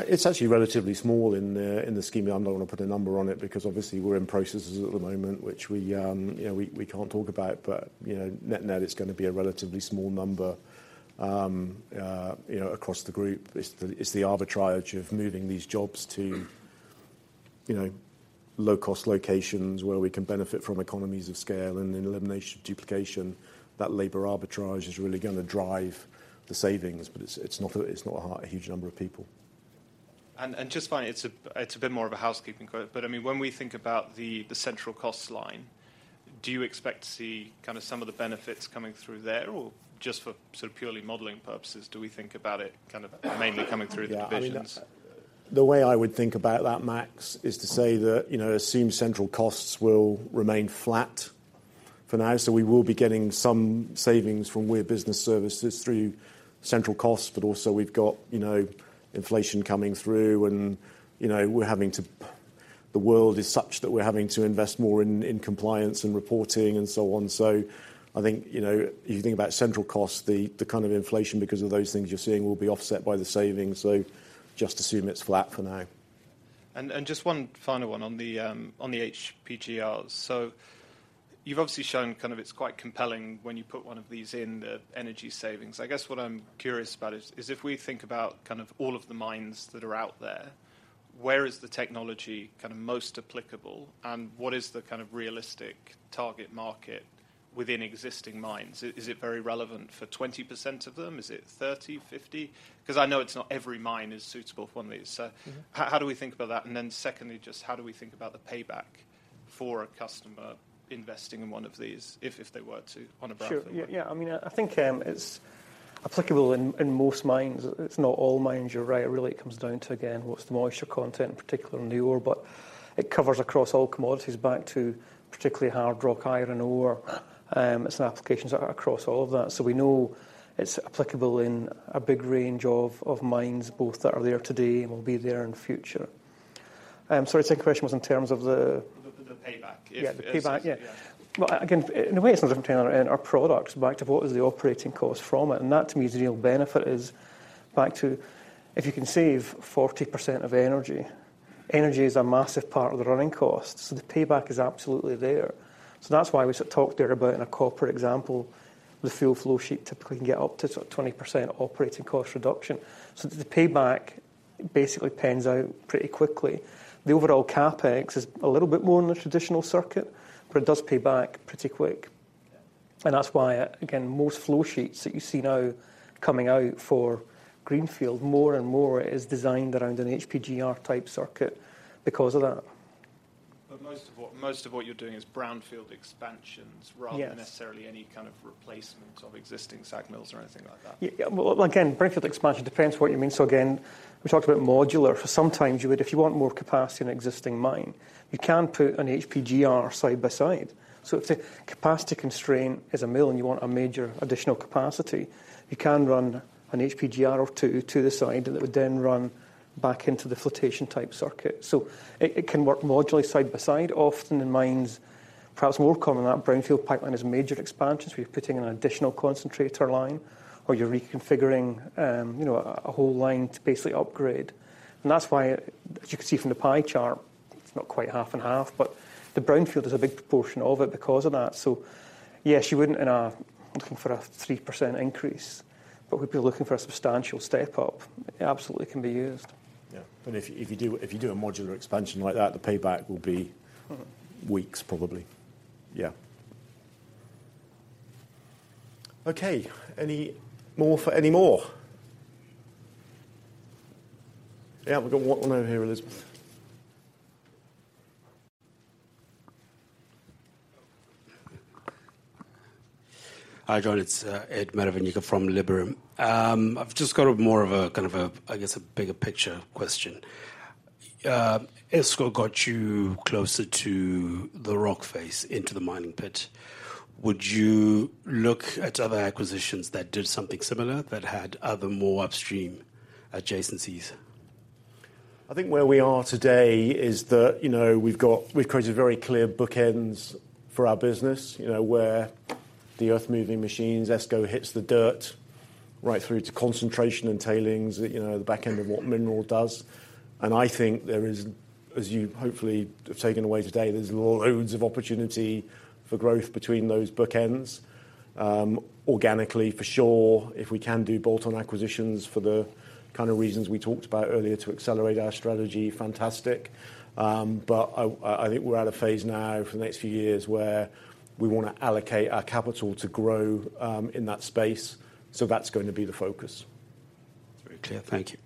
It's actually relatively small in the scheme. I'm not going to put a number on it, because obviously, we're in processes at the moment, which we, you know, can't talk about. But, you know, net net, it's going to be a relatively small number, you know, across the group. It's the arbitrage of moving these jobs to, you know, low-cost locations where we can benefit from economies of scale and elimination of duplication. That labor arbitrage is really going to drive the savings, but it's not a huge number of people. Just finally, it's a bit more of a housekeeping quote, but I mean, when we think about the central cost line, do you expect to see kind of some of the benefits coming through there, or just for sort of purely modeling purposes, do we think about it kind of mainly coming through the divisions? I mean, the way I would think about that, Max, is to say that, you know, assume central costs will remain flat for now. So we will be getting some savings from Weir Business Services through central costs, but also we've got, you know, inflation coming through and, you know, we're having to... The world is such that we're having to invest more in compliance and reporting and so on. So I think, you know, if you think about central costs, the kind of inflation because of those things you're seeing will be offset by the savings. So just assume it's flat for now. And just one final one on the HPGRs. So you've obviously shown kind of it's quite compelling when you put one of these in the energy savings. I guess what I'm curious about is if we think about kind of all of the mines that are out there, where is the technology kind of most applicable, and what is the kind of realistic target market within existing mines? Is it very relevant for 20% of them? Is it 30%, 50%? Because I know it's not every mine is suitable for one of these. Mm-hmm. So how do we think about that? And then secondly, just how do we think about the payback for a customer investing in one of these, if they were to on a broad level? Sure. Yeah, I mean, I think it's applicable in most mines. It's not all mines, you're right. It really comes down to, again, what's the moisture content, particularly in the ore, but it covers across all commodities back to particularly hard rock, iron ore. It's an application across all of that. So we know it's applicable in a big range of mines, both that are there today and will be there in future. Sorry, second question was in terms of the- The payback, if- Yeah, payback, yeah. Yeah. Well, again, in a way, it's no different to our, our products, back to what is the operating cost from it, and that to me is the real benefit, is back to if you can save 40% of energy, energy is a massive part of the running cost, so the payback is absolutely there. So that's why we sort of talked there about in a corporate example, the full flowsheet typically can get up to sort of 20% operating cost reduction. So the payback basically pans out pretty quickly. The overall CapEx is a little bit more than the traditional circuit, but it does pay back pretty quick.... and that's why, again, most flow sheets that you see now coming out for greenfield, more and more is designed around an HPGR-type circuit because of that. But most of what you're doing is brownfield expansions- Yes. Rather than necessarily any kind of replacement of existing SAG mills or anything like that? Yeah, well, again, brownfield expansion depends what you mean. So again, we talked about modular. Sometimes you would, if you want more capacity in an existing mine, you can put an HPGR side by side. So if the capacity constraint is a mill, and you want a major additional capacity, you can run an HPGR or two to the side, and it would then run back into the flotation-type circuit. So it, it can work modularly side by side. Often in mines, perhaps more common than that, brownfield pipeline is major expansions, where you're putting an additional concentrator line or you're reconfiguring, you know, a whole line to basically upgrade. And that's why, as you can see from the pie chart, it's not quite half and half, but the brownfield is a big proportion of it because of that. So yes, you wouldn't end up looking for a 3% increase, but we'd be looking for a substantial step-up. It absolutely can be used. Yeah. But if you do a modular expansion like that, the payback will be- Mm-hmm weeks, probably. Yeah. Okay, any more for any more? Yeah, we've got one over here, Elizabeth. Hi, John. It's Ed Maravanyika from Liberum. I've just got more of a kind of bigger picture question. ESCO got you closer to the rock face into the mining pit. Would you look at other acquisitions that did something similar, that had other more upstream adjacencies? I think where we are today is that, you know, we've got—we've created very clear bookends for our business, you know, where the earthmoving machines, ESCO, hits the dirt right through to concentration and tailings, you know, the back end of what mineral does. And I think there is, as you hopefully have taken away today, there's loads of opportunity for growth between those bookends. Organically, for sure, if we can do bolt-on acquisitions for the kind of reasons we talked about earlier to accelerate our strategy, fantastic. But I think we're at a phase now for the next few years where we wanna allocate our capital to grow, in that space. So that's going to be the focus. Very clear. Thank you.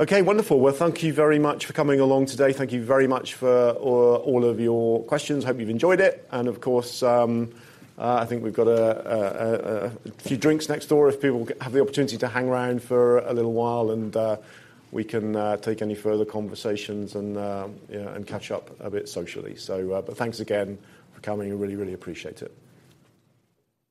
Okay, wonderful. Well, thank you very much for coming along today. Thank you very much for all of your questions. Hope you've enjoyed it. And of course, I think we've got a few drinks next door if people have the opportunity to hang around for a little while, and we can take any further conversations and, yeah, and catch up a bit socially. So, but thanks again for coming. I really, really appreciate it.